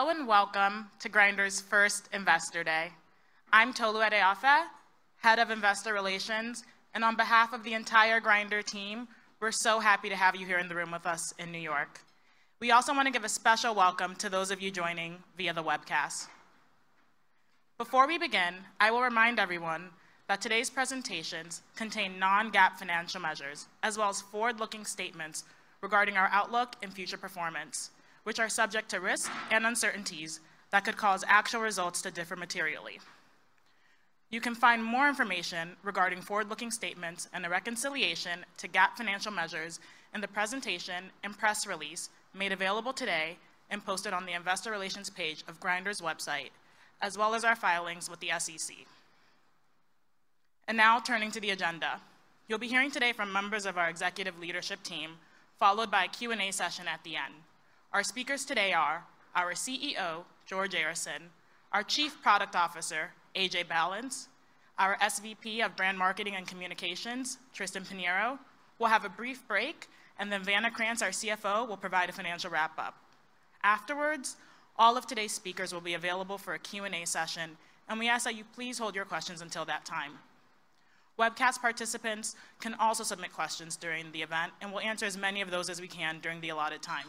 Hello, and welcome to Grindr's first Investor Day. I'm Tolu Adebayo, Head of Investor Relations, and on behalf of the entire Grindr team, we're so happy to have you here in the room with us in New York. We also wanna give a special welcome to those of you joining via the webcast. Before we begin, I will remind everyone that today's presentations contain Non-GAAP financial measures, as well as forward-looking statements regarding our outlook and future performance, which are subject to risk and uncertainties that could cause actual results to differ materially. You can find more information regarding forward-looking statements and the reconciliation to GAAP financial measures in the presentation and press release made available today and posted on the Investor Relations page of Grindr's website, as well as our filings with the SEC. Now, turning to the agenda. You'll be hearing today from members of our executive leadership team, followed by a Q&A session at the end. Our speakers today are our CEO, George Arison; our Chief Product Officer, AJ Balance; our SVP of Brand, Marketing, and Communications, Tristan Pinheiro. We'll have a brief break, and then Vanna Krantz, our CFO, will provide a financial wrap-up. Afterwards, all of today's speakers will be available for a Q&A session, and we ask that you please hold your questions until that time. Webcast participants can also submit questions during the event, and we'll answer as many of those as we can during the allotted time.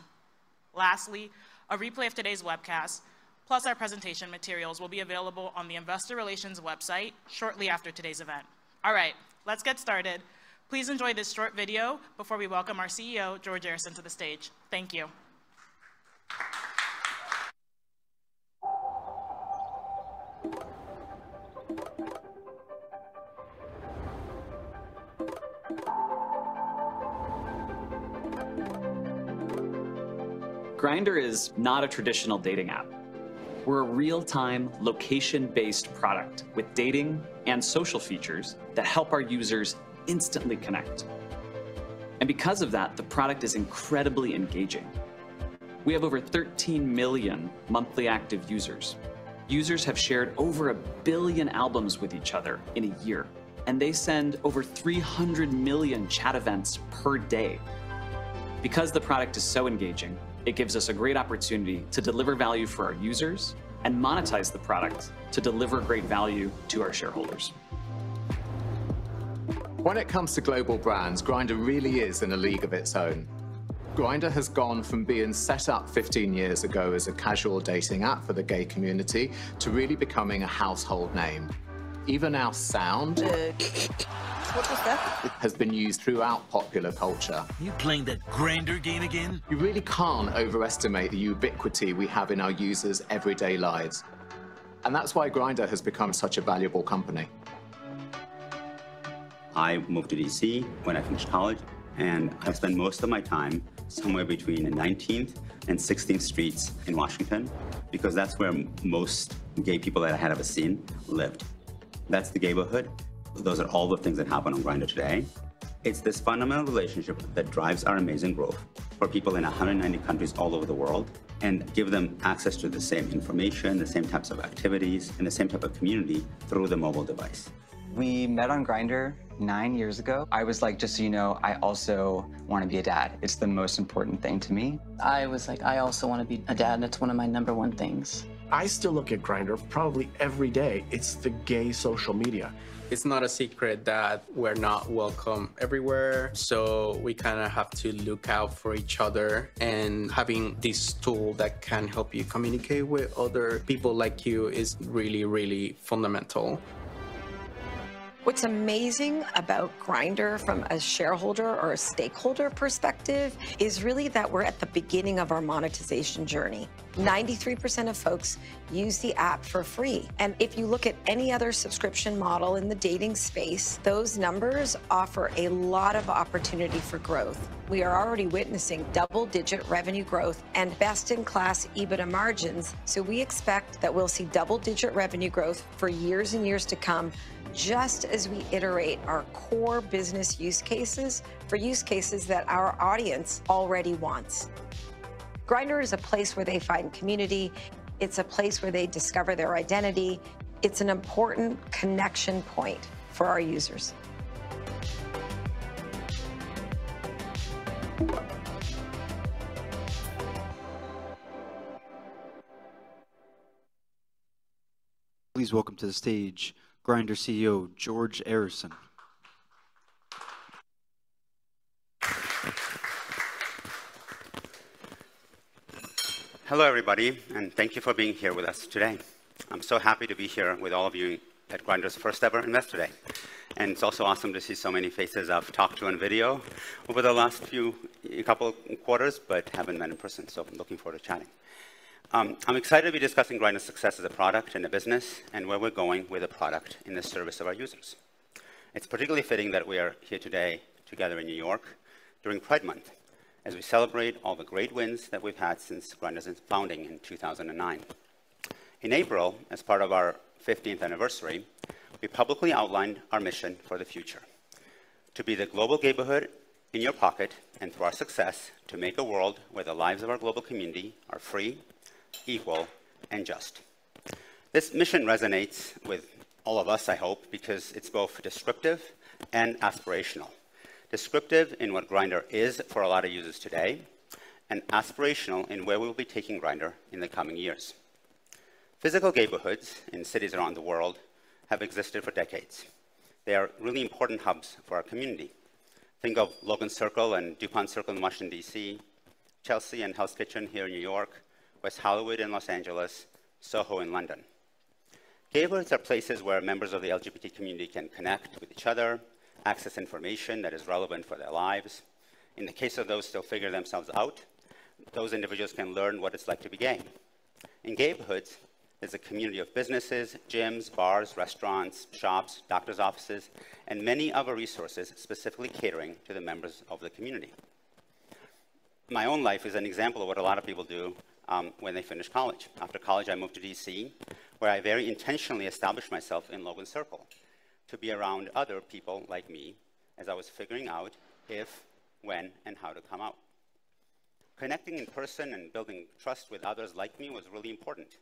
Lastly, a replay of today's webcast, plus our presentation materials, will be available on the Investor Relations website shortly after today's event. All right, let's get started. Please enjoy this short video before we welcome our CEO, George Arison, to the stage. Thank you. Grindr is not a traditional dating app. We're a real-time, location-based product with dating and social features that help our users instantly connect. Because of that, the product is incredibly engaging. We have over 13 million monthly active users. Users have shared over 1 billion albums with each other in a year, and they send over 300 million chat events per day. Because the product is so engaging, it gives us a great opportunity to deliver value for our users and monetize the product to deliver great value to our shareholders. When it comes to global brands, Grindr really is in a league of its own. Grindr has gone from being set up 15 years ago as a casual dating app for the gay community to really becoming a household name. Even our sound- What was that? - has been used throughout popular culture. You playing that Grindr game again? You really can't overestimate the ubiquity we have in our users' everyday lives, and that's why Grindr has become such a valuable company. I moved to DC when I finished college, and I spent most of my time somewhere between the 19th and 16th Streets in Washington because that's where most gay people that I had ever seen lived. That's the Gayborhood. Those are all the things that happen on Grindr today. It's this fundamental relationship that drives our amazing growth for people in 190 countries all over the world and give them access to the same information, the same types of activities, and the same type of community through the mobile device. We met on Grindr nine years ago. I was like: "Just so you know, I also wanna be a dad. It's the most important thing to me. I was like: "I also wanna be a dad, and it's one of my number one things. I still look at Grindr probably every day. It's the gay social media. It's not a secret that we're not welcome everywhere, so we kinda have to look out for each other, and having this tool that can help you communicate with other people like you is really, really fundamental. What's amazing about Grindr from a shareholder or a stakeholder perspective is really that we're at the beginning of our monetization journey. 93% of folks use the app for free, and if you look at any other subscription model in the dating space, those numbers offer a lot of opportunity for growth. We are already witnessing double-digit revenue growth and best-in-class EBITDA margins, so we expect that we'll see double-digit revenue growth for years and years to come, just as we iterate our core business use cases for use cases that our audience already wants. Grindr is a place where they find community. It's a place where they discover their identity. It's an important connection point for our users. Please welcome to the stage, Grindr CEO, George Arison. Hello, everybody, and thank you for being here with us today. I'm so happy to be here with all of you at Grindr's first-ever Investor Day. It's also awesome to see so many faces I've talked to on video over the last few, a couple quarters, but haven't met in person, so I'm looking forward to chatting. I'm excited to be discussing Grindr's success as a product and a business and where we're going with the product in the service of our users. It's particularly fitting that we are here today together in New York during Pride Month, as we celebrate all the great wins that we've had since Grindr's founding in 2009. In April, as part of our fifteenth anniversary, we publicly outlined our mission for the future: to be the global Gayborhood in your pocket, and through our success, to make a world where the lives of our global community are free, equal, and just.... This mission resonates with all of us, I hope, because it's both descriptive and aspirational. Descriptive in what Grindr is for a lot of users today, and aspirational in where we will be taking Grindr in the coming years. Physical Gayborhoods in cities around the world have existed for decades. They are really important hubs for our community. Think of Logan Circle and Dupont Circle in Washington, D.C., Chelsea and Hell's Kitchen here in New York, West Hollywood in Los Angeles, Soho in London. Gayborhoods are places where members of the LGBT community can connect with each other, access information that is relevant for their lives. In the case of those still figuring themselves out, those individuals can learn what it's like to be gay. In Gayborhoods, there's a community of businesses, gyms, bars, restaurants, shops, doctor's offices, and many other resources specifically catering to the members of the community. My own life is an example of what a lot of people do when they finish college. After college, I moved to D.C., where I very intentionally established myself in Logan Circle to be around other people like me as I was figuring out if, when, and how to come out. Connecting in person and building trust with others like me was really important.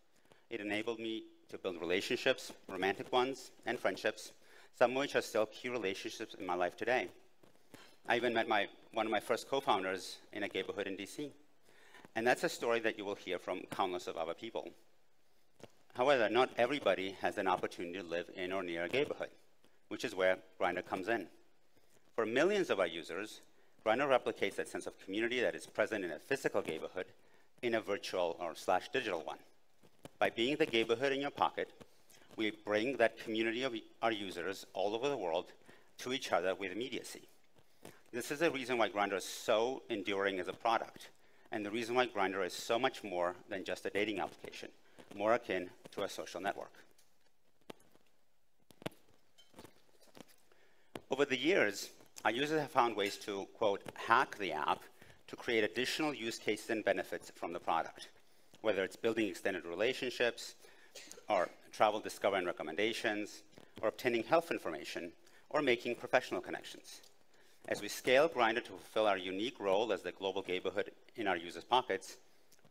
It enabled me to build relationships, romantic ones and friendships, some of which are still key relationships in my life today. I even met one of my first co-founders in a Gayborhood in D.C., and that's a story that you will hear from countless of other people. However, not everybody has an opportunity to live in or near a Gayborhood, which is where Grindr comes in. For millions of our users, Grindr replicates that sense of community that is present in a physical Gayborhood in a virtual or slash digital one. By being the Gayborhood in your pocket, we bring that community of our users all over the world to each other with immediacy. This is the reason why Grindr is so enduring as a product, and the reason why Grindr is so much more than just a dating application, more akin to a social network. Over the years, our users have found ways to, quote, "hack the app" to create additional use cases and benefits from the product, whether it's building extended relationships or travel discovery and recommendations, or obtaining health information or making professional connections. As we scale Grindr to fulfill our unique role as the global Gayborhood in our users' pockets,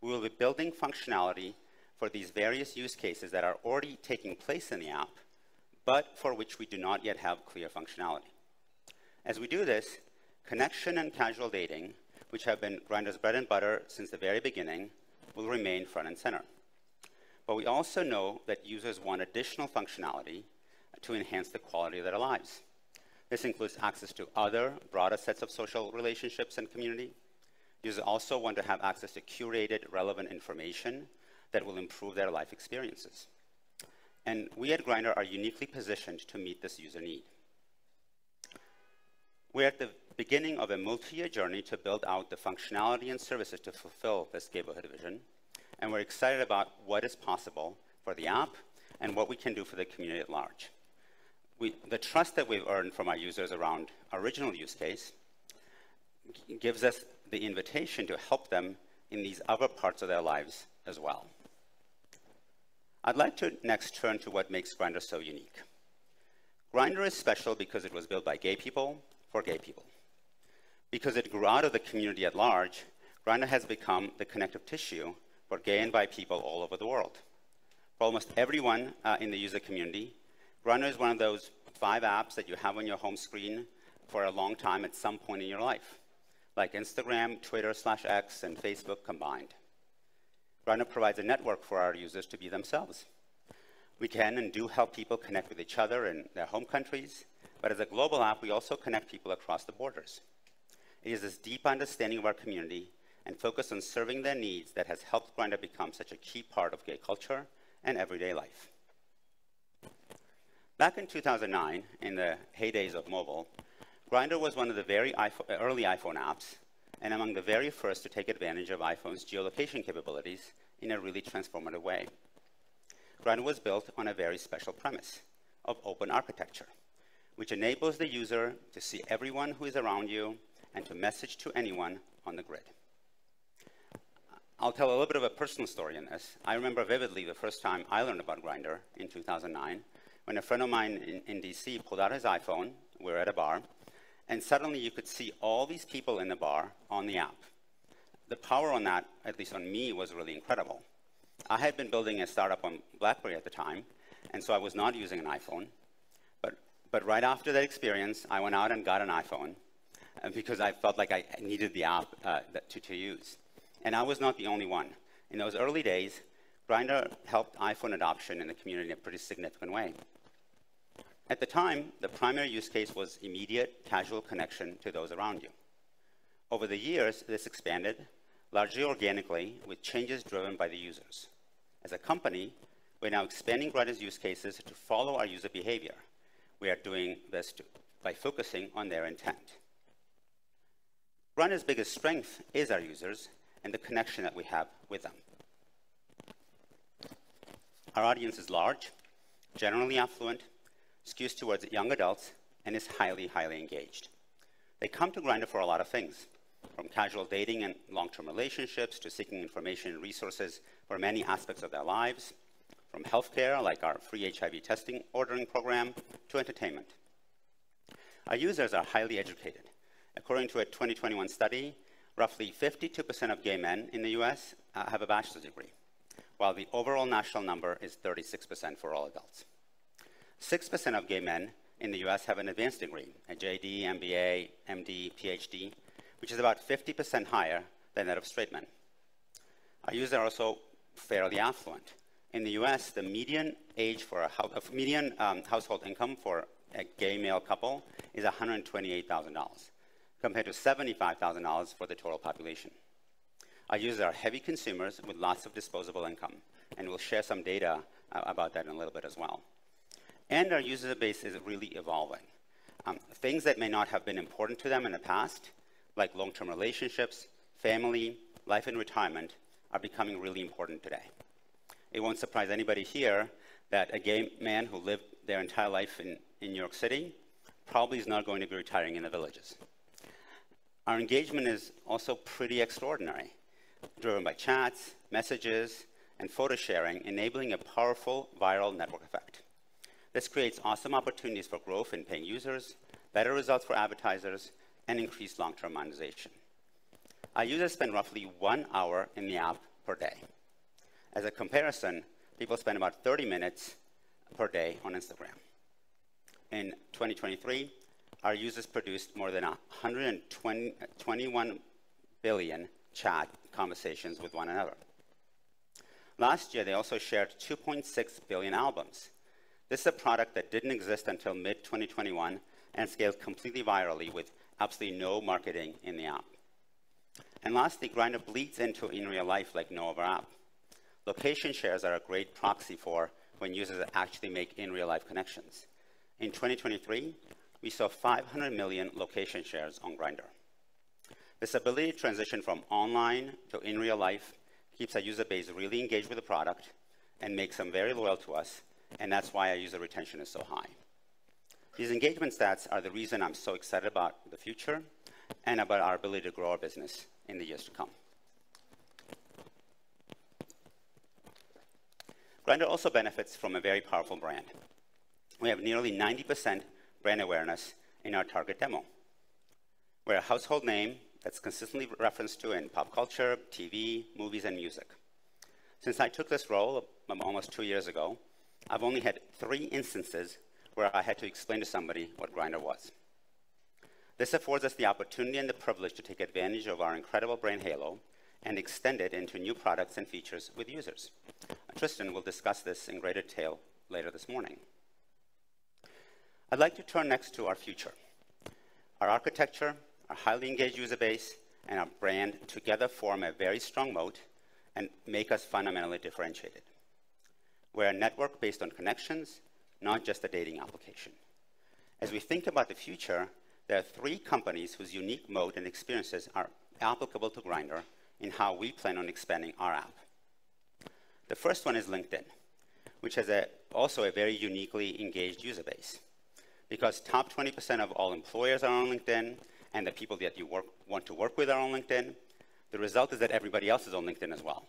we will be building functionality for these various use cases that are already taking place in the app, but for which we do not yet have clear functionality. As we do this, connection and casual dating, which have been Grindr's bread and butter since the very beginning, will remain front and center. But we also know that users want additional functionality to enhance the quality of their lives. This includes access to other broader sets of social relationships and community. Users also want to have access to curated, relevant information that will improve their life experiences, and we at Grindr are uniquely positioned to meet this user need. We're at the beginning of a multi-year journey to build out the functionality and services to fulfill this Gayborhood vision, and we're excited about what is possible for the app and what we can do for the community at large. The trust that we've earned from our users around our original use case gives us the invitation to help them in these other parts of their lives as well. I'd like to next turn to what makes Grindr so unique. Grindr is special because it was built by gay people for gay people. Because it grew out of the community at large, Grindr has become the connective tissue for gay and bi people all over the world. For almost everyone in the user community, Grindr is one of those five apps that you have on your home screen for a long time, at some point in your life, like Instagram, Twitter/X, and Facebook combined. Grindr provides a network for our users to be themselves. We can and do help people connect with each other in their home countries, but as a global app, we also connect people across the borders. It is this deep understanding of our community and focus on serving their needs that has helped Grindr become such a key part of gay culture and everyday life. Back in 2009, in the heydays of mobile, Grindr was one of the very early iPhone apps and among the very first to take advantage of iPhone's geolocation capabilities in a really transformative way. Grindr was built on a very special premise of open architecture, which enables the user to see everyone who is around you and to message to anyone on the grid. I'll tell a little bit of a personal story in this. I remember vividly the first time I learned about Grindr in 2009 when a friend of mine in D.C. pulled out his iPhone. We were at a bar, and suddenly you could see all these people in the bar on the app. The power on that, at least on me, was really incredible. I had been building a startup on BlackBerry at the time, and so I was not using an iPhone. But right after that experience, I went out and got an iPhone because I felt like I needed the app to use, and I was not the only one. In those early days, Grindr helped iPhone adoption in the community in a pretty significant way. At the time, the primary use case was immediate casual connection to those around you. Over the years, this expanded largely organically, with changes driven by the users. As a company, we're now expanding Grindr's use cases to follow our user behavior. We are doing this by focusing on their intent. Grindr's biggest strength is our users and the connection that we have with them. Our audience is large, generally affluent, skews towards young adults, and is highly, highly engaged. They come to Grindr for a lot of things, from casual dating and long-term relationships to seeking information and resources for many aspects of their lives, from healthcare, like our free HIV testing ordering program, to entertainment.... Our users are highly educated. According to a 2021 study, roughly 52% of gay men in the U.S. have a bachelor's degree, while the overall national number is 36% for all adults. 6% of gay men in the U.S. have an advanced degree, a JD, MBA, MD, PhD, which is about 50% higher than that of straight men. Our users are also fairly affluent. In the U.S., the median household income for a gay male couple is $128,000, compared to $75,000 for the total population. Our users are heavy consumers with lots of disposable income, and we'll share some data about that in a little bit as well. Our user base is really evolving. Things that may not have been important to them in the past, like long-term relationships, family, life and retirement, are becoming really important today. It won't surprise anybody here that a gay man who lived their entire life in New York City probably is not going to be retiring in The Villages. Our engagement is also pretty extraordinary, driven by chats, messages, and photo sharing, enabling a powerful viral network effect. This creates awesome opportunities for growth in paying users, better results for advertisers, and increased long-term monetization. Our users spend roughly one hour in the app per day. As a comparison, people spend about 30 minutes per day on Instagram. In 2023, our users produced more than 121 billion chat conversations with one another. Last year, they also shared 2.6 billion albums. This is a product that didn't exist until mid-2021 and scaled completely virally with absolutely no marketing in the app. And lastly, Grindr bleeds into in real life like no other app. Location shares are a great proxy for when users actually make in-real-life connections. In 2023, we saw 500 million location shares on Grindr. This ability to transition from online to in real life keeps our user base really engaged with the product and makes them very loyal to us, and that's why our user retention is so high. These engagement stats are the reason I'm so excited about the future and about our ability to grow our business in the years to come. Grindr also benefits from a very powerful brand. We have nearly 90% brand awareness in our target demo. We're a household name that's consistently referenced to in pop culture, TV, movies, and music. Since I took this role almost two years ago, I've only had three instances where I had to explain to somebody what Grindr was. This affords us the opportunity and the privilege to take advantage of our incredible brand halo and extend it into new products and features with users. Tristan will discuss this in greater detail later this morning. I'd like to turn next to our future. Our architecture, our highly engaged user base, and our brand together form a very strong moat and make us fundamentally differentiated. We're a network based on connections, not just a dating application. As we think about the future, there are three companies whose unique moat and experiences are applicable to Grindr in how we plan on expanding our app. The first one is LinkedIn, which has also a very uniquely engaged user base. Because top 20% of all employers are on LinkedIn, and the people that you work want to work with are on LinkedIn, the result is that everybody else is on LinkedIn as well.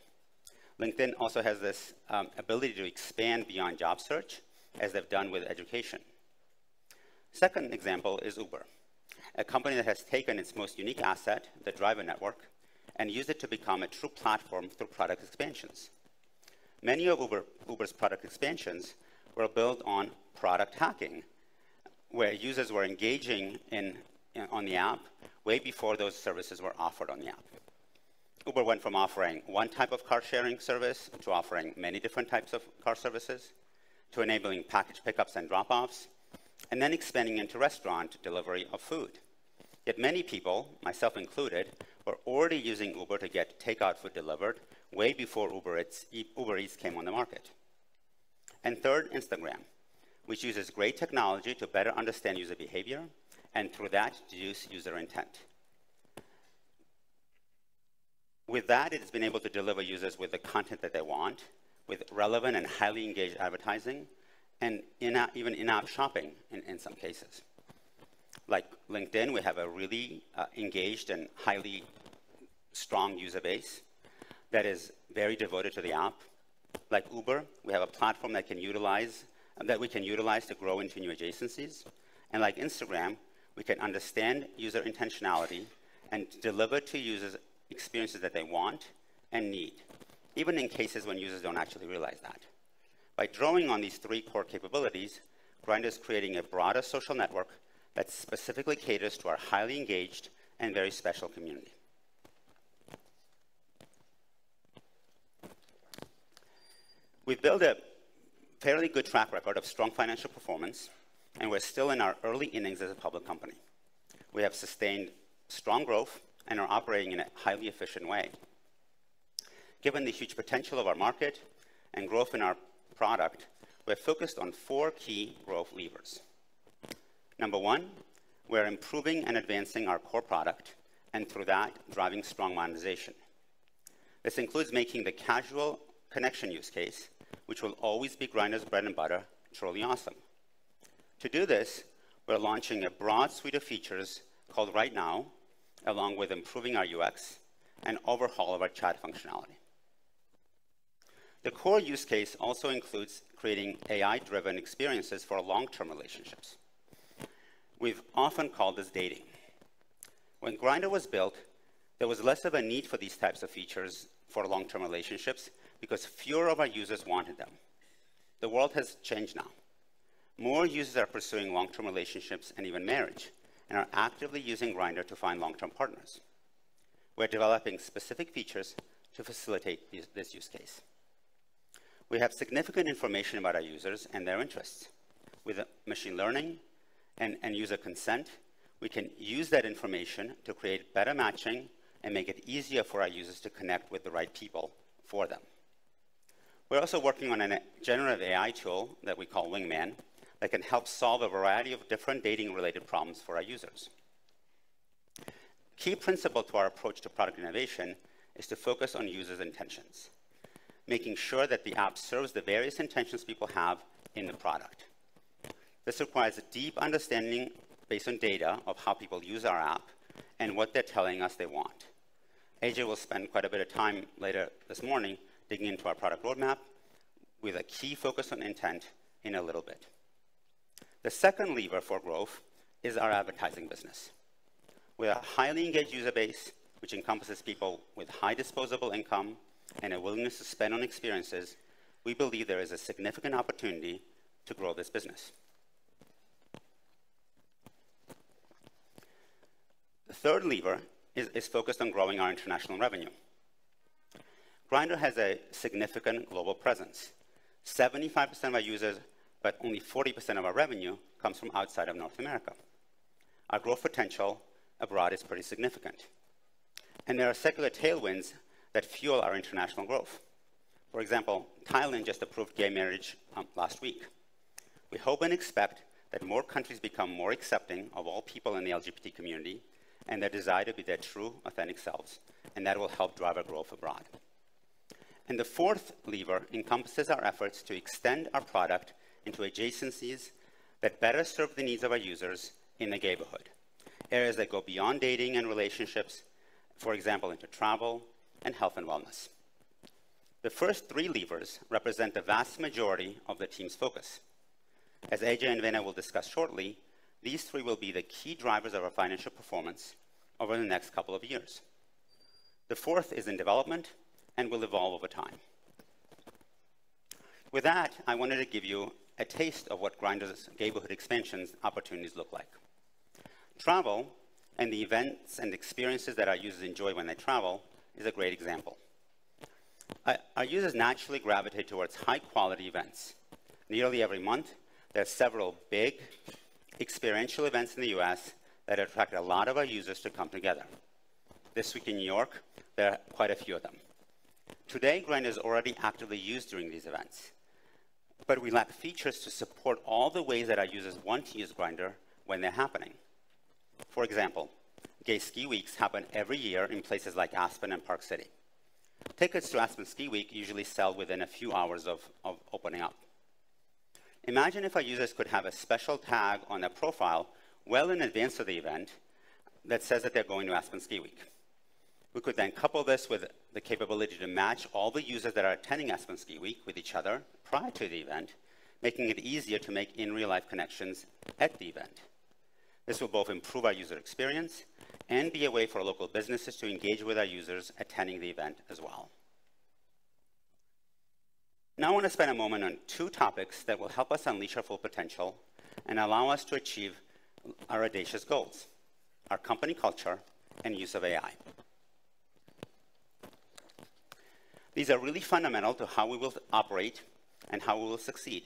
LinkedIn also has this ability to expand beyond job search, as they've done with education. Second example is Uber, a company that has taken its most unique asset, the driver network, and used it to become a true platform through product expansions. Many of Uber's product expansions were built on product hacking, where users were engaging in on the app way before those services were offered on the app. Uber went from offering one type of car-sharing service to offering many different types of car services, to enabling package pickups and drop-offs, and then expanding into restaurant delivery of food. Yet many people, myself included, were already using Uber to get takeout food delivered way before Uber Eats, Uber Eats came on the market. And third, Instagram, which uses great technology to better understand user behavior and, through that, deduce user intent. With that, it has been able to deliver users with the content that they want, with relevant and highly engaged advertising and in-app, even in-app shopping, in some cases. Like LinkedIn, we have a really, engaged and highly strong user base that is very devoted to the app. Like Uber, we have a platform that we can utilize to grow into new adjacencies. Like Instagram, we can understand user intentionality and deliver to users experiences that they want and need, even in cases when users don't actually realize that. By drawing on these three core capabilities, Grindr is creating a broader social network that specifically caters to our highly engaged and very special community. We've built a fairly good track record of strong financial performance, and we're still in our early innings as a public company. We have sustained strong growth and are operating in a highly efficient way. Given the huge potential of our market and growth in our product, we're focused on four key growth levers. Number one, we're improving and advancing our core product and, through that, driving strong monetization. This includes making the casual connection use case, which will always be Grindr's bread and butter, truly awesome. To do this, we're launching a broad suite of features called Right Now, along with improving our UX and overhaul of our chat functionality. The core use case also includes creating AI-driven experiences for long-term relationships. We've often called this dating. When Grindr was built, there was less of a need for these types of features for long-term relationships because fewer of our users wanted them. The world has changed now. More users are pursuing long-term relationships and even marriage, and are actively using Grindr to find long-term partners. We're developing specific features to facilitate this, this use case. We have significant information about our users and their interests. With machine learning and, and user consent, we can use that information to create better matching and make it easier for our users to connect with the right people for them. We're also working on a generative AI tool that we call Wingman, that can help solve a variety of different dating-related problems for our users. Key principle to our approach to product innovation is to focus on users' intentions, making sure that the app serves the various intentions people have in the product. This requires a deep understanding based on data of how people use our app and what they're telling us they want. AJ will spend quite a bit of time later this morning digging into our product roadmap with a key focus on intent in a little bit. The second lever for growth is our advertising business. We have a highly engaged user base, which encompasses people with high disposable income and a willingness to spend on experiences. We believe there is a significant opportunity to grow this business. The third lever is focused on growing our international revenue. Grindr has a significant global presence. 75% of our users, but only 40% of our revenue, comes from outside of North America. Our growth potential abroad is pretty significant, and there are secular tailwinds that fuel our international growth. For example, Thailand just approved gay marriage last week. We hope and expect that more countries become more accepting of all people in the LGBT community and their desire to be their true, authentic selves, and that will help drive our growth abroad. And the fourth lever encompasses our efforts to extend our product into adjacencies that better serve the needs of our users in the Gayborhood. Areas that go beyond dating and relationships, for example, into travel and health and wellness. The first three levers represent the vast majority of the team's focus. As AJ and Vanna will discuss shortly, these three will be the key drivers of our financial performance over the next couple of years. The fourth is in development and will evolve over time. With that, I wanted to give you a taste of what Grindr's Gayborhood expansion opportunities look like. Travel and the events and experiences that our users enjoy when they travel is a great example. Our users naturally gravitate towards high-quality events. Nearly every month, there are several big experiential events in the U.S. that attract a lot of our users to come together. This week in New York, there are quite a few of them. Today, Grindr is already actively used during these events, but we lack features to support all the ways that our users want to use Grindr when they're happening. For example, gay ski weeks happen every year in places like Aspen and Park City. Tickets to Aspen Ski Week usually sell within a few hours of opening up. Imagine if our users could have a special tag on their profile well in advance of the event that says that they're going to Aspen Ski Week. We could then couple this with the capability to match all the users that are attending Aspen Ski Week with each other prior to the event, making it easier to make in-real-life connections at the event. This will both improve our user experience and be a way for local businesses to engage with our users attending the event as well. Now, I want to spend a moment on two topics that will help us unleash our full potential and allow us to achieve our audacious goals: our company culture and use of AI. These are really fundamental to how we will operate and how we will succeed,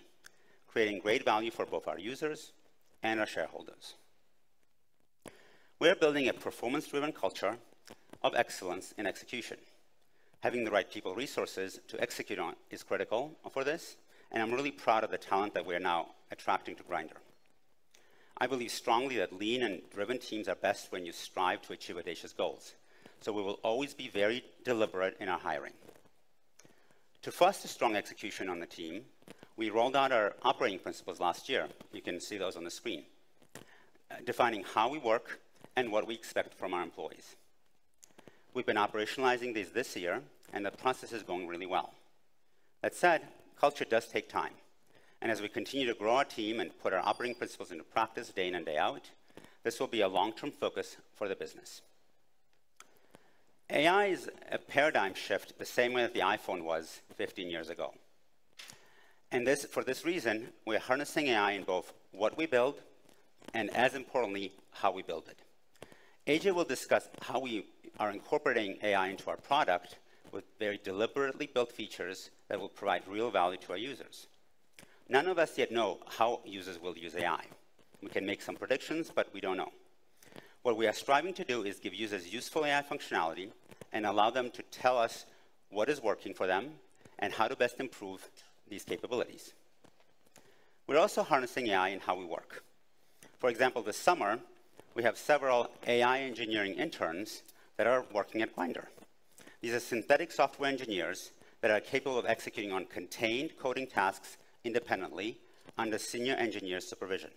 creating great value for both our users and our shareholders. We are building a performance-driven culture of excellence in execution. Having the right people resources to execute on is critical for this, and I'm really proud of the talent that we are now attracting to Grindr. I believe strongly that lean and driven teams are best when you strive to achieve audacious goals, so we will always be very deliberate in our hiring. To foster strong execution on the team, we rolled out our operating principles last year, you can see those on the screen, defining how we work and what we expect from our employees. We've been operationalizing these this year, and the process is going really well. That said, culture does take time, and as we continue to grow our team and put our operating principles into practice day in and day out, this will be a long-term focus for the business. AI is a paradigm shift, the same way that the iPhone was 15 years ago. And this—for this reason, we are harnessing AI in both what we build and, as importantly, how we build it. AJ will discuss how we are incorporating AI into our product with very deliberately built features that will provide real value to our users. None of us yet know how users will use AI. We can make some predictions, but we don't know. What we are striving to do is give users useful AI functionality and allow them to tell us what is working for them and how to best improve these capabilities. We're also harnessing AI in how we work. For example, this summer, we have several AI engineering interns that are working at Grindr. These are synthetic software engineers that are capable of executing on contained coding tasks independently under senior engineer supervision.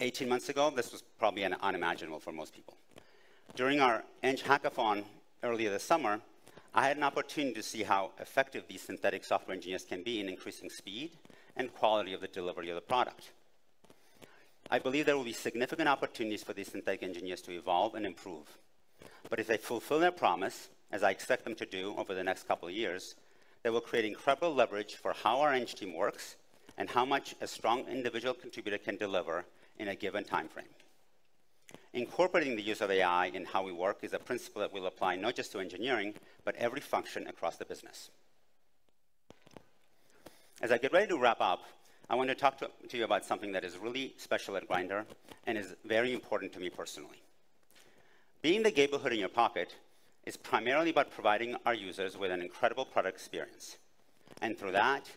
Eighteen months ago, this was probably an unimaginable for most people. During our Eng Hackathon earlier this summer, I had an opportunity to see how effective these synthetic software engineers can be in increasing speed and quality of the delivery of the product. I believe there will be significant opportunities for these synthetic engineers to evolve and improve. But if they fulfill their promise, as I expect them to do over the next couple of years, they will create incredible leverage for how our Eng team works and how much a strong individual contributor can deliver in a given timeframe. Incorporating the use of AI in how we work is a principle that we'll apply not just to engineering, but every function across the business. As I get ready to wrap up, I want to talk to you about something that is really special at Grindr and is very important to me personally. Being the Gayborhood in your pocket is primarily about providing our users with an incredible product experience, and through that,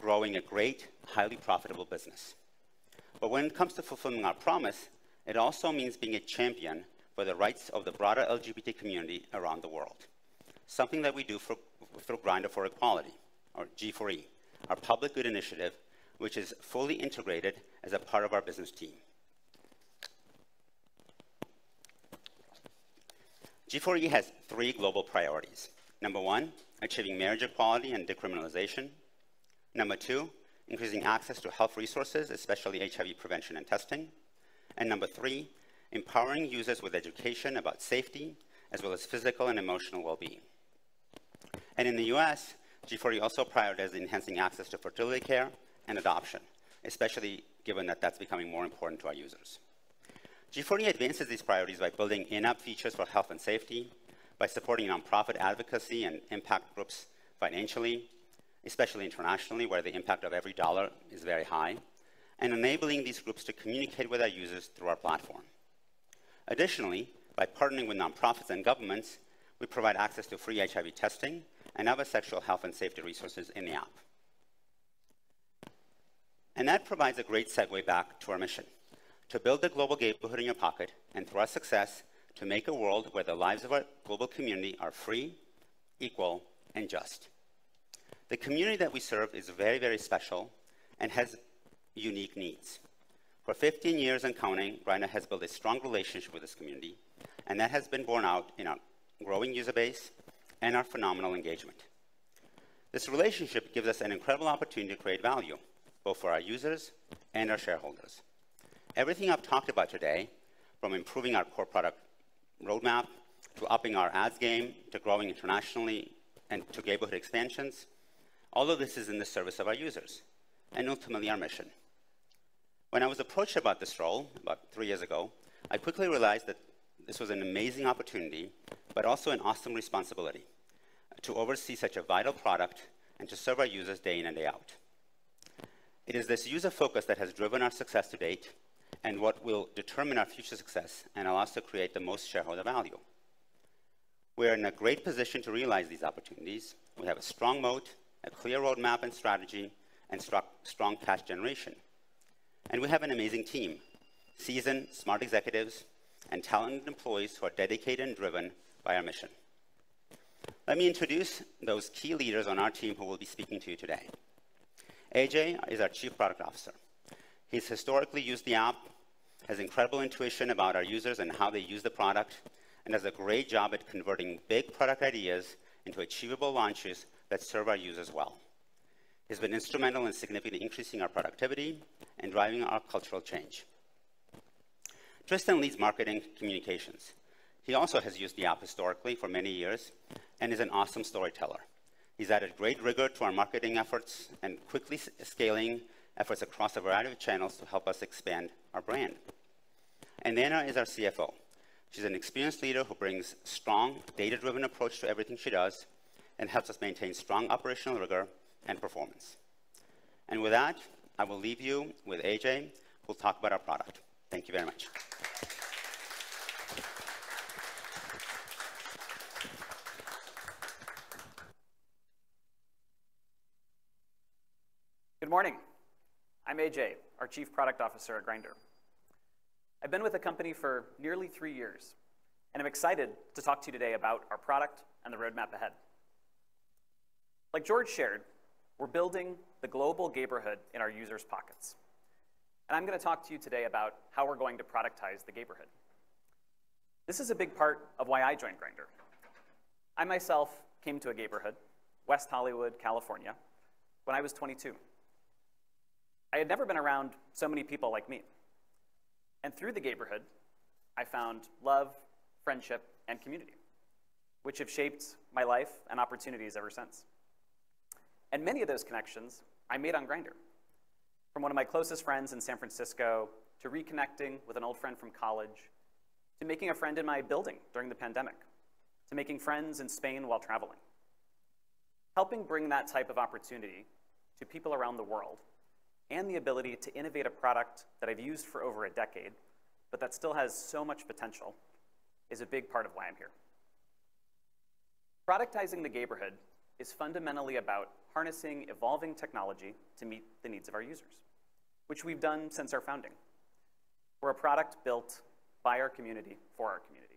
growing a great, highly profitable business. But when it comes to fulfilling our promise, it also means being a champion for the rights of the broader LGBT community around the world. Something that we do through Grindr for Equality or G4E, our public good initiative, which is fully integrated as a part of our business team. G4E has three global priorities: number 1, achieving marriage equality and decriminalization, number 2, increasing access to health resources, especially HIV prevention and testing, and number 3, empowering users with education about safety, as well as physical and emotional well-being. In the US, G4E also prioritizes enhancing access to fertility care and adoption, especially given that that's becoming more important to our users. G4E advances these priorities by building in-app features for health and safety, by supporting nonprofit advocacy and impact groups financially, especially internationally, where the impact of every dollar is very high, and enabling these groups to communicate with our users through our platform. Additionally, by partnering with nonprofits and governments, we provide access to free HIV testing and other sexual health and safety resources in the app. And that provides a great segue back to our mission: to build the global Gayborhood in your pocket, and through our success, to make a world where the lives of our global community are free, equal, and just. The community that we serve is very, very special and has unique needs. For 15 years and counting, Grindr has built a strong relationship with this community, and that has been borne out in our growing user base and our phenomenal engagement. This relationship gives us an incredible opportunity to create value, both for our users and our shareholders. Everything I've talked about today, from improving our core product roadmap, to upping our ads game, to growing internationally, and to Gayborhood extensions, all of this is in the service of our users and ultimately our mission. When I was approached about this role, about three years ago, I quickly realized that this was an amazing opportunity, but also an awesome responsibility to oversee such a vital product and to serve our users day in and day out. It is this user focus that has driven our success to date and what will determine our future success and allow us to create the most shareholder value. We are in a great position to realize these opportunities. We have a strong moat, a clear roadmap and strategy, and strong cash generation. We have an amazing team, seasoned, smart executives, and talented employees who are dedicated and driven by our mission. Let me introduce those key leaders on our team who will be speaking to you today. AJ is our Chief Product Officer. He's historically used the app, has incredible intuition about our users and how they use the product, and does a great job at converting big product ideas into achievable launches that serve our users well. He's been instrumental in significantly increasing our productivity and driving our cultural change. Tristan leads Marketing Communications. He also has used the app historically for many years and is an awesome storyteller. He's added great rigor to our marketing efforts and quickly scaling efforts across a variety of channels to help us expand our brand. And Vanna is our CFO. She's an experienced leader who brings strong, data-driven approach to everything she does and helps us maintain strong operational rigor and performance. And with that, I will leave you with AJ, who'll talk about our product. Thank you very much. Good morning. I'm AJ, our Chief Product Officer at Grindr. I've been with the company for nearly three years, and I'm excited to talk to you today about our product and the roadmap ahead. Like George shared, we're building the global Gayborhood in our users' pockets, and I'm gonna talk to you today about how we're going to productize the Gayborhood. This is a big part of why I joined Grindr. I myself came to a Gayborhood, West Hollywood, California, when I was 22. I had never been around so many people like me, and through the Gayborhood, I found love, friendship, and community, which have shaped my life and opportunities ever since. Many of those connections I made on Grindr, from one of my closest friends in San Francisco, to reconnecting with an old friend from college, to making a friend in my building during the pandemic, to making friends in Spain while traveling. Helping bring that type of opportunity to people around the world and the ability to innovate a product that I've used for over a decade, but that still has so much potential, is a big part of why I'm here. Productizing the Gayborhood is fundamentally about harnessing evolving technology to meet the needs of our users, which we've done since our founding. We're a product built by our community, for our community....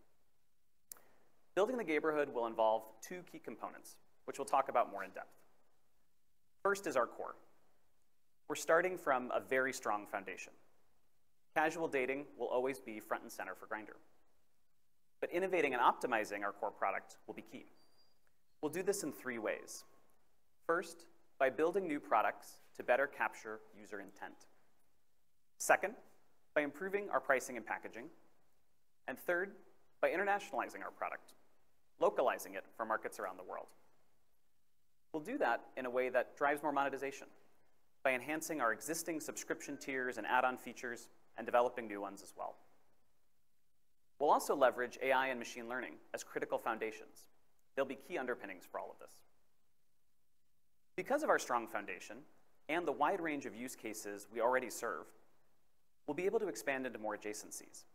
Building the Gayborhood will involve two key components, which we'll talk about more in depth. First is our core. We're starting from a very strong foundation. Casual dating will always be front and center for Grindr, but innovating and optimizing our core product will be key. We'll do this in three ways: first, by building new products to better capture user intent, second, by improving our pricing and packaging, and third, by internationalizing our product, localizing it for markets around the world. We'll do that in a way that drives more monetization by enhancing our existing subscription tiers and add-on features and developing new ones as well. We'll also leverage AI and machine learning as critical foundations. They'll be key underpinnings for all of this. Because of our strong foundation and the wide range of use cases we already serve, we'll be able to expand into more adjacencies,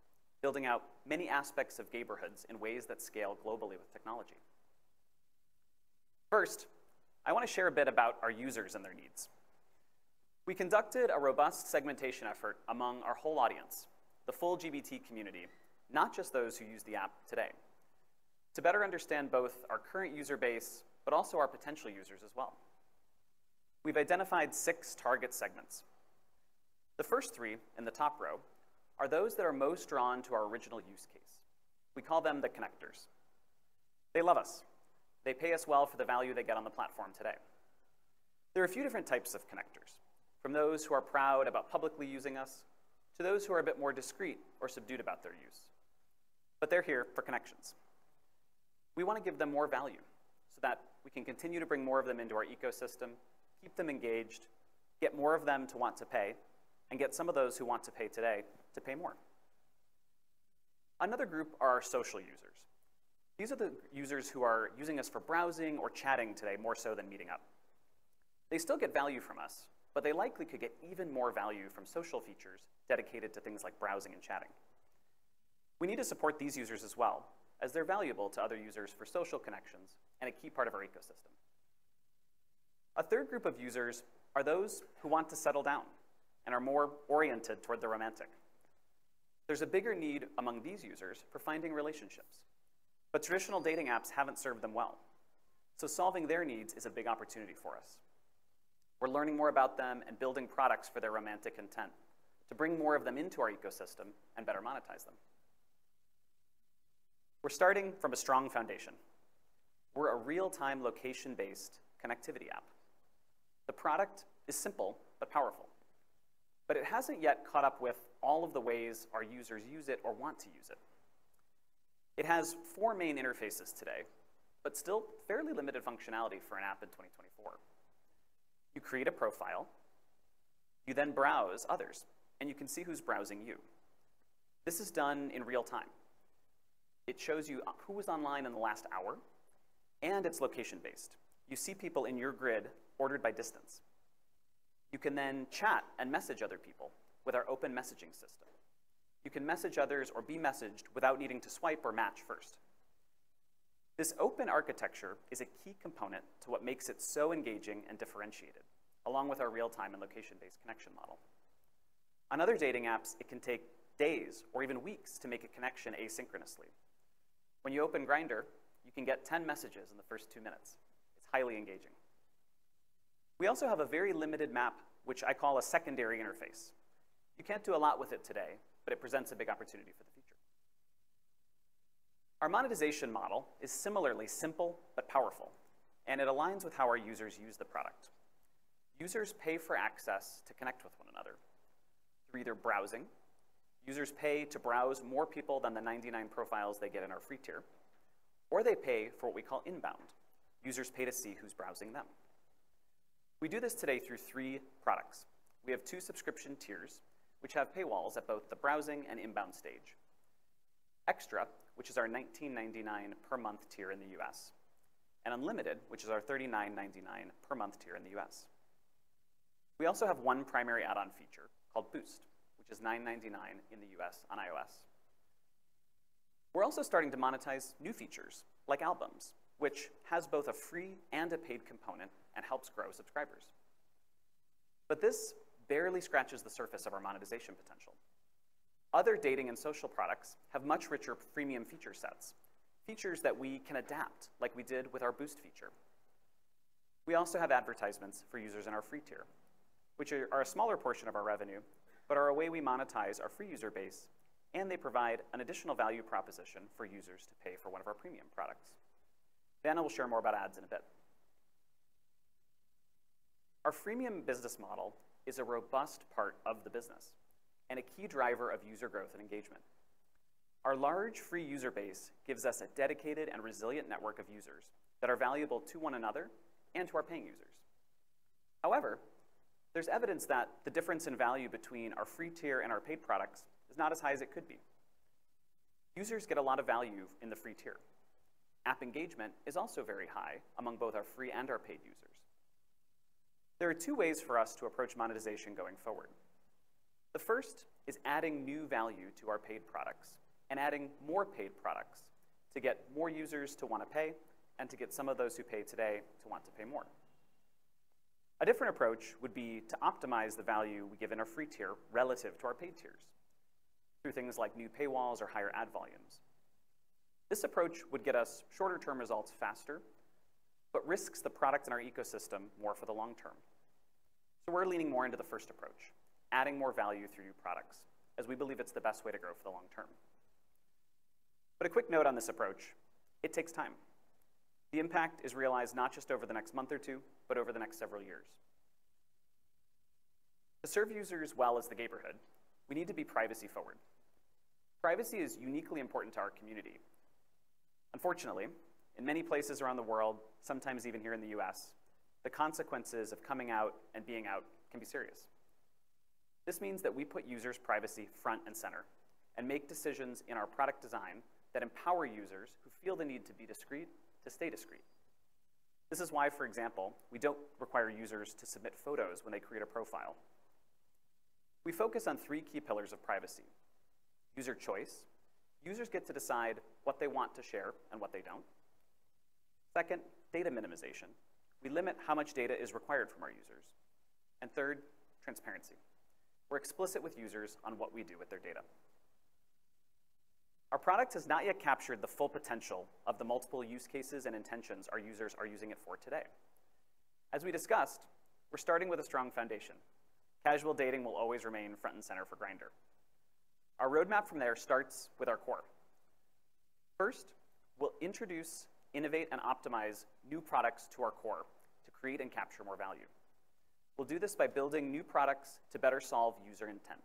building out many aspects of Gayborhoods in ways that scale globally with technology. First, I wanna share a bit about our users and their needs. We conducted a robust segmentation effort among our whole audience, the full LGBT community, not just those who use the app today, to better understand both our current user base, but also our potential users as well. We've identified six target segments. The first three in the top row are those that are most drawn to our original use case. We call them the connectors. They love us. They pay us well for the value they get on the platform today. There are a few different types of connectors, from those who are proud about publicly using us, to those who are a bit more discreet or subdued about their use, but they're here for connections. We wanna give them more value so that we can continue to bring more of them into our ecosystem, keep them engaged, get more of them to want to pay, and get some of those who want to pay today to pay more. Another group are our social users. These are the users who are using us for browsing or chatting today more so than meeting up. They still get value from us, but they likely could get even more value from social features dedicated to things like browsing and chatting. We need to support these users as well, as they're valuable to other users for social connections and a key part of our ecosystem. A third group of users are those who want to settle down and are more oriented toward the romantic. There's a bigger need among these users for finding relationships, but traditional dating apps haven't served them well, so solving their needs is a big opportunity for us. We're learning more about them and building products for their romantic intent to bring more of them into our ecosystem and better monetize them. We're starting from a strong foundation. We're a real-time, location-based connectivity app. The product is simple but powerful, but it hasn't yet caught up with all of the ways our users use it or want to use it. It has four main interfaces today, but still fairly limited functionality for an app in 2024. You create a profile, you then browse others, and you can see who's browsing you. This is done in real time. It shows you who was online in the last hour, and it's location-based. You see people in your grid ordered by distance. You can then chat and message other people with our open messaging system. You can message others or be messaged without needing to swipe or match first. This open architecture is a key component to what makes it so engaging and differentiated, along with our real-time and location-based connection model. On other dating apps, it can take days or even weeks to make a connection asynchronously. When you open Grindr, you can get 10 messages in the first 2 minutes. It's highly engaging. We also have a very limited map, which I call a secondary interface. You can't do a lot with it today, but it presents a big opportunity for the future. Our monetization model is similarly simple but powerful, and it aligns with how our users use the product. Users pay for access to connect with one another through either browsing, users pay to browse more people than the 99 profiles they get in our free tier, or they pay for what we call inbound. Users pay to see who's browsing them. We do this today through three products. We have two subscription tiers, which have paywalls at both the browsing and inbound stage: XTRA, which is our $19.99 per month tier in the US, and Unlimited, which is our $39.99 per month tier in the US. We also have one primary add-on feature called Boost, which is $9.99 in the US on iOS. We're also starting to monetize new features like Albums, which has both a free and a paid component and helps grow subscribers. But this barely scratches the surface of our monetization potential. Other dating and social products have much richer freemium feature sets, features that we can adapt like we did with our Boost feature. We also have advertisements for users in our free tier, which are a smaller portion of our revenue, but are a way we monetize our free user base, and they provide an additional value proposition for users to pay for one of our premium products. Vanna will share more about ads in a bit. Our freemium business model is a robust part of the business and a key driver of user growth and engagement. Our large free user base gives us a dedicated and resilient network of users that are valuable to one another and to our paying users. However, there's evidence that the difference in value between our free tier and our paid products is not as high as it could be. Users get a lot of value in the free tier. App engagement is also very high among both our free and our paid users. There are two ways for us to approach monetization going forward. The first is adding new value to our paid products and adding more paid products to get more users to wanna pay and to get some of those who pay today to want to pay more.... A different approach would be to optimize the value we give in our free tier relative to our paid tiers, through things like new paywalls or higher ad volumes. This approach would get us shorter-term results faster, but risks the product and our ecosystem more for the long term. So we're leaning more into the first approach, adding more value through new products, as we believe it's the best way to grow for the long term. But a quick note on this approach: it takes time. The impact is realized not just over the next month or two, but over the next several years. To serve users well as the Gayborhood, we need to be privacy-forward. Privacy is uniquely important to our community. Unfortunately, in many places around the world, sometimes even here in the U.S., the consequences of coming out and being out can be serious. This means that we put users' privacy front and center, and make decisions in our product design that empower users who feel the need to be discreet, to stay discreet. This is why, for example, we don't require users to submit photos when they create a profile. We focus on three key pillars of privacy: user choice, users get to decide what they want to share and what they don't. Second, data minimization. We limit how much data is required from our users. And third, transparency. We're explicit with users on what we do with their data. Our product has not yet captured the full potential of the multiple use cases and intentions our users are using it for today. As we discussed, we're starting with a strong foundation. Casual dating will always remain front and center for Grindr. Our roadmap from there starts with our core. First, we'll introduce, innovate, and optimize new products to our core to create and capture more value. We'll do this by building new products to better solve user intent.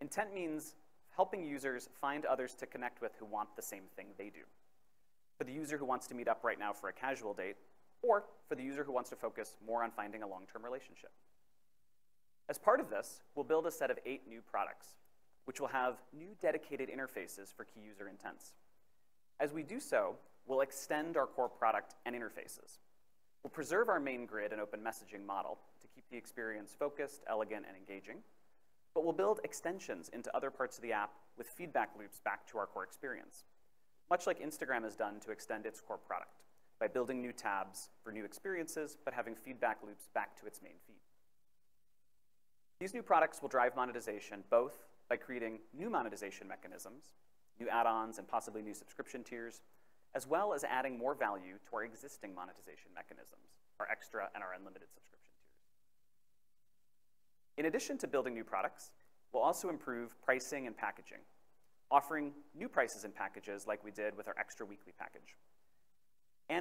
Intent means helping users find others to connect with who want the same thing they do. For the user who wants to meet up right now for a casual date, or for the user who wants to focus more on finding a long-term relationship. As part of this, we'll build a set of eight new products, which will have new dedicated interfaces for key user intents. As we do so, we'll extend our core product and interfaces. We'll preserve our main grid and open messaging model to keep the experience focused, elegant, and engaging, but we'll build extensions into other parts of the app with feedback loops back to our core experience, much like Instagram has done to extend its core product by building new tabs for new experiences, but having feedback loops back to its main feed. These new products will drive monetization, both by creating new monetization mechanisms, new add-ons, and possibly new subscription tiers, as well as adding more value to our existing monetization mechanisms, our XTRA and our Unlimited subscription tiers. In addition to building new products, we'll also improve pricing and packaging, offering new prices and packages like we did with our XTRA weekly package.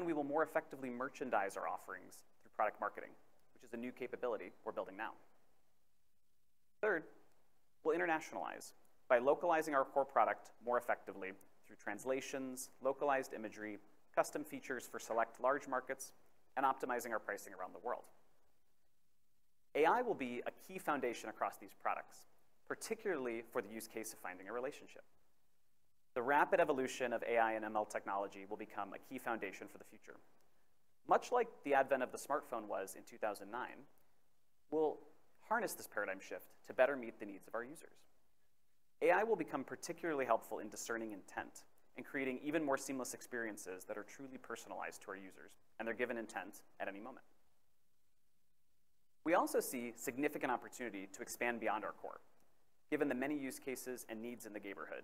We will more effectively merchandise our offerings through product marketing, which is a new capability we're building now. Third, we'll internationalize by localizing our core product more effectively through translations, localized imagery, custom features for select large markets, and optimizing our pricing around the world. AI will be a key foundation across these products, particularly for the use case of finding a relationship. The rapid evolution of AI and ML technology will become a key foundation for the future. Much like the advent of the smartphone was in 2009, we'll harness this paradigm shift to better meet the needs of our users. AI will become particularly helpful in discerning intent and creating even more seamless experiences that are truly personalized to our users and their given intent at any moment. We also see significant opportunity to expand beyond our core, given the many use cases and needs in the Gayborhood,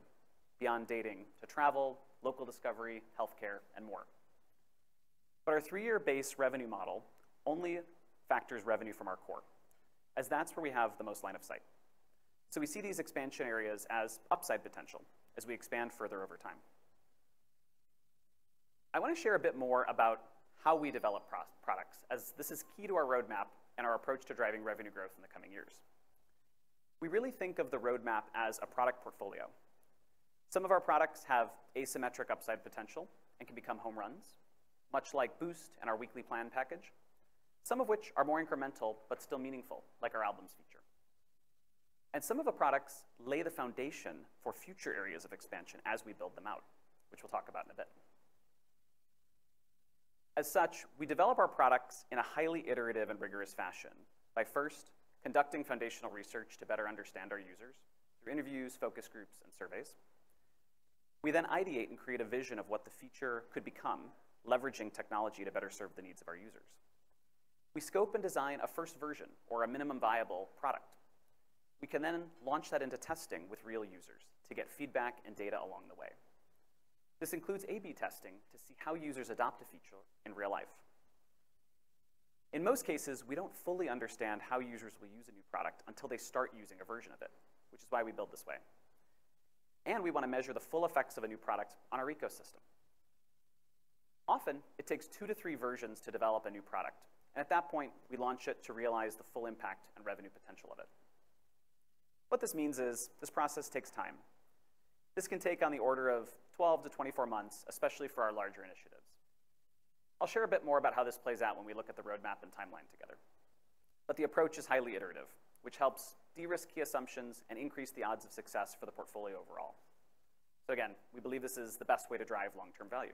beyond dating to travel, local discovery, healthcare, and more. But our three-year base revenue model only factors revenue from our core, as that's where we have the most line of sight. So we see these expansion areas as upside potential as we expand further over time. I wanna share a bit more about how we develop products, as this is key to our roadmap and our approach to driving revenue growth in the coming years. We really think of the roadmap as a product portfolio. Some of our products have asymmetric upside potential and can become home runs, much like Boost and our weekly plan package. Some of which are more incremental but still meaningful, like our albums feature. Some of the products lay the foundation for future areas of expansion as we build them out, which we'll talk about in a bit. As such, we develop our products in a highly iterative and rigorous fashion by first conducting foundational research to better understand our users through interviews, focus groups, and surveys. We then ideate and create a vision of what the feature could become, leveraging technology to better serve the needs of our users. We scope and design a first version or a minimum viable product. We can then launch that into testing with real users to get feedback and data along the way. This includes A/B testing to see how users adopt a feature in real life. In most cases, we don't fully understand how users will use a new product until they start using a version of it, which is why we build this way. We wanna measure the full effects of a new product on our ecosystem. Often, it takes 2-3 versions to develop a new product, and at that point, we launch it to realize the full impact and revenue potential of it. What this means is, this process takes time. This can take on the order of 12-24 months, especially for our larger initiatives. I'll share a bit more about how this plays out when we look at the roadmap and timeline together. The approach is highly iterative, which helps de-risk key assumptions and increase the odds of success for the portfolio overall. So again, we believe this is the best way to drive long-term value.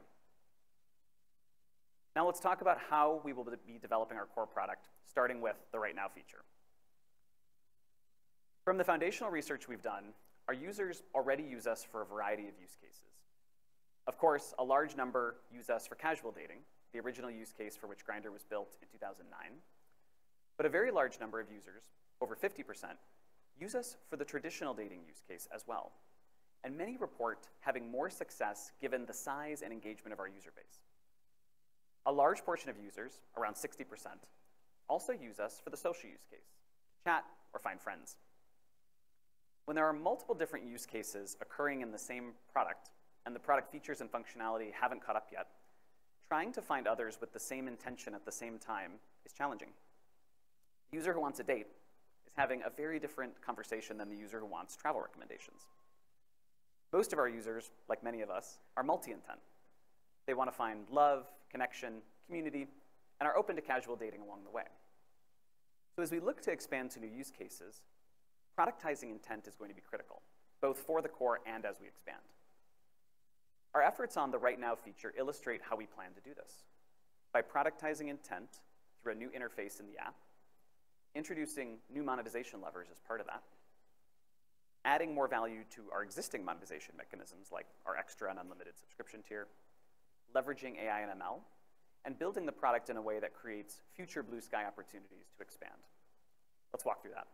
Now, let's talk about how we will be developing our core product, starting with the Right Now feature. ... From the foundational research we've done, our users already use us for a variety of use cases. Of course, a large number use us for casual dating, the original use case for which Grindr was built in 2009. But a very large number of users, over 50%, use us for the traditional dating use case as well, and many report having more success given the size and engagement of our user base. A large portion of users, around 60%, also use us for the social use case: chat or find friends. When there are multiple different use cases occurring in the same product, and the product features and functionality haven't caught up yet, trying to find others with the same intention at the same time is challenging. A user who wants a date is having a very different conversation than the user who wants travel recommendations. Most of our users, like many of us, are multi-intent. They want to find love, connection, community, and are open to casual dating along the way. So as we look to expand to new use cases, productizing intent is going to be critical, both for the core and as we expand. Our efforts on the Right Now feature illustrate how we plan to do this. By productizing intent through a new interface in the app, introducing new monetization levers as part of that, adding more value to our existing monetization mechanisms, like our XTRA and Unlimited subscription tier, leveraging AI and ML, and building the product in a way that creates future blue sky opportunities to expand. Let's walk through that.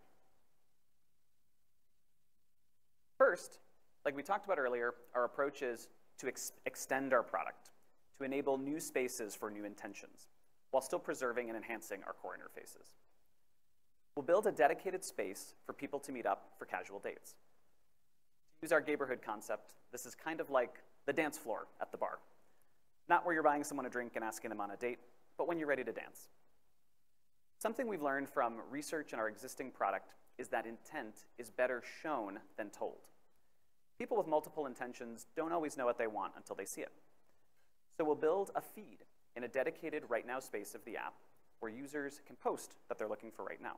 First, like we talked about earlier, our approach is to extend our product to enable new spaces for new intentions, while still preserving and enhancing our core interfaces. We'll build a dedicated space for people to meet up for casual dates. To use our Gayborhood concept, this is kind of like the dance floor at the bar. Not where you're buying someone a drink and asking them on a date, but when you're ready to dance. Something we've learned from research in our existing product is that intent is better shown than told. People with multiple intentions don't always know what they want until they see it. So we'll build a feed in a dedicated Right Now space of the app, where users can post what they're looking for right now,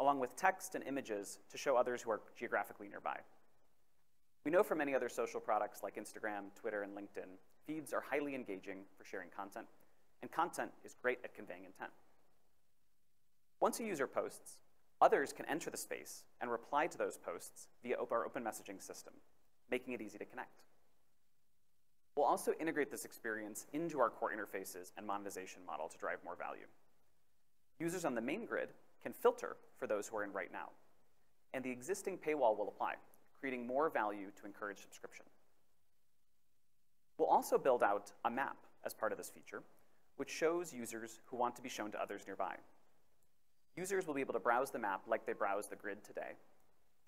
along with text and images to show others who are geographically nearby. We know from many other social products like Instagram, Twitter, and LinkedIn, feeds are highly engaging for sharing content, and content is great at conveying intent. Once a user posts, others can enter the space and reply to those posts via our open messaging system, making it easy to connect. We'll also integrate this experience into our core interfaces and monetization model to drive more value. Users on the main grid can filter for those who are in Right Now, and the existing paywall will apply, creating more value to encourage subscription. We'll also build out a map as part of this feature, which shows users who want to be shown to others nearby. Users will be able to browse the map like they browse the grid today,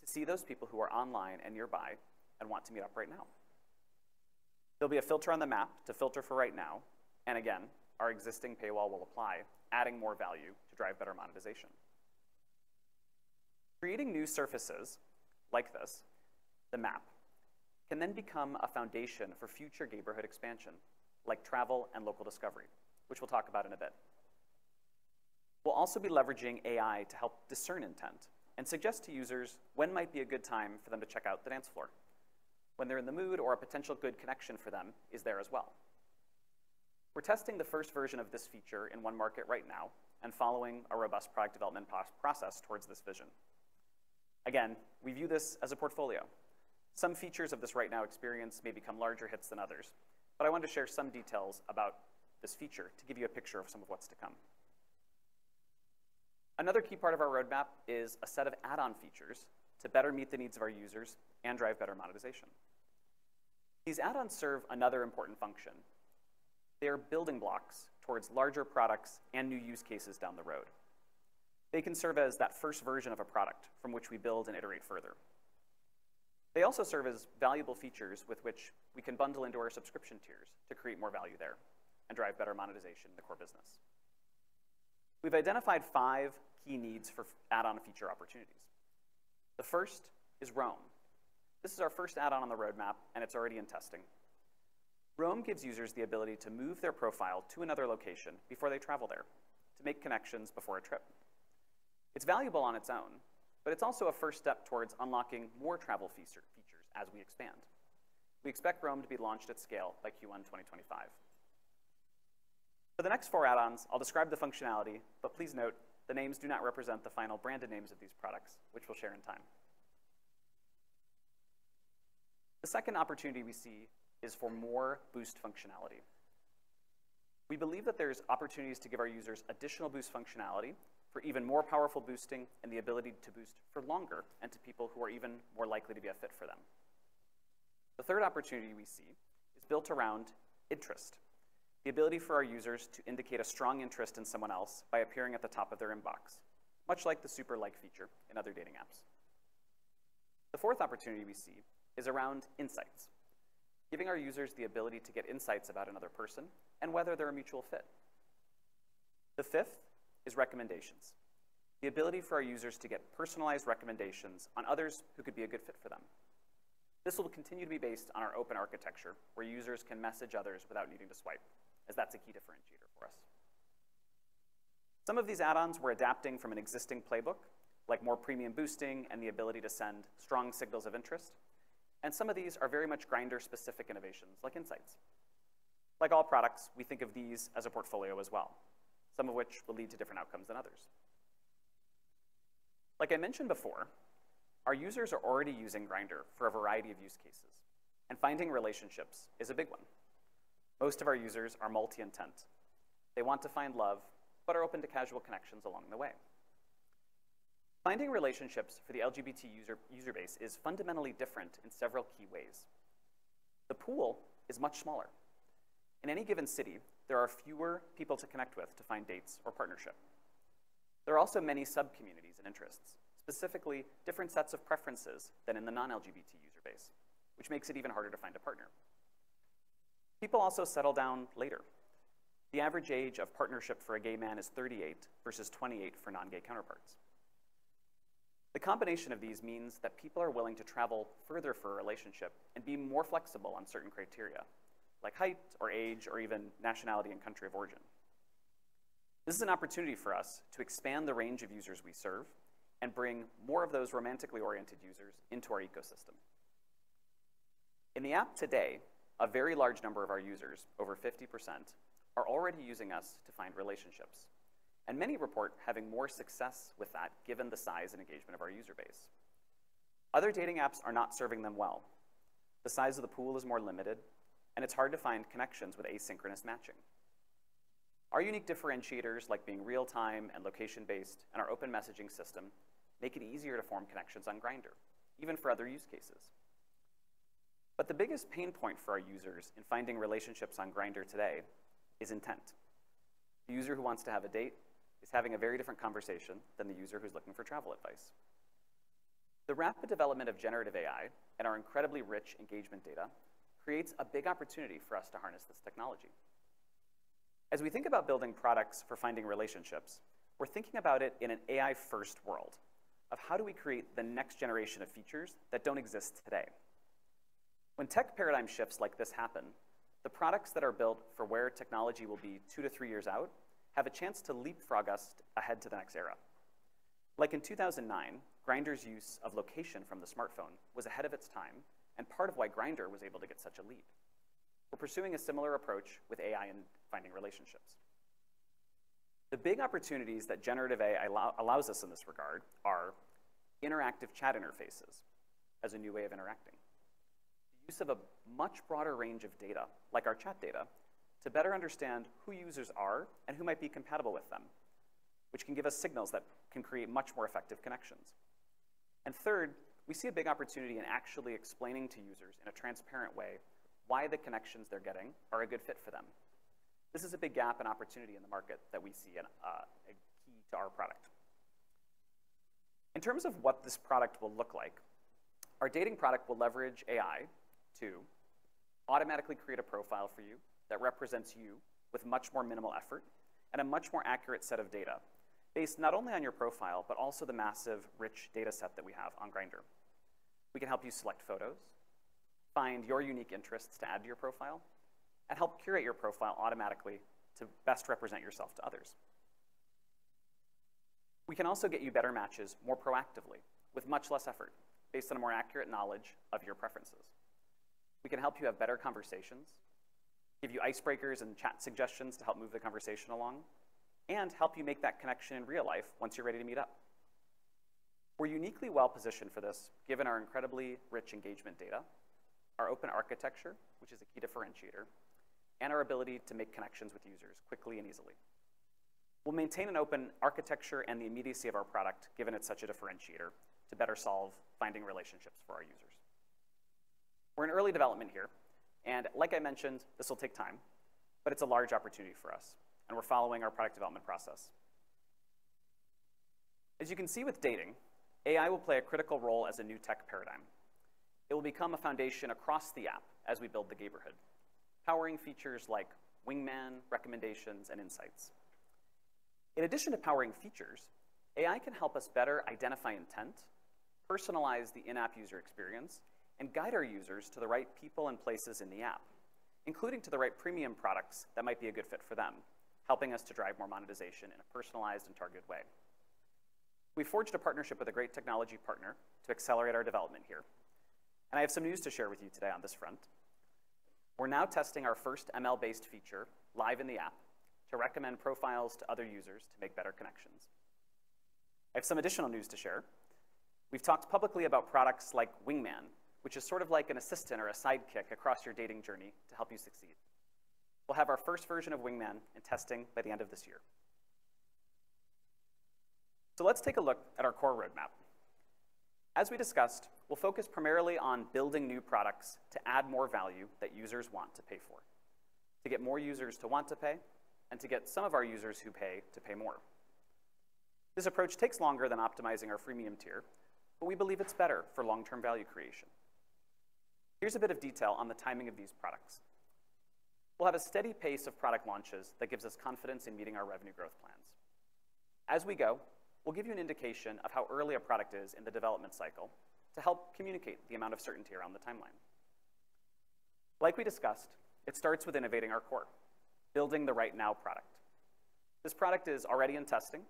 to see those people who are online and nearby and want to meet up right now. There'll be a filter on the map to filter for Right Now, and again, our existing paywall will apply, adding more value to drive better monetization. Creating new surfaces like this, the map, can then become a foundation for future Gayborhood expansion, like travel and local discovery, which we'll talk about in a bit. We'll also be leveraging AI to help discern intent and suggest to users when might be a good time for them to check out the dance floor, when they're in the mood or a potential good connection for them is there as well. We're testing the first version of this feature in one market right now and following a robust product development process towards this vision. Again, we view this as a portfolio. Some features of this Right Now experience may become larger hits than others, but I want to share some details about this feature to give you a picture of some of what's to come. Another key part of our roadmap is a set of add-on features to better meet the needs of our users and drive better monetization. These add-ons serve another important function. They are building blocks towards larger products and new use cases down the road. They can serve as that first version of a product from which we build and iterate further. They also serve as valuable features with which we can bundle into our subscription tiers to create more value there and drive better monetization in the core business. We've identified five key needs for add-on feature opportunities. The first is Roam. This is our first add-on on the roadmap, and it's already in testing. Roam gives users the ability to move their profile to another location before they travel there to make connections before a trip. It's valuable on its own, but it's also a first step towards unlocking more travel features as we expand. We expect Roam to be launched at scale by Q1 2025. For the next four add-ons, I'll describe the functionality, but please note, the names do not represent the final branded names of these products, which we'll share in time. The second opportunity we see is for more Boost functionality. We believe that there's opportunities to give our users additional Boost functionality for even more powerful boosting and the ability to boost for longer and to people who are even more likely to be a fit for them. The third opportunity we see is built around interest, the ability for our users to indicate a strong interest in someone else by appearing at the top of their inbox, much like the Super Like feature in other dating apps. The fourth opportunity we see is around insights, giving our users the ability to get insights about another person and whether they're a mutual fit. The fifth is recommendations, the ability for our users to get personalized recommendations on others who could be a good fit for them. This will continue to be based on our open architecture, where users can message others without needing to swipe, as that's a key differentiator for us. Some of these add-ons we're adapting from an existing playbook, like more premium boosting and the ability to send strong signals of interest, and some of these are very much Grindr-specific innovations, like insights. Like all products, we think of these as a portfolio as well, some of which will lead to different outcomes than others. Like I mentioned before, our users are already using Grindr for a variety of use cases, and finding relationships is a big one. Most of our users are multi-intent. They want to find love, but are open to casual connections along the way. Finding relationships for the LGBT user, user base is fundamentally different in several key ways. The pool is much smaller. In any given city, there are fewer people to connect with to find dates or partnership. There are also many sub-communities and interests, specifically different sets of preferences than in the non-LGBT user base, which makes it even harder to find a partner. People also settle down later. The average age of partnership for a gay man is 38 versus 28 for non-gay counterparts. The combination of these means that people are willing to travel further for a relationship and be more flexible on certain criteria, like height or age, or even nationality and country of origin. This is an opportunity for us to expand the range of users we serve and bring more of those romantically-oriented users into our ecosystem. In the app today, a very large number of our users, over 50%, are already using us to find relationships, and many report having more success with that, given the size and engagement of our user base. Other dating apps are not serving them well. The size of the pool is more limited, and it's hard to find connections with asynchronous matching. Our unique differentiators, like being real-time and location-based, and our open messaging system, make it easier to form connections on Grindr, even for other use cases. But the biggest pain point for our users in finding relationships on Grindr today is intent. The user who wants to have a date is having a very different conversation than the user who's looking for travel advice. The rapid development of generative AI and our incredibly rich engagement data creates a big opportunity for us to harness this technology. As we think about building products for finding relationships, we're thinking about it in an AI-first world of how do we create the next generation of features that don't exist today? When tech paradigm shifts like this happen, the products that are built for where technology will be two to three years out have a chance to leapfrog us ahead to the next era. Like in 2009, Grindr's use of location from the smartphone was ahead of its time and part of why Grindr was able to get such a lead. We're pursuing a similar approach with AI and finding relationships. The big opportunities that generative AI allows us in this regard are interactive chat interfaces as a new way of interacting. Use of a much broader range of data, like our chat data, to better understand who users are and who might be compatible with them, which can give us signals that can create much more effective connections. And third, we see a big opportunity in actually explaining to users in a transparent way why the connections they're getting are a good fit for them. This is a big gap and opportunity in the market that we see and a key to our product. In terms of what this product will look like, our dating product will leverage AI to automatically create a profile for you that represents you with much more minimal effort and a much more accurate set of data, based not only on your profile, but also the massive, rich data set that we have on Grindr. We can help you select photos, find your unique interests to add to your profile, and help curate your profile automatically to best represent yourself to others. We can also get you better matches more proactively with much less effort, based on a more accurate knowledge of your preferences. We can help you have better conversations, give you icebreakers and chat suggestions to help move the conversation along, and help you make that connection in real life once you're ready to meet up. We're uniquely well-positioned for this, given our incredibly rich engagement data, our open architecture, which is a key differentiator, and our ability to make connections with users quickly and easily. We'll maintain an open architecture and the immediacy of our product, given it's such a differentiator, to better solve finding relationships for our users. We're in early development here, and like I mentioned, this will take time, but it's a large opportunity for us, and we're following our product development process. As you can see with dating, AI will play a critical role as a new tech paradigm. It will become a foundation across the app as we build the Gayborhood, powering features like Wingman, recommendations, and insights. In addition to powering features, AI can help us better identify intent, personalize the in-app user experience, and guide our users to the right people and places in the app, including to the right premium products that might be a good fit for them, helping us to drive more monetization in a personalized and targeted way. We forged a partnership with a great technology partner to accelerate our development here, and I have some news to share with you today on this front. We're now testing our first ML-based feature live in the app to recommend profiles to other users to make better connections. I have some additional news to share. We've talked publicly about products like Wingman, which is sort of like an assistant or a sidekick across your dating journey to help you succeed. We'll have our first version of Wingman in testing by the end of this year. Let's take a look at our core roadmap. As we discussed, we'll focus primarily on building new products to add more value that users want to pay for, to get more users to want to pay, and to get some of our users who pay to pay more. This approach takes longer than optimizing our freemium tier, but we believe it's better for long-term value creation. Here's a bit of detail on the timing of these products. We'll have a steady pace of product launches that gives us confidence in meeting our revenue growth plans. As we go, we'll give you an indication of how early a product is in the development cycle to help communicate the amount of certainty around the timeline. Like we discussed, it starts with innovating our core, building the Right Now product. This product is already in testing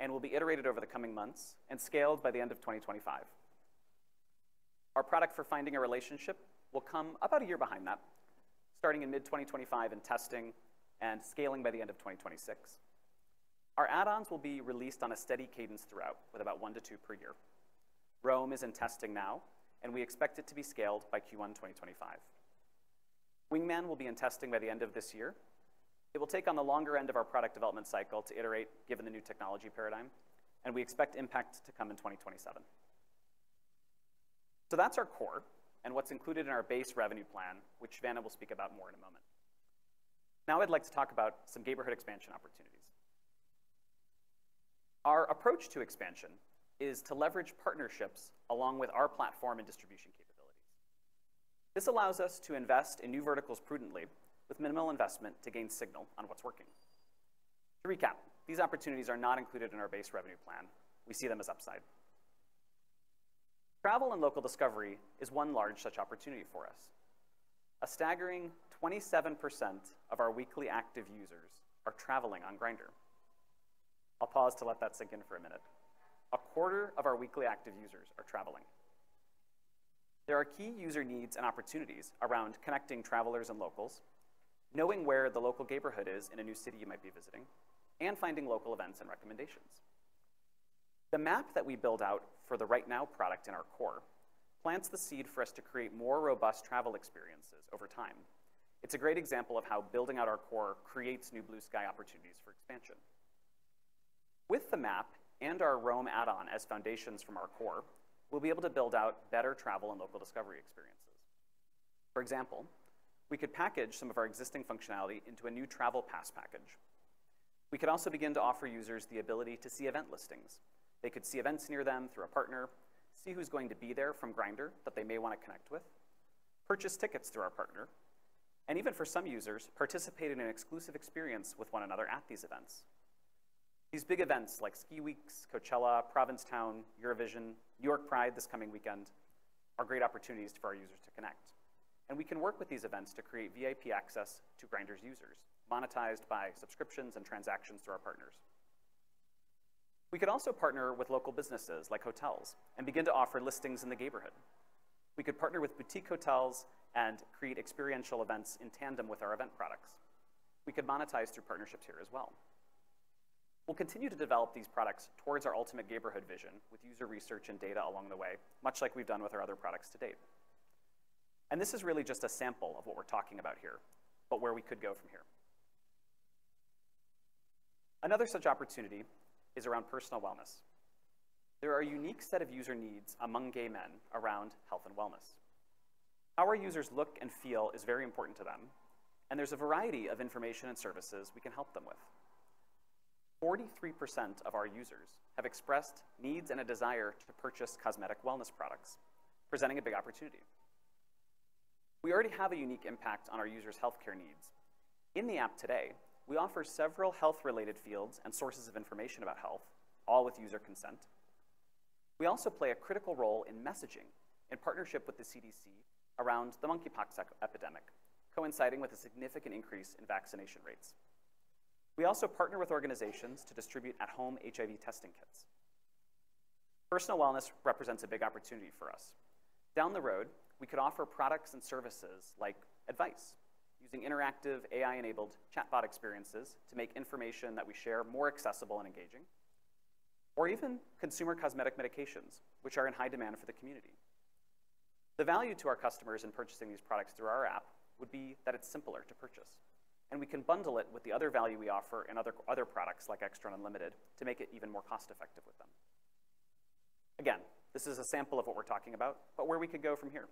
and will be iterated over the coming months and scaled by the end of 2025. Our product for finding a relationship will come about a year behind that, starting in mid-2025 in testing and scaling by the end of 2026. Our add-ons will be released on a steady cadence throughout, with about 1-2 per year. Roam is in testing now, and we expect it to be scaled by Q1 2025. Wingman will be in testing by the end of this year. It will take on the longer end of our product development cycle to iterate, given the new technology paradigm, and we expect impact to come in 2027. So that's our core and what's included in our base revenue plan, which Vanna will speak about more in a moment. Now, I'd like to talk about some Gayborhood expansion opportunities. Our approach to expansion is to leverage partnerships along with our platform and distribution capabilities. This allows us to invest in new verticals prudently, with minimal investment to gain signal on what's working. To recap, these opportunities are not included in our base revenue plan. We see them as upside. Travel and local discovery is one large such opportunity for us. A staggering 27% of our weekly active users are traveling on Grindr. I'll pause to let that sink in for a minute. A quarter of our weekly active users are traveling. There are key user needs and opportunities around connecting travelers and locals, knowing where the local Gayborhood is in a new city you might be visiting, and finding local events and recommendations. The map that we build out for the Right Now product in our core, plants the seed for us to create more robust travel experiences over time. It's a great example of how building out our core creates new blue sky opportunities for expansion. With the map and our Roam add-on as foundations from our core, we'll be able to build out better travel and local discovery experiences. For example, we could package some of our existing functionality into a new Travel Pass package. We could also begin to offer users the ability to see event listings. They could see events near them through a partner, see who's going to be there from Grindr that they may wanna connect with, purchase tickets through our partner, and even for some users, participate in an exclusive experience with one another at these events. These big events like ski weeks, Coachella, Provincetown, Eurovision, New York Pride, this coming weekend, are great opportunities for our users to connect. We can work with these events to create VIP access to Grindr's users, monetized by subscriptions and transactions through our partners. We could also partner with local businesses, like hotels, and begin to offer listings in the Gayborhood. We could partner with boutique hotels and create experiential events in tandem with our event products. We could monetize through partnerships here as well. We'll continue to develop these products towards our ultimate Gayborhood vision with user research and data along the way, much like we've done with our other products to date. This is really just a sample of what we're talking about here, but where we could go from here. Another such opportunity is around personal wellness. There are a unique set of user needs among gay men around health and wellness. How our users look and feel is very important to them, and there's a variety of information and services we can help them with. 43% of our users have expressed needs and a desire to purchase cosmetic wellness products, presenting a big opportunity. We already have a unique impact on our users' healthcare needs. In the app today, we offer several health-related fields and sources of information about health, all with user consent. We also play a critical role in messaging in partnership with the CDC around the monkeypox epidemic, coinciding with a significant increase in vaccination rates. We also partner with organizations to distribute at-home HIV testing kits. Personal wellness represents a big opportunity for us. Down the road, we could offer products and services like advice, using interactive, AI-enabled chatbot experiences to make information that we share more accessible and engaging, or even consumer cosmetic medications, which are in high demand for the community. The value to our customers in purchasing these products through our app would be that it's simpler to purchase, and we can bundle it with the other value we offer and other, other products like XTRA and Unlimited, to make it even more cost-effective with them. Again, this is a sample of what we're talking about, but where we could go from here.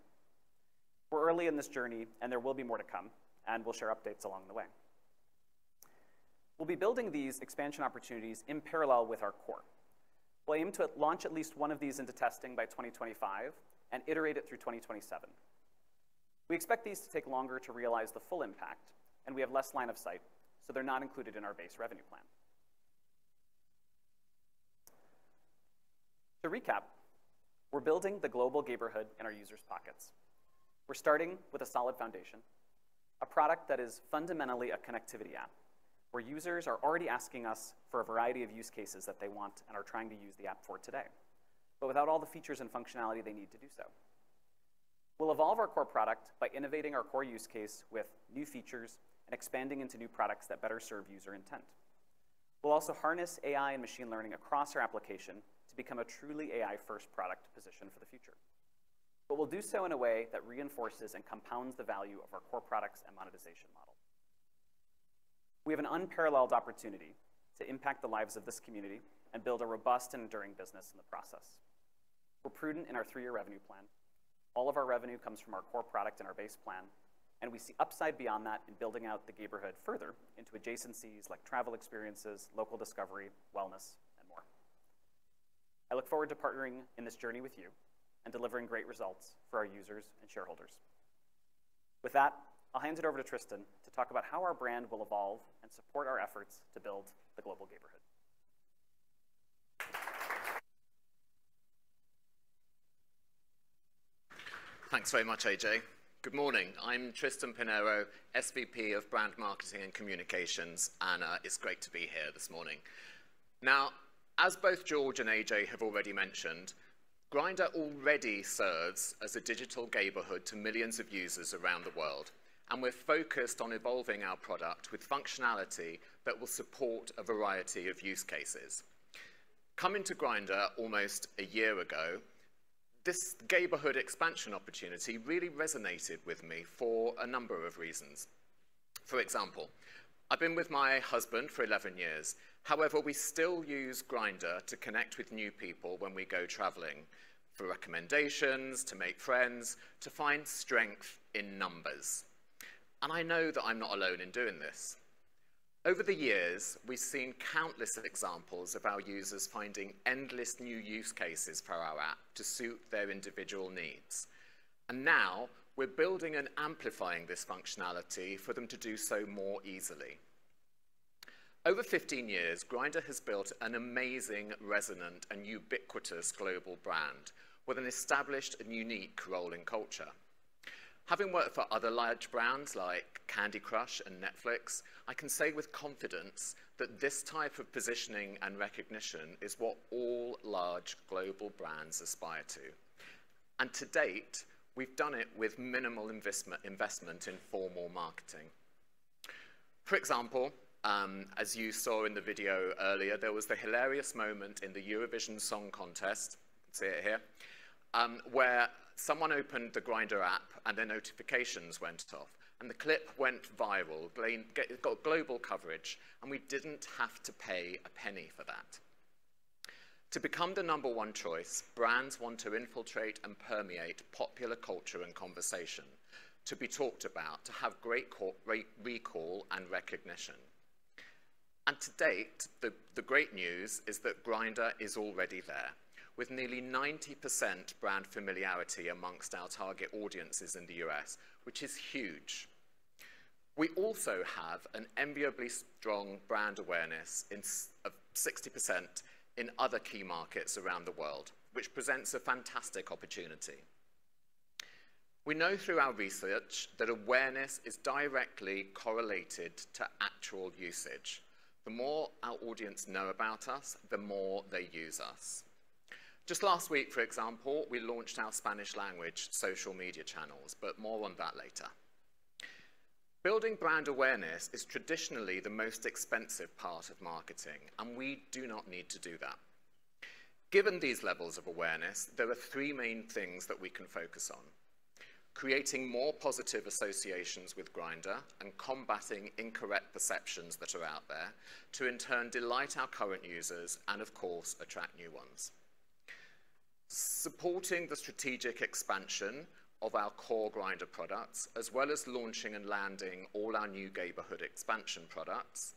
We're early in this journey, and there will be more to come, and we'll share updates along the way. We'll be building these expansion opportunities in parallel with our core. We'll aim to launch at least one of these into testing by 2025 and iterate it through 2027. We expect these to take longer to realize the full impact, and we have less line of sight, so they're not included in our base revenue plan. To recap, we're building the global Gayborhood in our users' pockets. We're starting with a solid foundation, a product that is fundamentally a connectivity app, where users are already asking us for a variety of use cases that they want and are trying to use the app for today, but without all the features and functionality they need to do so. We'll evolve our core product by innovating our core use case with new features and expanding into new products that better serve user intent. We'll also harness AI and machine learning across our application to become a truly AI-first product position for the future. But we'll do so in a way that reinforces and compounds the value of our core products and monetization model. We have an unparalleled opportunity to impact the lives of this community and build a robust and enduring business in the process. We're prudent in our three-year revenue plan. All of our revenue comes from our core product and our base plan, and we see upside beyond that in building out the Gayborhood further into adjacencies like travel experiences, local discovery, wellness, and more. I look forward to partnering in this journey with you and delivering great results for our users and shareholders. With that, I'll hand it over to Tristan to talk about how our brand will evolve and support our efforts to build the global Gayborhood. Thanks very much, AJ. Good morning. I'm Tristan Pinheiro, SVP of Brand Marketing and Communications, and, it's great to be here this morning. As both George and AJ have already mentioned, Grindr already serves as a digital Gayborhood to millions of users around the world, and we're focused on evolving our product with functionality that will support a variety of use cases. Coming to Grindr almost a year ago, this Gayborhood expansion opportunity really resonated with me for a number of reasons. For example, I've been with my husband for 11 years. However, we still use Grindr to connect with new people when we go traveling, for recommendations, to make friends, to find strength in numbers, and I know that I'm not alone in doing this. Over the years, we've seen countless of examples of our users finding endless new use cases for our app to suit their individual needs, and now we're building and amplifying this functionality for them to do so more easily. Over 15 years, Grindr has built an amazing, resonant, and ubiquitous global brand with an established and unique role in culture. Having worked for other large brands like Candy Crush and Netflix, I can say with confidence that this type of positioning and recognition is what all large global brands aspire to. To date, we've done it with minimal investment in formal marketing. For example, as you saw in the video earlier, there was the hilarious moment in the Eurovision Song Contest, see it here, where someone opened the Grindr app and their notifications went off, and the clip went viral. Grindr Unwrapped—it got global coverage, and we didn't have to pay a penny for that. To become the number one choice, brands want to infiltrate and permeate popular culture and conversation, to be talked about, to have great recall and recognition. To date, the great news is that Grindr is already there, with nearly 90% brand familiarity among our target audiences in the U.S., which is huge. We also have an enviably strong brand awareness in, say, 60% in other key markets around the world, which presents a fantastic opportunity. We know through our research that awareness is directly correlated to actual usage. The more our audience know about us, the more they use us. Just last week, for example, we launched our Spanish language social media channels, but more on that later. Building brand awareness is traditionally the most expensive part of marketing, and we do not need to do that. Given these levels of awareness, there are three main things that we can focus on: creating more positive associations with Grindr and combating incorrect perceptions that are out there, to in turn delight our current users and, of course, attract new ones. Supporting the strategic expansion of our core Grindr products, as well as launching and landing all our new Gayborhood expansion products.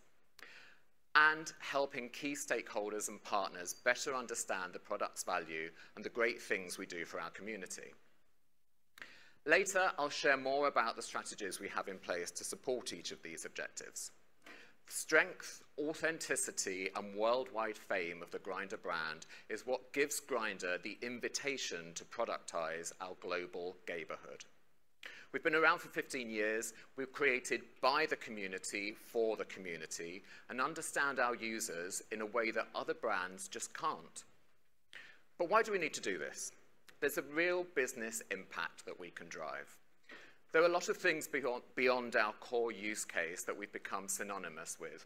And helping key stakeholders and partners better understand the product's value and the great things we do for our community. Later, I'll share more about the strategies we have in place to support each of these objectives. Strength, authenticity, and worldwide fame of the Grindr brand is what gives Grindr the invitation to productize our global Gayborhood. We've been around for 15 years. We've created by the community, for the community, and understand our users in a way that other brands just can't. But why do we need to do this? There's a real business impact that we can drive. There are a lot of things beyond our core use case that we've become synonymous with,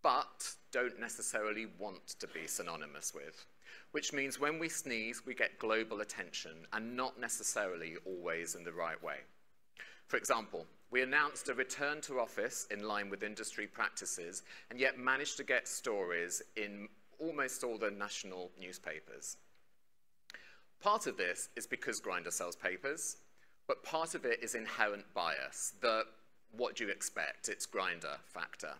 but don't necessarily want to be synonymous with, which means when we sneeze, we get global attention, and not necessarily always in the right way. For example, we announced a return to office in line with industry practices, and yet managed to get stories in almost all the national newspapers. Part of this is because Grindr sells papers, but part of it is inherent bias. The, "What do you expect? It's Grindr," factor.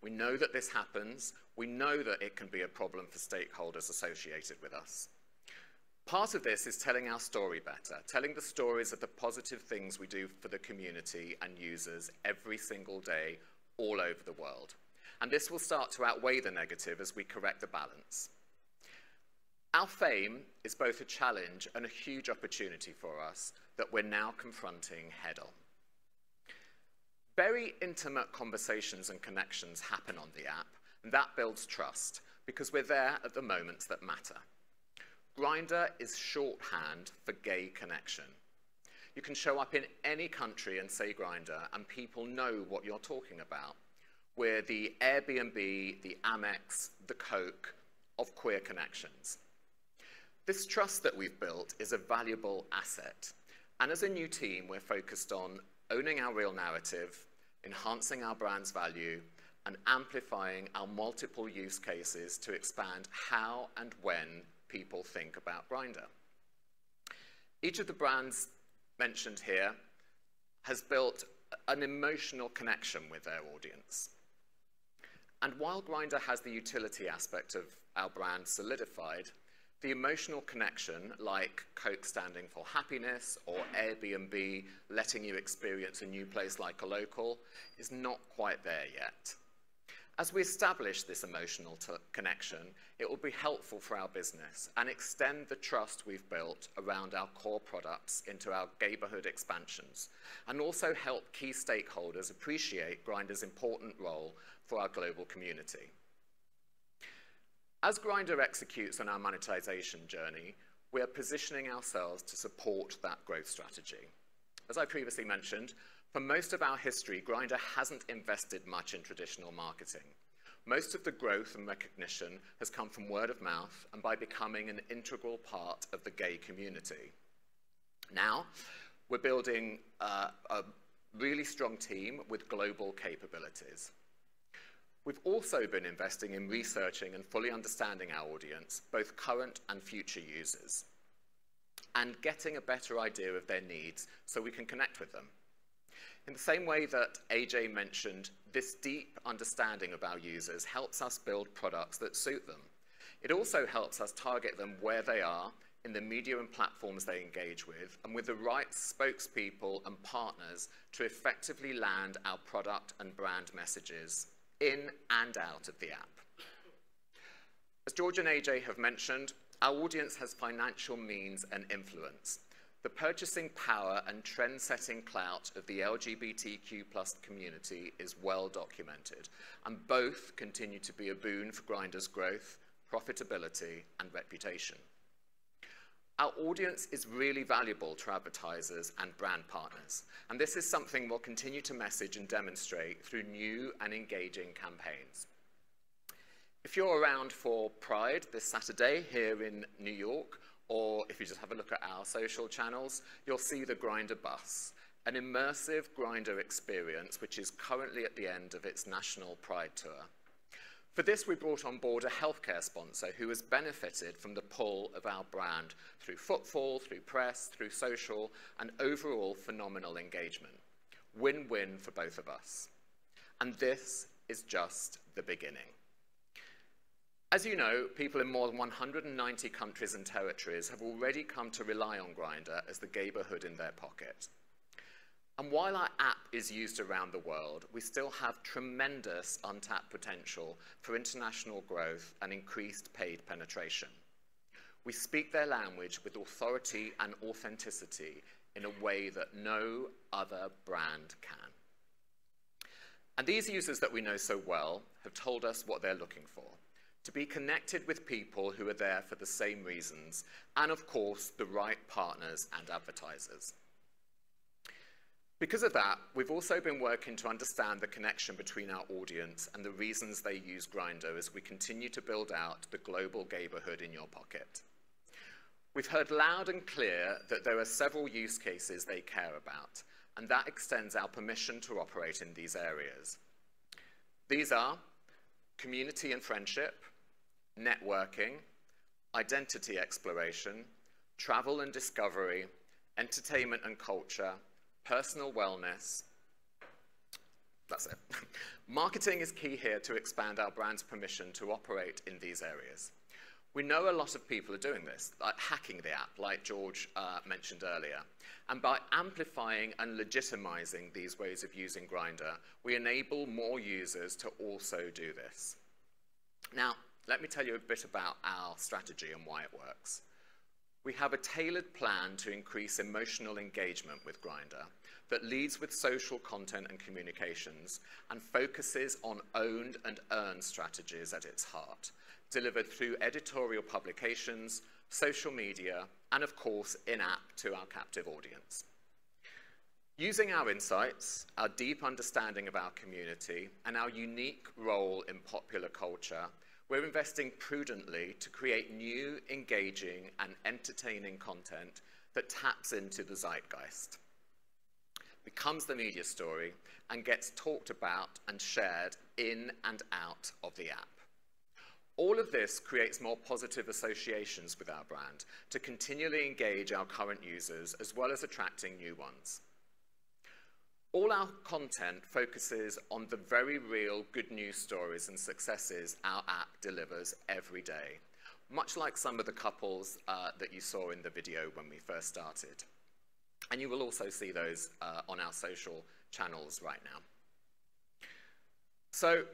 We know that this happens. We know that it can be a problem for stakeholders associated with us. Part of this is telling our story better, telling the stories of the positive things we do for the community and users every single day all over the world, and this will start to outweigh the negative as we correct the balance. Our fame is both a challenge and a huge opportunity for us that we're now confronting head-on. Very intimate conversations and connections happen on the app, and that builds trust because we're there at the moments that matter. Grindr is shorthand for gay connection. You can show up in any country and say, "Grindr," and people know what you're talking about. We're the Airbnb, the Amex, the Coke of queer connections. This trust that we've built is a valuable asset, and as a new team, we're focused on owning our real narrative, enhancing our brand's value, and amplifying our multiple use cases to expand how and when people think about Grindr. Each of the brands mentioned here has built an emotional connection with their audience, and while Grindr has the utility aspect of our brand solidified, the emotional connection, like Coke standing for happiness or Airbnb letting you experience a new place like a local, is not quite there yet. As we establish this emotional connection, it will be helpful for our business and extend the trust we've built around our core products into our Gayborhood expansions, and also help key stakeholders appreciate Grindr's important role for our global community. As Grindr executes on our monetization journey, we are positioning ourselves to support that growth strategy. As I previously mentioned, for most of our history, Grindr hasn't invested much in traditional marketing. Most of the growth and recognition has come from word of mouth and by becoming an integral part of the gay community. Now, we're building a really strong team with global capabilities. We've also been investing in researching and fully understanding our audience, both current and future users, and getting a better idea of their needs so we can connect with them. In the same way that AJ mentioned, this deep understanding of our users helps us build products that suit them. It also helps us target them where they are in the media and platforms they engage with, and with the right spokespeople and partners to effectively land our product and brand messages in and out of the app. As George and AJ have mentioned, our audience has financial means and influence. The purchasing power and trendsetting clout of the LGBTQ+ community is well documented, and both continue to be a boon for Grindr's growth, profitability, and reputation. Our audience is really valuable to advertisers and brand partners, and this is something we'll continue to message and demonstrate through new and engaging campaigns. If you're around for Pride this Saturday here in New York, or if you just have a look at our social channels, you'll see the Grindr bus, an immersive Grindr experience, which is currently at the end of its national Pride tour. For this, we brought on board a healthcare sponsor who has benefited from the pull of our brand through footfall, through press, through social, and overall phenomenal engagement. Win-win for both of us, and this is just the beginning. As you know, people in more than 190 countries and territories have already come to rely on Grindr as the Gayborhood in their pocket. And while our app is used around the world, we still have tremendous untapped potential for international growth and increased paid penetration. We speak their language with authority and authenticity in a way that no other brand can. And these users that we know so well have told us what they're looking for: to be connected with people who are there for the same reasons, and of course, the right partners and advertisers. Because of that, we've also been working to understand the connection between our audience and the reasons they use Grindr as we continue to build out the global Gayborhood in your pocket. We've heard loud and clear that there are several use cases they care about, and that extends our permission to operate in these areas. These are community and friendship, networking, identity exploration, travel and discovery, entertainment and culture, personal wellness. That's it. Marketing is key here to expand our brand's permission to operate in these areas. We know a lot of people are doing this, like hacking the app, like George mentioned earlier. By amplifying and legitimizing these ways of using Grindr, we enable more users to also do this. Now, let me tell you a bit about our strategy and why it works. We have a tailored plan to increase emotional engagement with Grindr that leads with social content and communications, and focuses on owned and earned strategies at its heart, delivered through editorial publications, social media, and of course, in-app to our captive audience. Using our insights, our deep understanding of our community, and our unique role in popular culture, we're investing prudently to create new, engaging, and entertaining content that taps into the zeitgeist, becomes the media story, and gets talked about and shared in and out of the app. All of this creates more positive associations with our brand to continually engage our current users, as well as attracting new ones. All our content focuses on the very real good news stories and successes our app delivers every day, much like some of the couples that you saw in the video when we first started, and you will also see those on our social channels right now. So,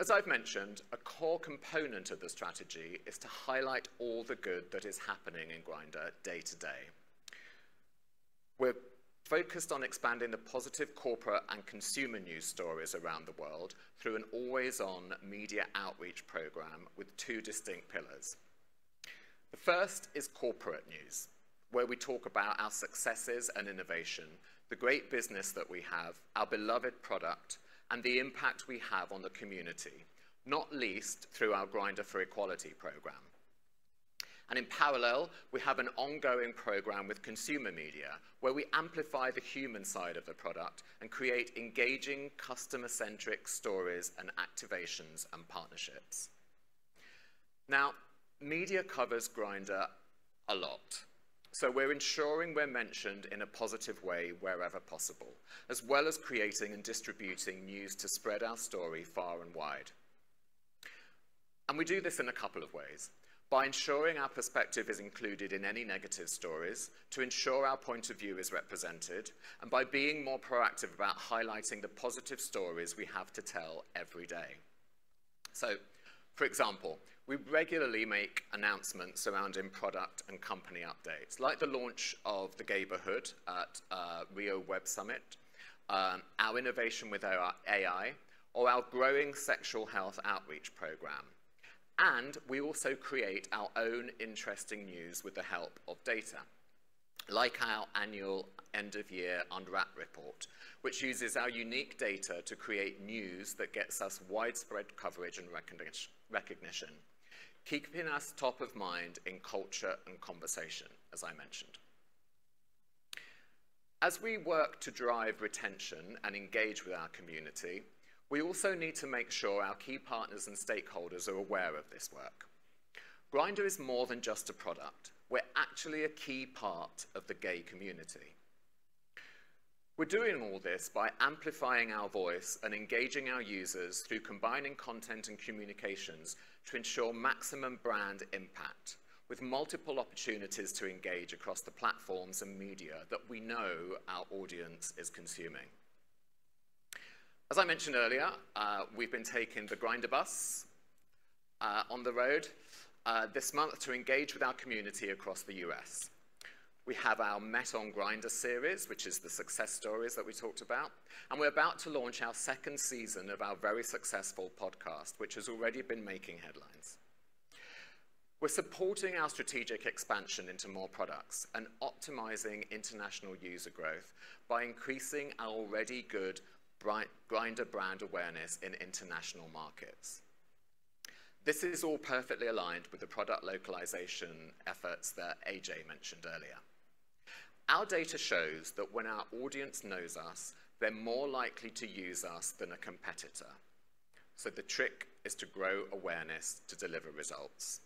as I've mentioned, a core component of the strategy is to highlight all the good that is happening in Grindr day to day. We're focused on expanding the positive corporate and consumer news stories around the world through an always-on media outreach program with two distinct pillars. The first is corporate news, where we talk about our successes and innovation, the great business that we have, our beloved product, and the impact we have on the community, not least through our Grindr for Equality program. And in parallel, we have an ongoing program with consumer media, where we amplify the human side of the product and create engaging, customer-centric stories and activations and partnerships. Now, media covers Grindr a lot, so we're ensuring we're mentioned in a positive way wherever possible, as well as creating and distributing news to spread our story far and wide. We do this in a couple of ways: by ensuring our perspective is included in any negative stories, to ensure our point of view is represented, and by being more proactive about highlighting the positive stories we have to tell every day. So, for example, we regularly make announcements surrounding product and company updates, like the launch of the Gayborhood at Rio Web Summit, our innovation with our AI, or our growing sexual health outreach program. And we also create our own interesting news with the help of data, like our annual end-of-year Unwrapped report, which uses our unique data to create news that gets us widespread coverage and recognition, keeping us top of mind in culture and conversation, as I mentioned. As we work to drive retention and engage with our community, we also need to make sure our key partners and stakeholders are aware of this work. Grindr is more than just a product. We're actually a key part of the gay community. We're doing all this by amplifying our voice and engaging our users through combining content and communications to ensure maximum brand impact, with multiple opportunities to engage across the platforms and media that we know our audience is consuming. As I mentioned earlier, we've been taking the Grindr bus on the road this month to engage with our community across the U.S. We have our Met on Grindr series, which is the success stories that we talked about, and we're about to launch our second season of our very successful podcast, which has already been making headlines. We're supporting our strategic expansion into more products and optimizing international user growth by increasing our already good Grindr brand awareness in international markets. This is all perfectly aligned with the product localization efforts that AJ mentioned earlier. Our data shows that when our audience knows us, they're more likely to use us than a competitor, so the trick is to grow awareness to deliver results.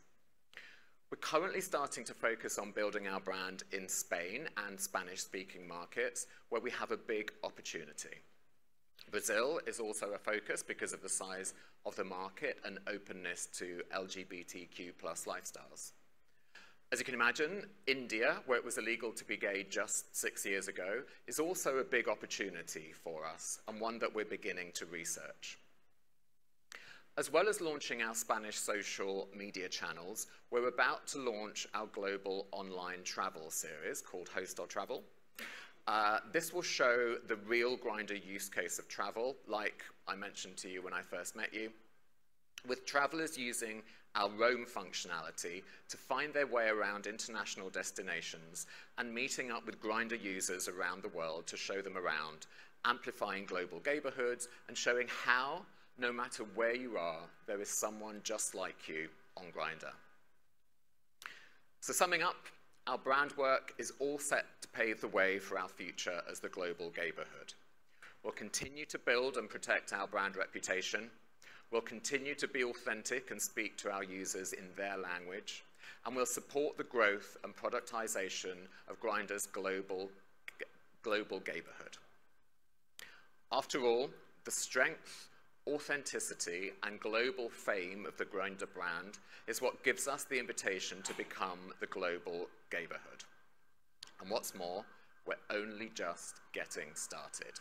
We're currently starting to focus on building our brand in Spain and Spanish-speaking markets, where we have a big opportunity. Brazil is also a focus because of the size of the market and openness to LGBTQ+ lifestyles. As you can imagine, India, where it was illegal to be gay just six years ago, is also a big opportunity for us and one that we're beginning to research. As well as launching our Spanish social media channels, we're about to launch our global online travel series called Host or Travel. This will show the real Grindr use case of travel, like I mentioned to you when I first met you, with travelers using our Roam functionality to find their way around international destinations and meeting up with Grindr users around the world to show them around, amplifying global Gayborhoods and showing how, no matter where you are, there is someone just like you on Grindr. So summing up, our brand work is all set to pave the way for our future as the global Gayborhood. We'll continue to build and protect our brand reputation, we'll continue to be authentic and speak to our users in their language, and we'll support the growth and productization of Grindr's global Gayborhood. After all, the strength, authenticity, and global fame of the Grindr brand is what gives us the invitation to become the global Gayborhood. And what's more, we're only just getting started.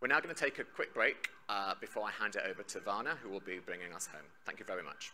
We're now gonna take a quick break before I hand it over to Vanna, who will be bringing us home. Thank you very much.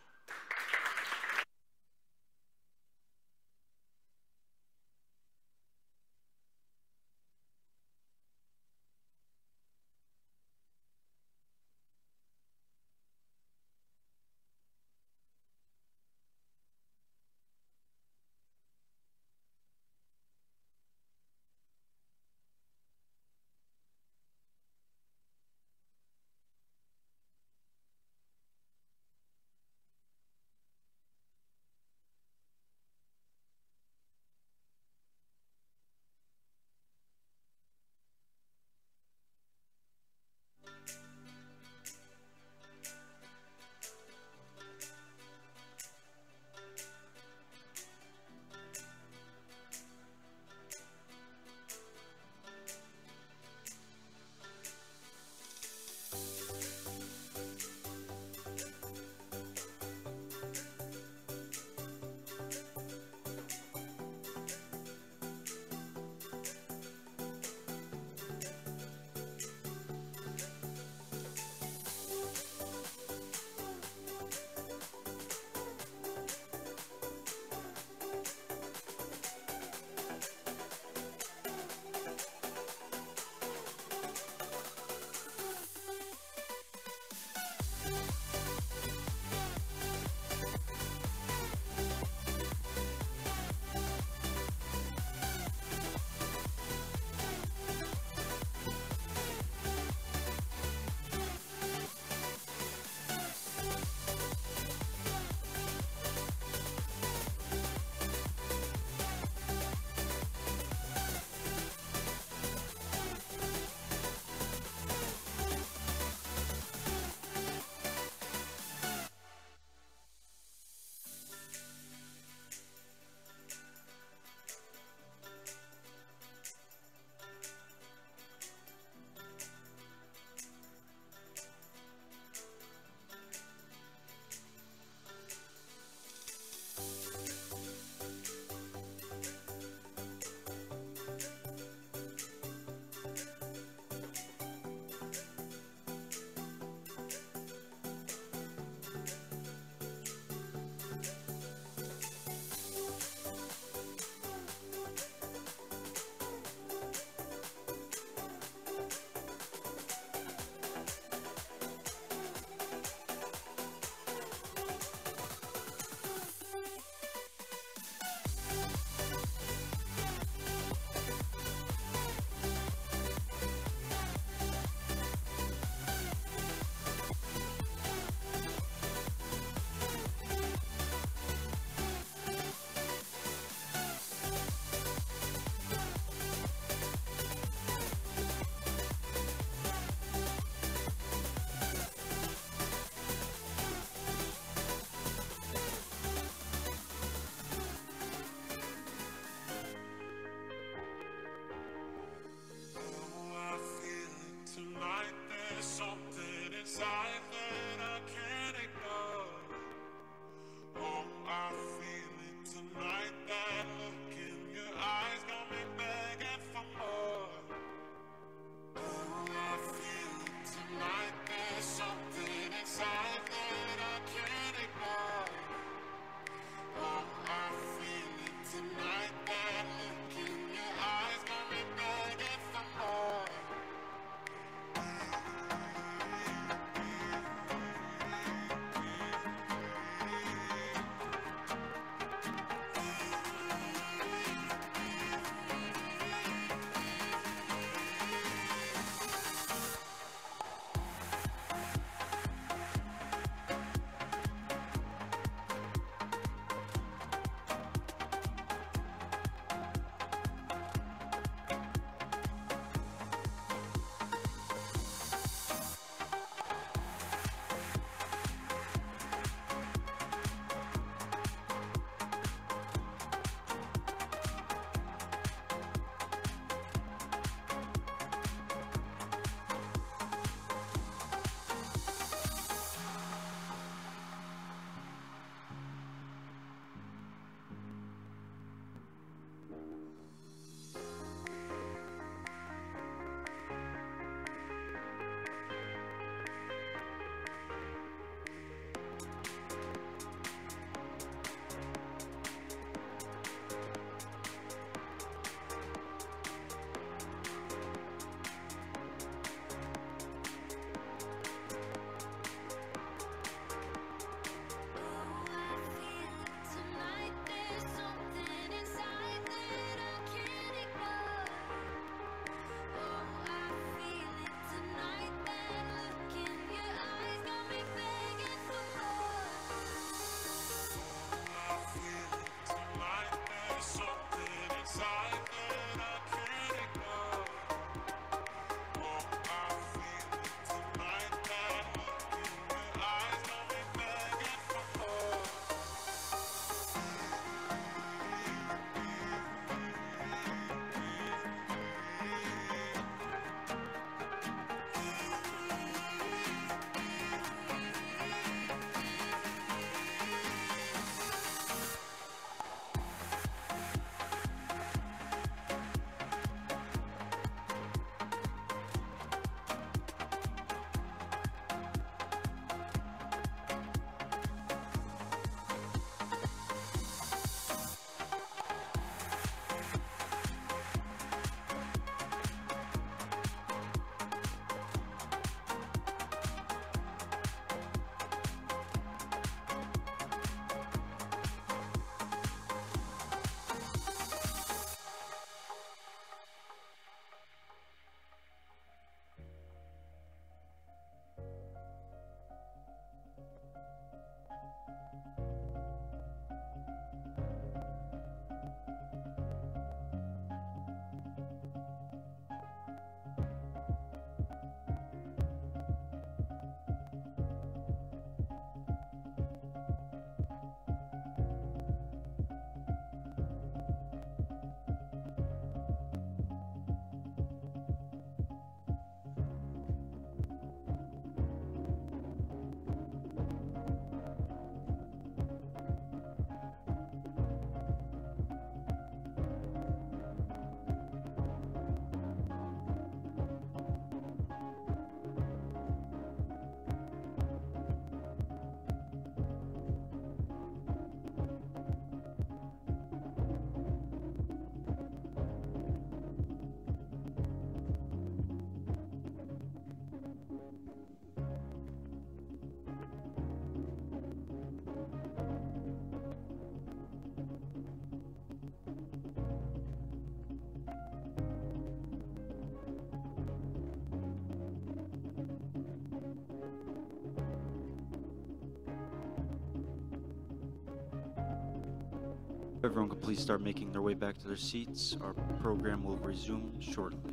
everyone could please start making their way back to their seats, our program will resume shortly.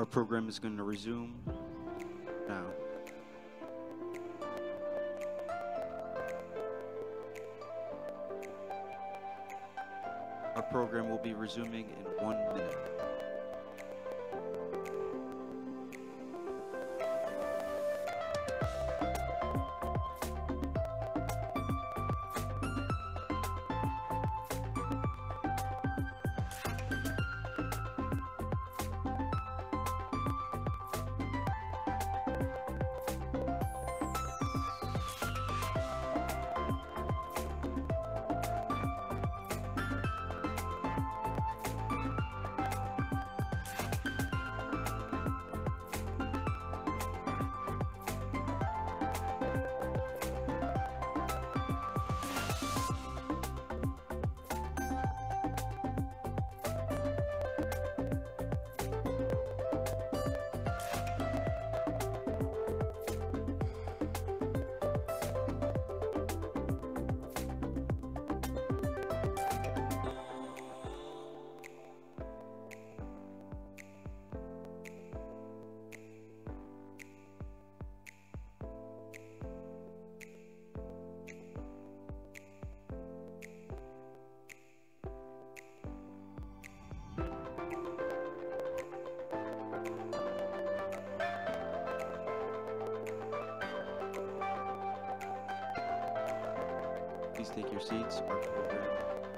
Our program is going to resume now. Our program will be resuming in one minute. Please take your seats. Our program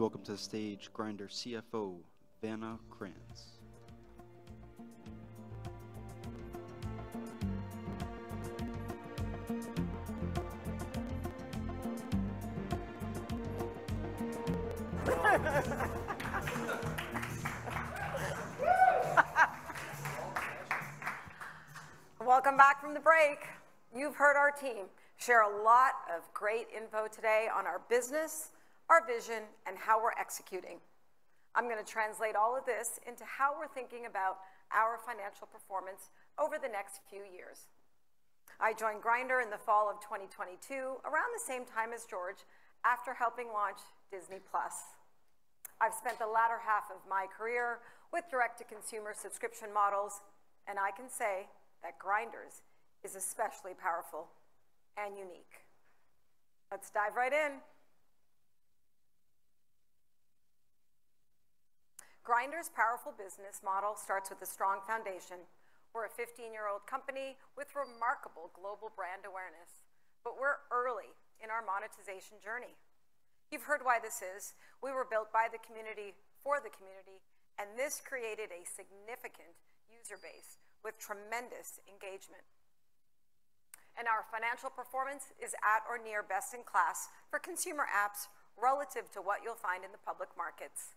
is about to start. Please welcome to the stage, Grindr CFO, Vanna Krantz. Welcome back from the break. You've heard our team share a lot of great info today on our business, our vision, and how we're executing. I'm going to translate all of this into how we're thinking about our financial performance over the next few years. I joined Grindr in the fall of 2022, around the same time as George, after helping launch Disney+. I've spent the latter half of my career with direct-to-consumer subscription models, and I can say that Grindr's is especially powerful and unique. Let's dive right in. Grindr's powerful business model starts with a strong foundation. We're a 15-year-old company with remarkable global brand awareness, but we're early in our monetization journey. You've heard why this is. We were built by the community, for the community, and this created a significant user base with tremendous engagement. Our financial performance is at or near best-in-class for consumer apps relative to what you'll find in the public markets.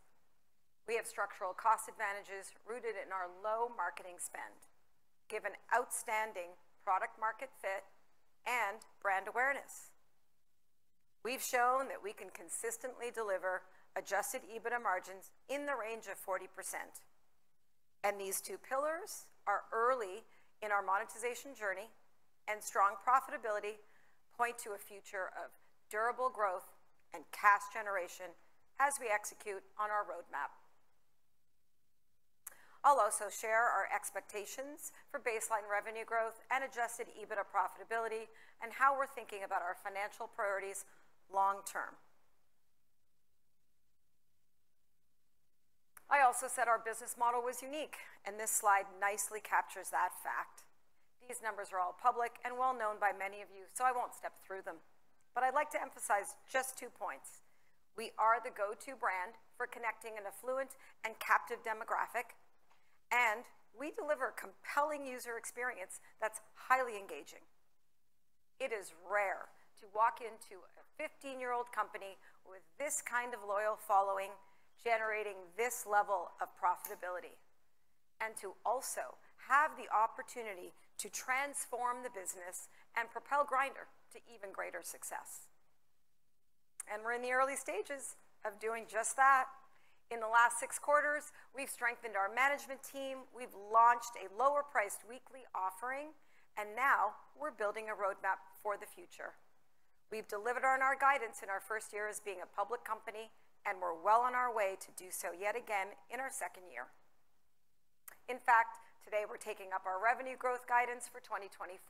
We have structural cost advantages rooted in our low marketing spend, give an outstanding product-market fit and brand awareness. We've shown that we can consistently deliver Adjusted EBITDA margins in the range of 40%, and these two pillars are early in our monetization journey, and strong profitability point to a future of durable growth and cash generation as we execute on our roadmap. I'll also share our expectations for baseline revenue growth and Adjusted EBITDA profitability and how we're thinking about our financial priorities long term. I also said our business model was unique, and this slide nicely captures that fact. These numbers are all public and well known by many of you, so I won't step through them, but I'd like to emphasize just two points. We are the go-to brand for connecting an affluent and captive demographic, and we deliver a compelling user experience that's highly engaging. It is rare to walk into a 15-year-old company with this kind of loyal following, generating this level of profitability, and to also have the opportunity to transform the business and propel Grindr to even greater success... and we're in the early stages of doing just that. In the last six quarters, we've strengthened our management team, we've launched a lower-priced weekly offering, and now we're building a roadmap for the future. We've delivered on our guidance in our first year as being a public company, and we're well on our way to do so yet again in our second year. In fact, today we're taking up our revenue growth guidance for 2024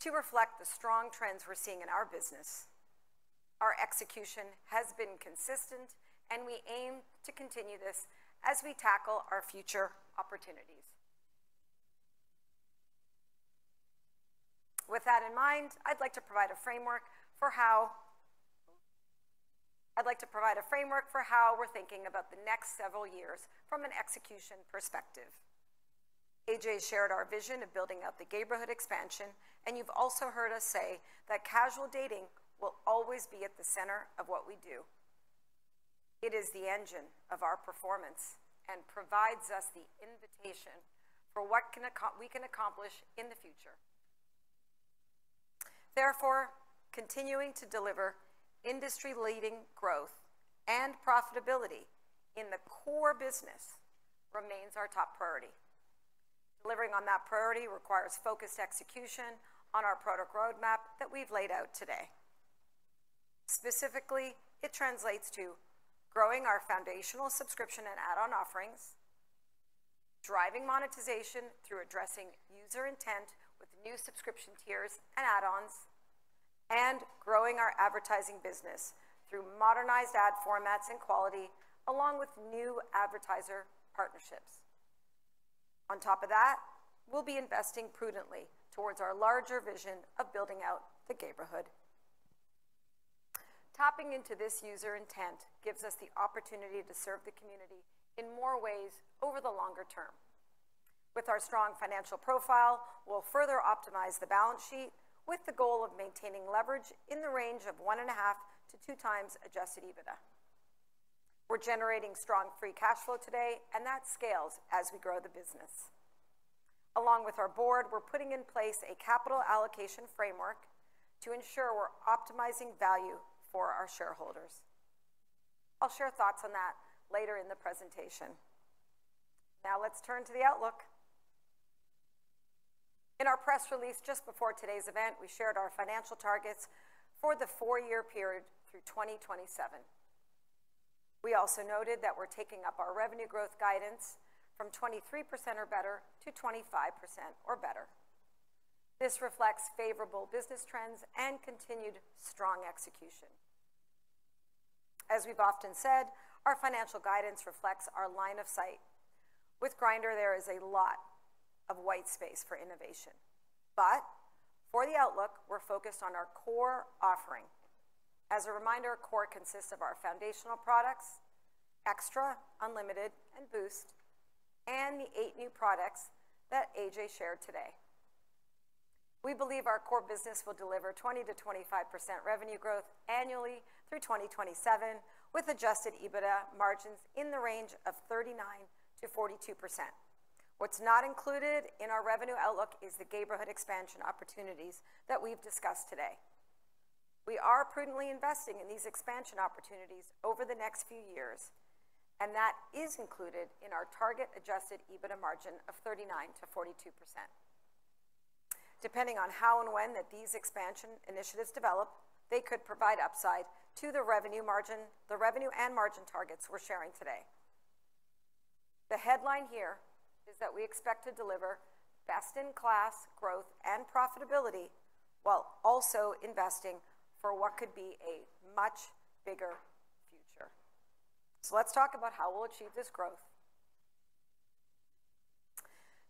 to reflect the strong trends we're seeing in our business. Our execution has been consistent, and we aim to continue this as we tackle our future opportunities. With that in mind, I'd like to provide a framework for how we're thinking about the next several years from an execution perspective. AJ shared our vision of building out the Gayborhood expansion, and you've also heard us say that casual dating will always be at the center of what we do. It is the engine of our performance and provides us the invitation for what we can accomplish in the future. Therefore, continuing to deliver industry-leading growth and profitability in the core business remains our top priority. Delivering on that priority requires focused execution on our product roadmap that we've laid out today. Specifically, it translates to growing our foundational subscription and add-on offerings, driving monetization through addressing user intent with new subscription tiers and add-ons, and growing our advertising business through modernized ad formats and quality, along with new advertiser partnerships. On top of that, we'll be investing prudently towards our larger vision of building out the Gayborhood. Tapping into this user intent gives us the opportunity to serve the community in more ways over the longer term. With our strong financial profile, we'll further optimize the balance sheet with the goal of maintaining leverage in the range of 1.5-2 times Adjusted EBITDA. We're generating strong free cash flow today, and that scales as we grow the business. Along with our board, we're putting in place a capital allocation framework to ensure we're optimizing value for our shareholders. I'll share thoughts on that later in the presentation. Now, let's turn to the outlook. In our press release just before today's event, we shared our financial targets for the four-year period through 2027. We also noted that we're taking up our revenue growth guidance from 23% or better to 25% or better. This reflects favorable business trends and continued strong execution. As we've often said, our financial guidance reflects our line of sight. With Grindr, there is a lot of white space for innovation, but for the outlook, we're focused on our core offering. As a reminder, core consists of our foundational products, XTRA, Unlimited, and Boost, and the eight new products that AJ shared today. We believe our core business will deliver 20%-25% revenue growth annually through 2027, with Adjusted EBITDA margins in the range of 39%-42%. What's not included in our revenue outlook is the Gayborhood expansion opportunities that we've discussed today. We are prudently investing in these expansion opportunities over the next few years, and that is included in our target Adjusted EBITDA margin of 39%-42%. Depending on how and when these expansion initiatives develop, they could provide upside to the revenue margin, the revenue and margin targets we're sharing today. The headline here is that we expect to deliver best-in-class growth and profitability while also investing for what could be a much bigger future. So let's talk about how we'll achieve this growth.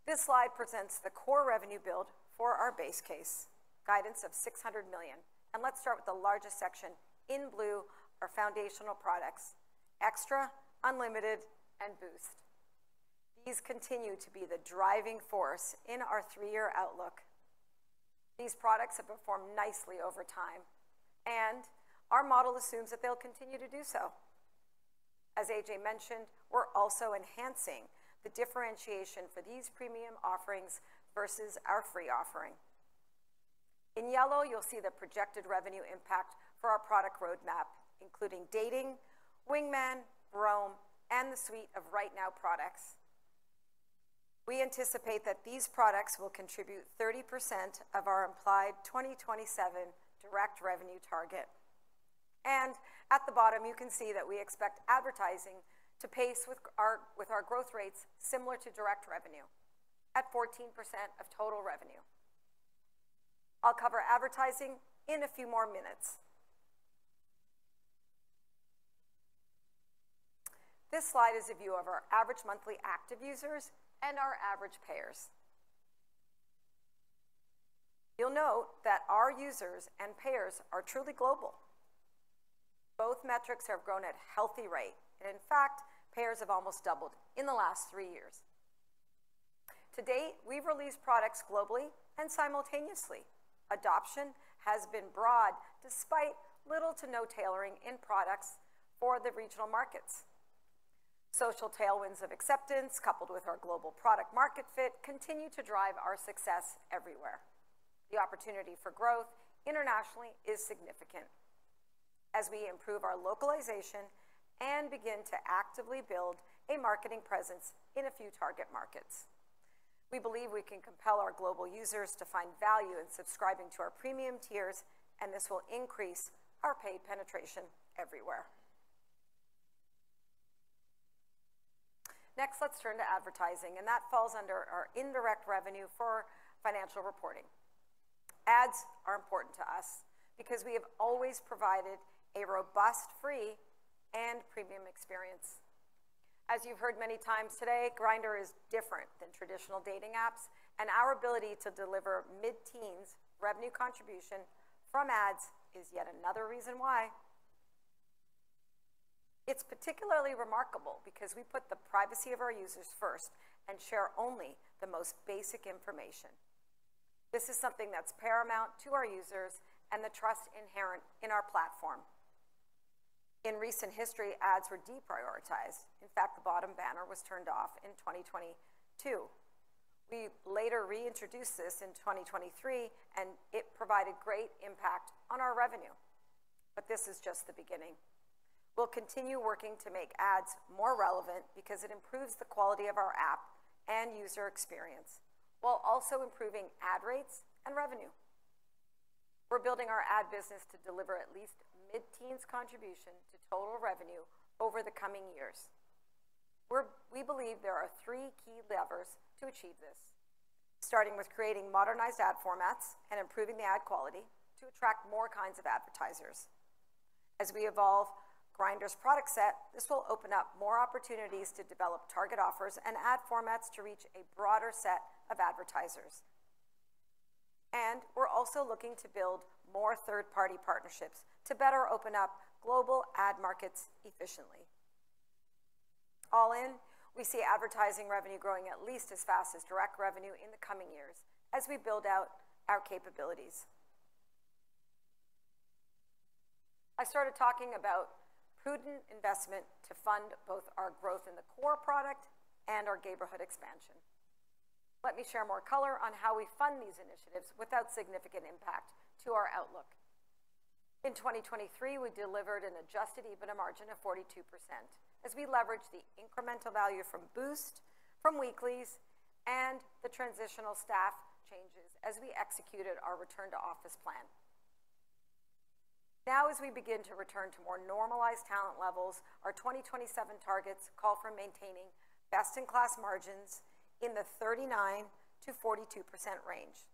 This slide presents the core revenue build for our base case, guidance of $600 million, and let's start with the largest section in blue, our foundational products, XTRA, Unlimited, and Boost. These continue to be the driving force in our three-year outlook. These products have performed nicely over time, and our model assumes that they'll continue to do so. As AJ mentioned, we're also enhancing the differentiation for these premium offerings versus our free offering. In yellow, you'll see the projected revenue impact for our product roadmap, including Dating, Wingman, Roam, and the suite of Right Now products. We anticipate that these products will contribute 30% of our implied 2027 direct revenue target. At the bottom, you can see that we expect advertising to pace with our growth rates similar to direct revenue at 14% of total revenue. I'll cover advertising in a few more minutes. This slide is a view of our average monthly active users and our average payers. You'll note that our users and payers are truly global. Both metrics have grown at a healthy rate, and in fact, payers have almost doubled in the last three years. To date, we've released products globally and simultaneously. Adoption has been broad, despite little to no tailoring in products for the regional markets. Social tailwinds of acceptance, coupled with our global product market fit, continue to drive our success everywhere. The opportunity for growth internationally is significant. As we improve our localization and begin to actively build a marketing presence in a few target markets, we believe we can compel our global users to find value in subscribing to our premium tiers, and this will increase our paid penetration everywhere. Next, let's turn to advertising, and that falls under our indirect revenue for financial reporting. Ads are important to us because we have always provided a robust, free, and premium experience. As you've heard many times today, Grindr is different than traditional dating apps, and our ability to deliver mid-teens revenue contribution from ads is yet another reason why. It's particularly remarkable because we put the privacy of our users first and share only the most basic information. This is something that's paramount to our users and the trust inherent in our platform. In recent history, ads were deprioritized. In fact, the bottom banner was turned off in 2022. We later reintroduced this in 2023, and it provided great impact on our revenue. But this is just the beginning. We'll continue working to make ads more relevant because it improves the quality of our app and user experience, while also improving ad rates and revenue. We're building our ad business to deliver at least mid-teens contribution to total revenue over the coming years. We believe there are three key levers to achieve this, starting with creating modernized ad formats and improving the ad quality to attract more kinds of advertisers. As we evolve Grindr's product set, this will open up more opportunities to develop target offers and ad formats to reach a broader set of advertisers. And we're also looking to build more third-party partnerships to better open up global ad markets efficiently. All in, we see advertising revenue growing at least as fast as direct revenue in the coming years as we build out our capabilities. I started talking about prudent investment to fund both our growth in the core product and our Gayborhood expansion. Let me share more color on how we fund these initiatives without significant impact to our outlook. In 2023, we delivered an Adjusted EBITDA margin of 42% as we leveraged the incremental value from Boost, from weeklies, and the transitional staff changes as we executed our return-to-office plan. Now, as we begin to return to more normalized talent levels, our 2027 targets call for maintaining best-in-class margins in the 39%-42% range.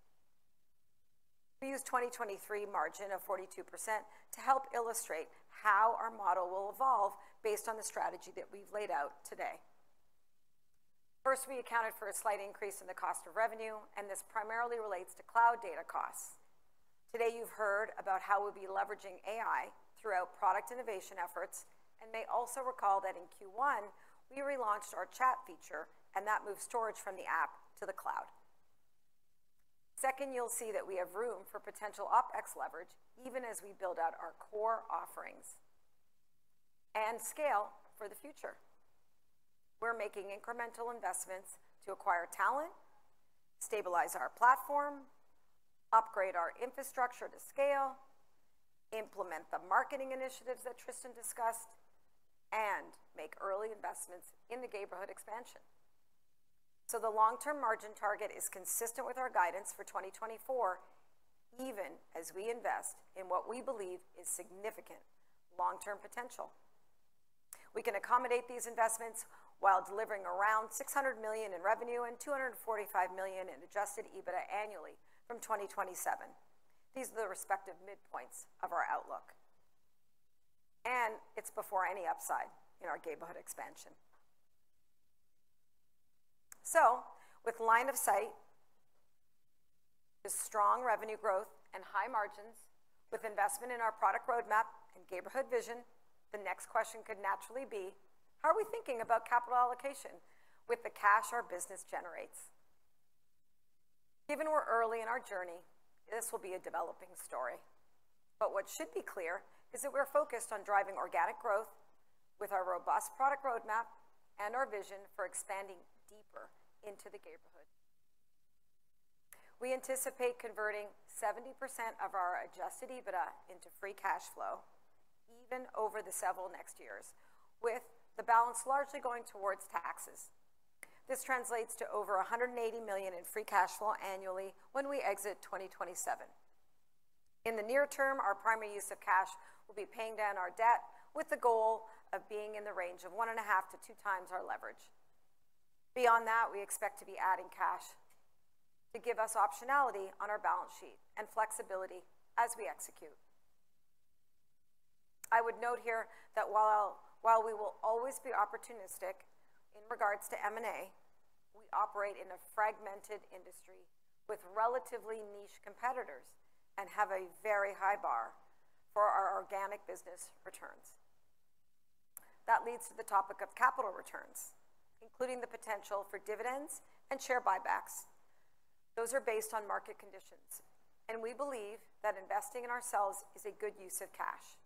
We use 2023 margin of 42% to help illustrate how our model will evolve based on the strategy that we've laid out today. First, we accounted for a slight increase in the cost of revenue, and this primarily relates to cloud data costs. Today, you've heard about how we'll be leveraging AI throughout product innovation efforts and may also recall that in Q1, we relaunched our chat feature, and that moved storage from the app to the cloud. Second, you'll see that we have room for potential OpEx leverage, even as we build out our core offerings and scale for the future. We're making incremental investments to acquire talent, stabilize our platform, upgrade our infrastructure to scale, implement the marketing initiatives that Tristan discussed, and make early investments in the Gayborhood expansion. So the long-term margin target is consistent with our guidance for 2024, even as we invest in what we believe is significant long-term potential. We can accommodate these investments while delivering around $600 million in revenue and $245 million in Adjusted EBITDA annually from 2027. These are the respective midpoints of our outlook, and it's before any upside in our Gayborhood expansion. So with line of sight, the strong revenue growth and high margins with investment in our product roadmap and Gayborhood vision, the next question could naturally be: How are we thinking about capital allocation with the cash our business generates? Given we're early in our journey, this will be a developing story. But what should be clear is that we're focused on driving organic growth with our robust product roadmap and our vision for expanding deeper into the Gayborhood. We anticipate converting 70% of our Adjusted EBITDA into free cash flow, even over the several next years, with the balance largely going towards taxes. This translates to over $180 million in free cash flow annually when we exit 2027. In the near term, our primary use of cash will be paying down our debt with the goal of being in the range of 1.5-2 times our leverage. Beyond that, we expect to be adding cash to give us optionality on our balance sheet and flexibility as we execute. I would note here that while we will always be opportunistic in regards to M&A, we operate in a fragmented industry with relatively niche competitors and have a very high bar for our organic business returns. That leads to the topic of capital returns, including the potential for dividends and share buybacks. Those are based on market conditions, and we believe that investing in ourselves is a good use of cash.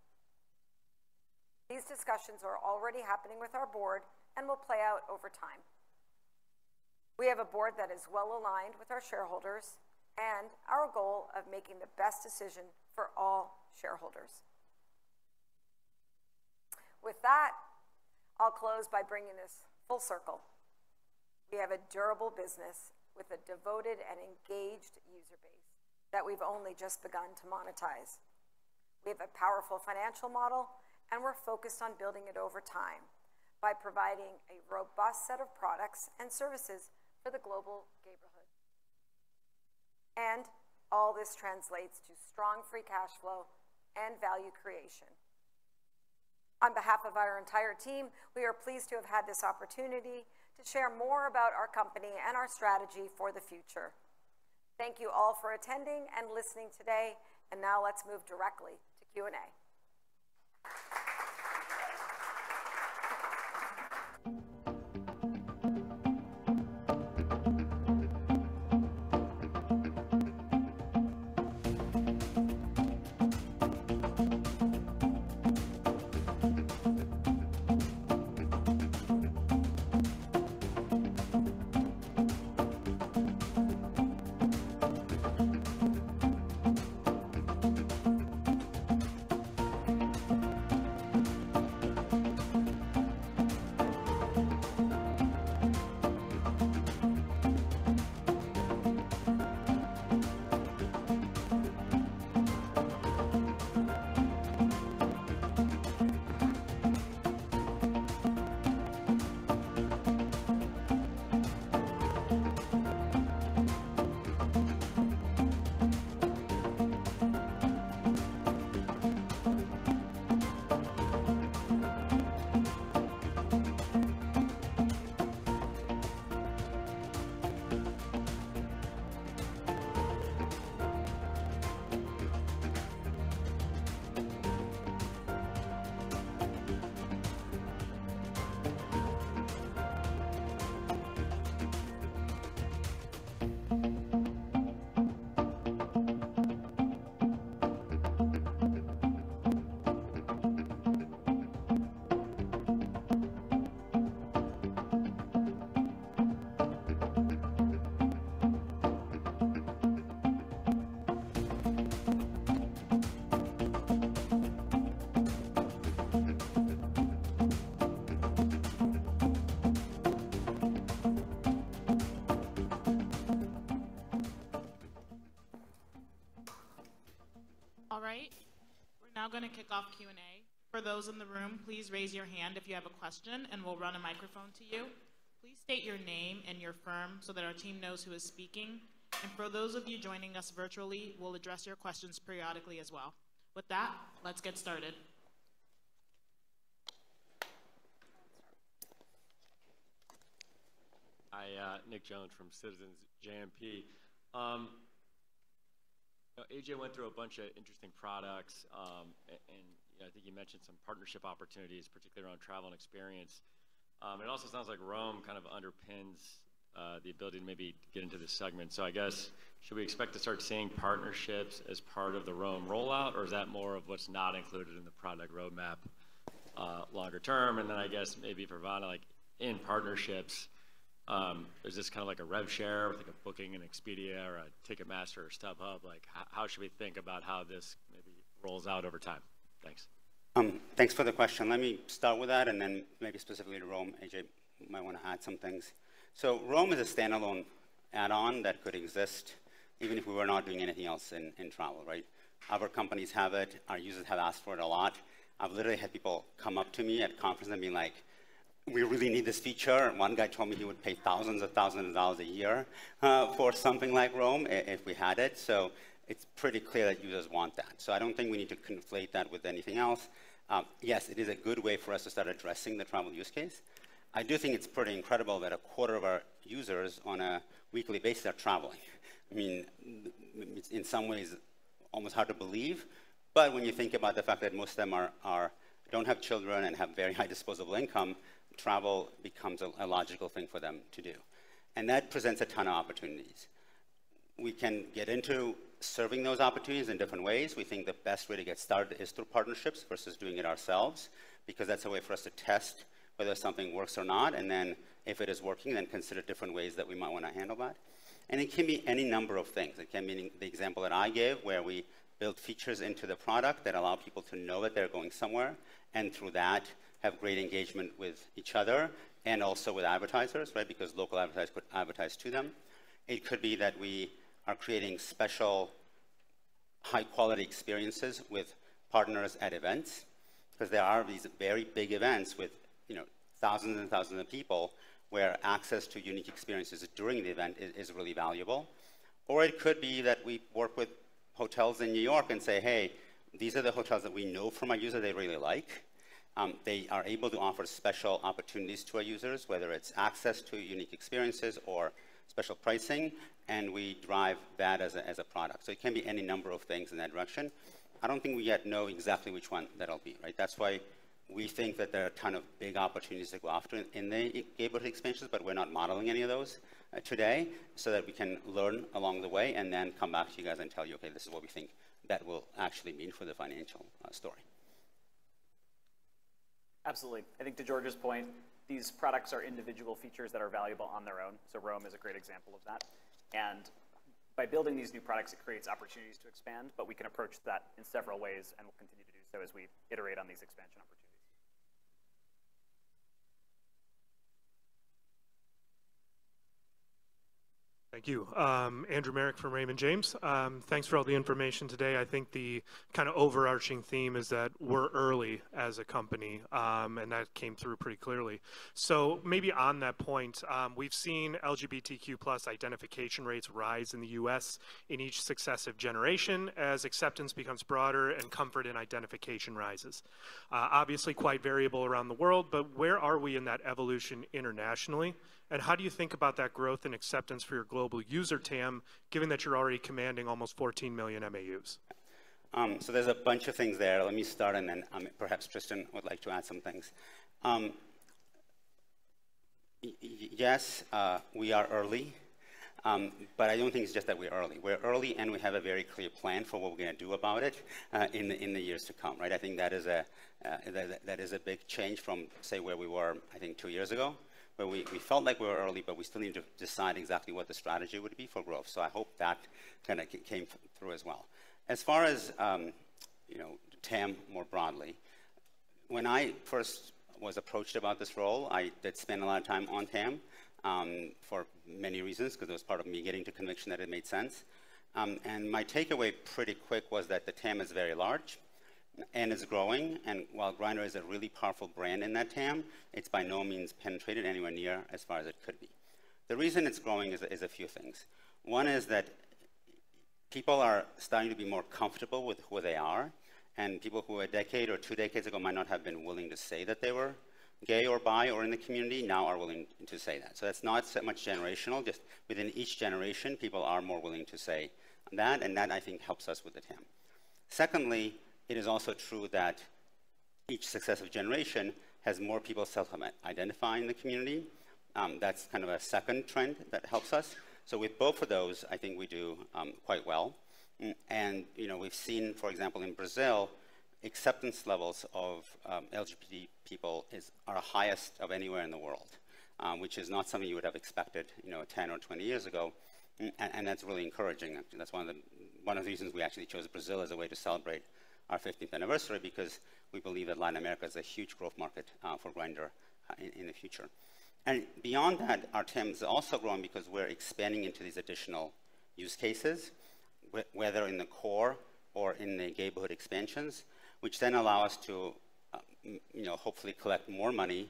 These discussions are already happening with our board and will play out over time. We have a board that is well aligned with our shareholders and our goal of making the best decision for all shareholders. With that, I'll close by bringing this full circle. We have a durable business with a devoted and engaged user base that we've only just begun to monetize. We have a powerful financial model, and we're focused on building it over time by providing a robust set of products and services for the global Gayborhood. All this translates to strong free cash flow and value creation. On behalf of our entire team, we are pleased to have had this opportunity to share more about our company and our strategy for the future. Thank you all for attending and listening today, and now let's move directly to Q&A. All right, we're now gonna kick off Q&A. For those in the room, please raise your hand if you have a question, and we'll run a microphone to you. Please state your name and your firm so that our team knows who is speaking. For those of you joining us virtually, we'll address your questions periodically as well. With that, let's get started. Hi, Nick Jones from Citizens JMP. AJ went through a bunch of interesting products, and I think you mentioned some partnership opportunities, particularly around travel and experience. It also sounds like Roam kind of underpins the ability to maybe get into this segment. So I guess, should we expect to start seeing partnerships as part of the Roam rollout, or is that more of what's not included in the product roadmap, longer term? And then I guess maybe for Vanna, like in partnerships, is this kinda like a rev share with like a Booking, an Expedia, or a Ticketmaster, or StubHub? Like, how should we think about how this maybe rolls out over time? Thanks. Thanks for the question. Let me start with that, and then maybe specifically to Roam, AJ might wanna add some things. So Roam is a standalone add-on that could exist even if we were not doing anything else in travel, right? Other companies have it. Our users have asked for it a lot. I've literally had people come up to me at conferences and being like: "We really need this feature." One guy told me he would pay thousands and thousands of dollars a year for something like Roam if we had it. So it's pretty clear that users want that. So I don't think we need to conflate that with anything else. Yes, it is a good way for us to start addressing the travel use case. I do think it's pretty incredible that a quarter of our users on a weekly basis are traveling. I mean, in some ways, almost hard to believe, but when you think about the fact that most of them don't have children and have very high disposable income, travel becomes a logical thing for them to do, and that presents a ton of opportunities. We can get into serving those opportunities in different ways. We think the best way to get started is through partnerships versus doing it ourselves, because that's a way for us to test whether something works or not, and then if it is working, then consider different ways that we might wanna handle that. It can be any number of things. It can mean the example that I gave, where we build features into the product that allow people to know that they're going somewhere, and through that, have great engagement with each other and also with advertisers, right? Because local advertisers could advertise to them. It could be that we are creating special high-quality experiences with partners at events, 'cause there are these very big events with, you know, thousands and thousands of people, where access to unique experiences during the event is really valuable. Or it could be that we work with hotels in New York and say, "Hey, these are the hotels that we know from our user they really like." They are able to offer special opportunities to our users, whether it's access to unique experiences or special pricing, and we drive that as a product. So it can be any number of things in that direction. I don't think we yet know exactly which one that'll be, right? That's why we think that there are a ton of big opportunities to go after in the Gayborhood expansions, but we're not modeling any of those, today, so that we can learn along the way and then come back to you guys and tell you, "Okay, this is what we think that will actually mean for the financial, story. Absolutely. I think to George's point, these products are individual features that are valuable on their own, so Roam is a great example of that. And by building these new products, it creates opportunities to expand, but we can approach that in several ways, and we'll continue to do so as we iterate on these expansion opportunities. Thank you. Andrew Marok from Raymond James. Thanks for all the information today. I think the kinda overarching theme is that we're early as a company, and that came through pretty clearly. So maybe on that point, we've seen LGBTQ+ identification rates rise in the U.S. in each successive generation as acceptance becomes broader and comfort in identification rises. Obviously, quite variable around the world, but where are we in that evolution internationally, and how do you think about that growth and acceptance for your global user TAM, given that you're already commanding almost 14 million MAUs? So there's a bunch of things there. Let me start, and then, perhaps Tristan would like to add some things. Yes, we are early, but I don't think it's just that we're early. We're early, and we have a very clear plan for what we're gonna do about it, in the years to come, right? I think that is a big change from, say, where we were, I think, two years ago, where we felt like we were early, but we still need to decide exactly what the strategy would be for growth. So I hope that kinda came through as well. As far as, you know, TAM, more broadly, when I first was approached about this role, I did spend a lot of time on TAM, for many reasons, 'cause it was part of me getting to conviction that it made sense. And my takeaway pretty quick was that the TAM is very large and is growing, and while Grindr is a really powerful brand in that TAM, it's by no means penetrated anywhere near as far as it could be. The reason it's growing is a few things. One is that people are starting to be more comfortable with who they are, and people who a decade or two decades ago might not have been willing to say that they were gay or bi or in the community, now are willing to say that. So that's not so much generational, just within each generation, people are more willing to say that, and that, I think, helps us with the TAM. Secondly, it is also true that each successive generation has more people self-identifying in the community. That's kind of a second trend that helps us. So with both of those, I think we do quite well. And, you know, we've seen, for example, in Brazil, acceptance levels of LGBT people are highest of anywhere in the world, which is not something you would have expected, you know, 10 or 20 years ago. And that's really encouraging. That's one of the reasons we actually chose Brazil as a way to celebrate our fifteenth anniversary because we believe that Latin America is a huge growth market for Grindr in the future. Beyond that, our TAM is also growing because we're expanding into these additional use cases, whether in the core or in the Gayborhood expansions, which then allow us to, you know, hopefully collect more money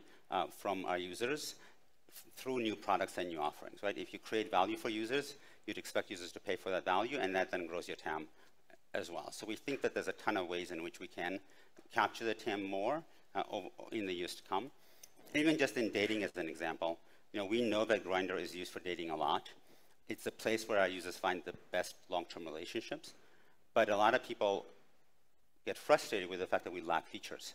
from our users through new products and new offerings, right? If you create value for users, you'd expect users to pay for that value, and that then grows your TAM as well. So we think that there's a ton of ways in which we can capture the TAM more in the years to come. Even just in dating, as an example, you know, we know that Grindr is used for dating a lot. It's a place where our users find the best long-term relationships, but a lot of people get frustrated with the fact that we lack features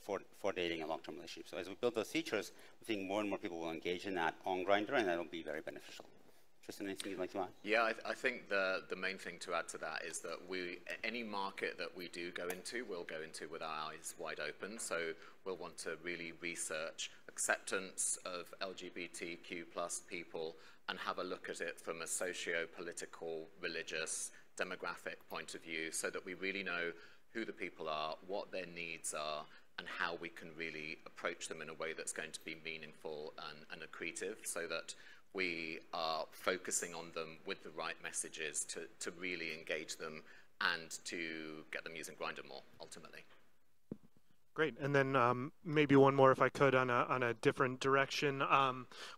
for dating and long-term relationships. As we build those features, we think more and more people will engage in that on Grindr, and that'll be very beneficial. Tristan, anything you'd like to add? Yeah, I think the main thing to add to that is that any market that we do go into, we'll go into with our eyes wide open. So we'll want to really research acceptance of LGBTQ+ people and have a look at it from a sociopolitical, religious, demographic point of view, so that we really know who the people are, what their needs are, and how we can really approach them in a way that's going to be meaningful and accretive, so that we are focusing on them with the right messages to really engage them and to get them using Grindr more, ultimately. Great. And then, maybe one more, if I could, on a different direction.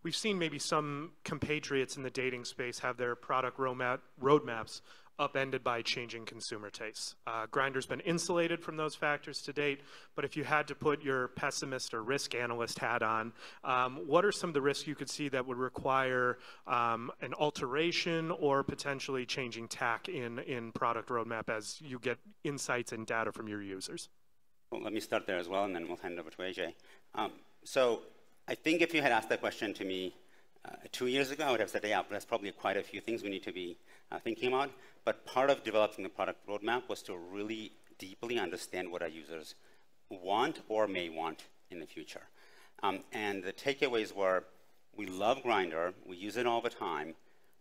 We've seen maybe some compatriots in the dating space have their product roadmaps upended by changing consumer tastes. Grindr's been insulated from those factors to date, but if you had to put your pessimist or risk analyst hat on, what are some of the risks you could see that would require an alteration or potentially changing tack in product roadmap as you get insights and data from your users? Well, let me start there as well, and then we'll hand it over to AJ. So I think if you had asked that question to me, two years ago, I would have said, "Yeah, there's probably quite a few things we need to be thinking about." But part of developing the product roadmap was to really deeply understand what our users want or may want in the future. And the takeaways were: we love Grindr, we use it all the time,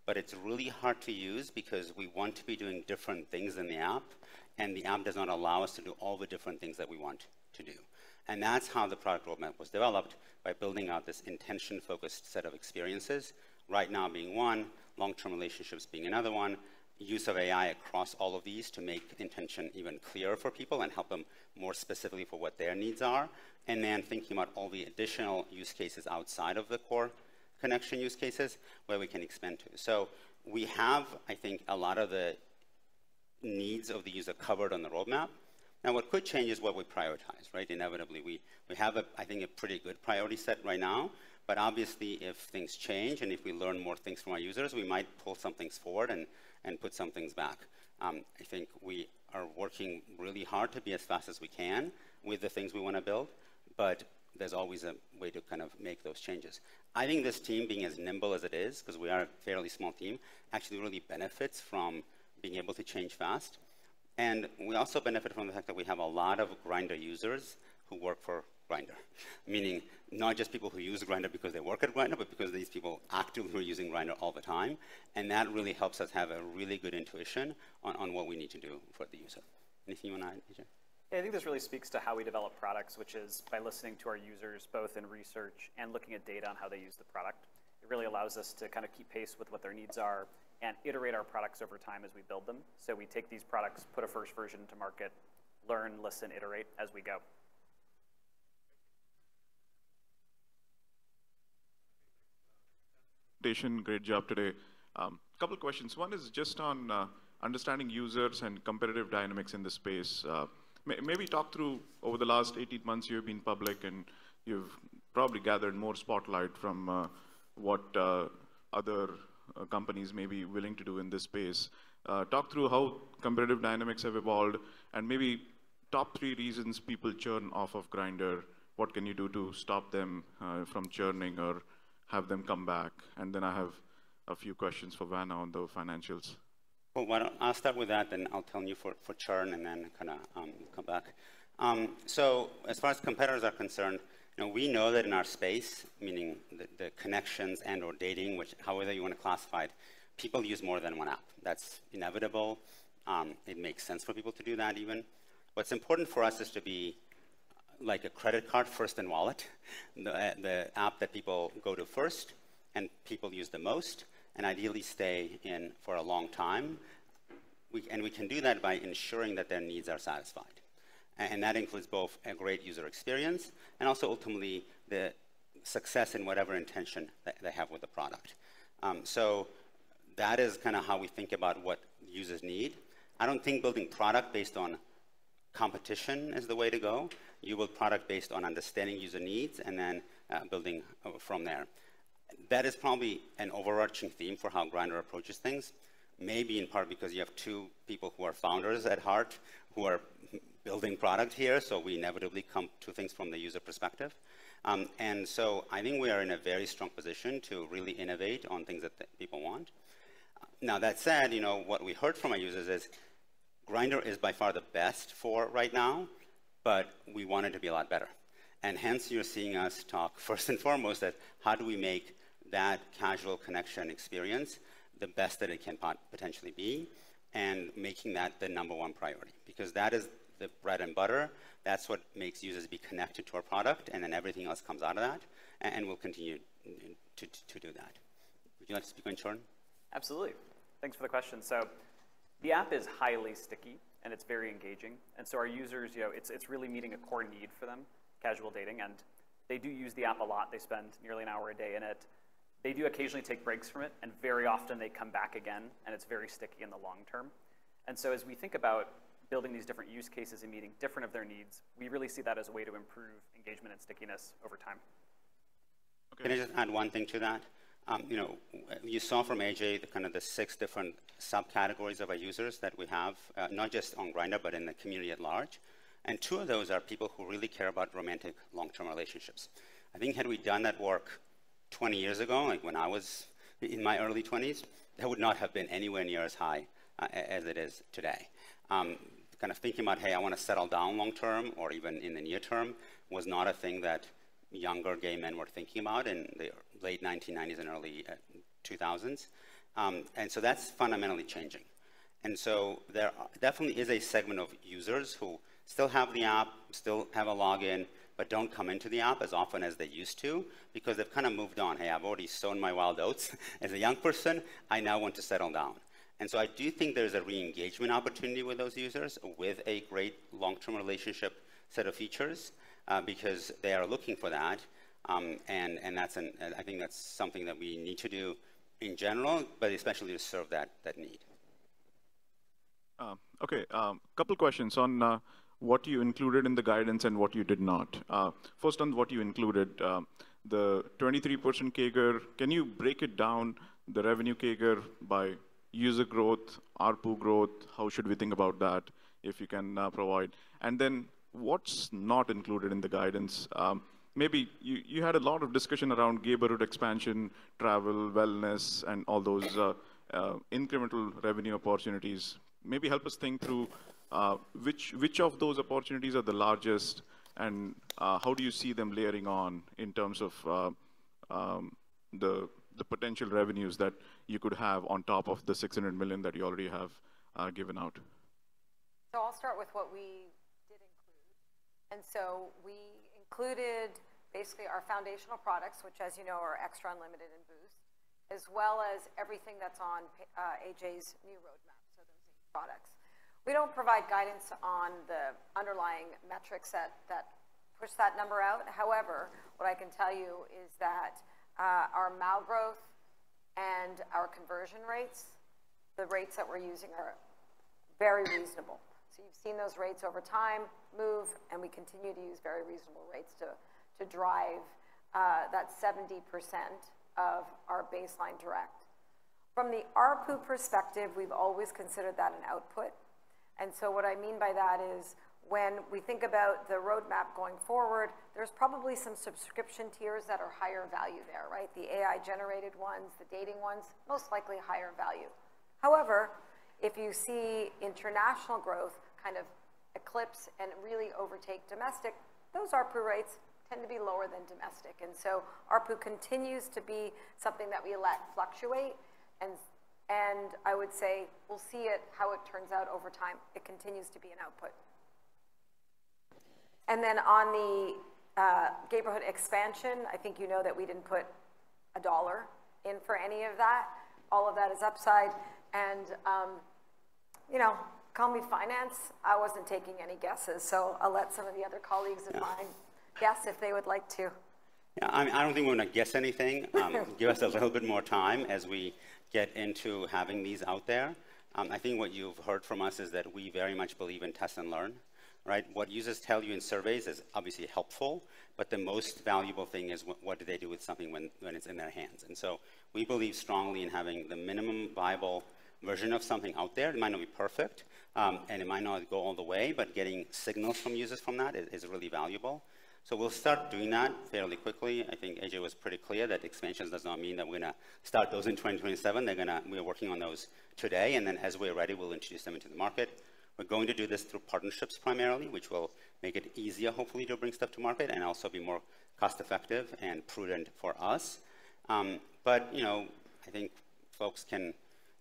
but it's really hard to use because we want to be doing different things in the app, and the app does not allow us to do all the different things that we want to do. That's how the product roadmap was developed, by building out this intention-focused set of experiences, Right Now being one, long-term relationships being another one, use of AI across all of these to make intention even clearer for people and help them more specifically for what their needs are, and then thinking about all the additional use cases outside of the core connection use cases where we can expand to. So we have, I think, a lot of needs of the user covered on the roadmap. Now, what could change is what we prioritize, right? Inevitably, we have a, I think, a pretty good priority set right now, but obviously, if things change and if we learn more things from our users, we might pull some things forward and, and put some things back. I think we are working really hard to be as fast as we can with the things we want to build, but there's always a way to kind of make those changes. I think this team, being as nimble as it is, 'cause we are a fairly small team, actually really benefits from being able to change fast. We also benefit from the fact that we have a lot of Grindr users who work for Grindr. Meaning, not just people who use Grindr because they work at Grindr, but because these people actively are using Grindr all the time, and that really helps us have a really good intuition on what we need to do for the user. Anything you want to add, AJ? Yeah, I think this really speaks to how we develop products, which is by listening to our users, both in research and looking at data on how they use the product. It really allows us to kind of keep pace with what their needs are and iterate our products over time as we build them. So we take these products, put a first version to market, learn, listen, iterate as we go. ... Great job today. A couple questions. One is just on understanding users and competitive dynamics in this space. Maybe talk through over the last 18 months, you've been public, and you've probably gathered more spotlight from what other companies may be willing to do in this space. Talk through how competitive dynamics have evolved, and maybe top three reasons people churn off of Grindr. What can you do to stop them from churning or have them come back? And then I have a few questions for Vanna on the financials. Well, why don't, I'll start with that, then I'll tell you for, for churn and then kinda, come back. So as far as competitors are concerned, you know, we know that in our space, meaning the, the connections and/or dating, which however you want to classify it, people use more than one app. That's inevitable. It makes sense for people to do that even. What's important for us is to be like a credit card first in wallet, the, the app that people go to first and people use the most and ideally stay in for a long time. And we can do that by ensuring that their needs are satisfied. And that includes both a great user experience and also ultimately, the success in whatever intention that they have with the product. So that is kinda how we think about what users need. I don't think building product based on competition is the way to go. You build product based on understanding user needs and then, building, from there. That is probably an overarching theme for how Grindr approaches things. Maybe in part because you have two people who are founders at heart, who are building product here, so we inevitably come to things from the user perspective. And so I think we are in a very strong position to really innovate on things that the people want. Now, that said, you know, what we heard from our users is, Grindr is by far the best for right now, but we want it to be a lot better. Hence, you're seeing us talk first and foremost about how do we make that casual connection experience the best that it can potentially be, and making that the number one priority, because that is the bread and butter. That's what makes users be connected to our product, and then everything else comes out of that. And we'll continue to do that. Would you like to speak on churn? Absolutely. Thanks for the question. So the app is highly sticky, and it's very engaging, and so our users, you know, it's really meeting a core need for them, casual dating, and they do use the app a lot. They spend nearly an hour a day in it. They do occasionally take breaks from it, and very often they come back again, and it's very sticky in the long term. And so as we think about building these different use cases and meeting different of their needs, we really see that as a way to improve engagement and stickiness over time. Can I just add one thing to that? You know, you saw from AJ, the kind of the six different subcategories of our users that we have, not just on Grindr, but in the community at large. And two of those are people who really care about romantic long-term relationships. I think had we done that work 20 years ago, like when I was in my early twenties, that would not have been anywhere near as high, as it is today. Kind of thinking about, "Hey, I want to settle down long term," or even in the near term, was not a thing that younger gay men were thinking about in the late 1990s and early 2000s. And so that's fundamentally changing. And so there definitely is a segment of users who still have the app, still have a login, but don't come into the app as often as they used to because they've kind of moved on. "Hey, I've already sown my wild oats as a young person. I now want to settle down." And so I do think there's a re-engagement opportunity with those users, with a great long-term relationship set of features, because they are looking for that. And that's something that we need to do in general, but especially to serve that need. Okay. A couple questions on what you included in the guidance and what you did not. First, on what you included, the 23% CAGR, can you break it down the revenue CAGR by user growth, ARPU growth? How should we think about that, if you can provide? And then what's not included in the guidance? Maybe you had a lot of discussion around Gayborhood expansion, travel, wellness, and all those incremental revenue opportunities. Maybe help us think through which of those opportunities are the largest, and how do you see them layering on in terms of the potential revenues that you could have on top of the $600 million that you already have given out? So I'll start with what we did include. So we included basically our foundational products, which, as you know, are XTRA, Unlimited, and Boost, as well as everything that's on AJ's new roadmap, so those new products. We don't provide guidance on the underlying metrics that push that number out. However, what I can tell you is that our MAU growth and our conversion rates, the rates that we're using are very reasonable. So you've seen those rates over time move, and we continue to use very reasonable rates to drive that 70% of our baseline direct. From the ARPU perspective, we've always considered that an output, and so what I mean by that is when we think about the roadmap going forward, there's probably some subscription tiers that are higher value there, right? The AI-generated ones, the dating ones, most likely higher value. However, if you see international growth kind of eclipse and really overtake domestic, those ARPU rates tend to be lower than domestic. And so ARPU continues to be something that we let fluctuate, and I would say we'll see it, how it turns out over time. It continues to be an output. And then on the Gayborhood expansion, I think you know that we didn't put a dollar in for any of that. All of that is upside, and you know, call me finance, I wasn't taking any guesses, so I'll let some of the other colleagues of mine- Yeah. Guess if they would like to. Yeah, I don't think we wanna guess anything. Give us a little bit more time as we get into having these out there. I think what you've heard from us is that we very much believe in test and learn, right? What users tell you in surveys is obviously helpful, but the most valuable thing is what do they do with something when it's in their hands. And so we believe strongly in having the minimum viable version of something out there. It might not be perfect, and it might not go all the way, but getting signals from users from that is really valuable. So we'll start doing that fairly quickly. I think AJ was pretty clear that expansions does not mean that we're gonna start those in 2027. They're gonna, we're working on those today, and then as we're ready, we'll introduce them into the market. We're going to do this through partnerships primarily, which will make it easier, hopefully, to bring stuff to market and also be more cost-effective and prudent for us. But, you know, I think folks can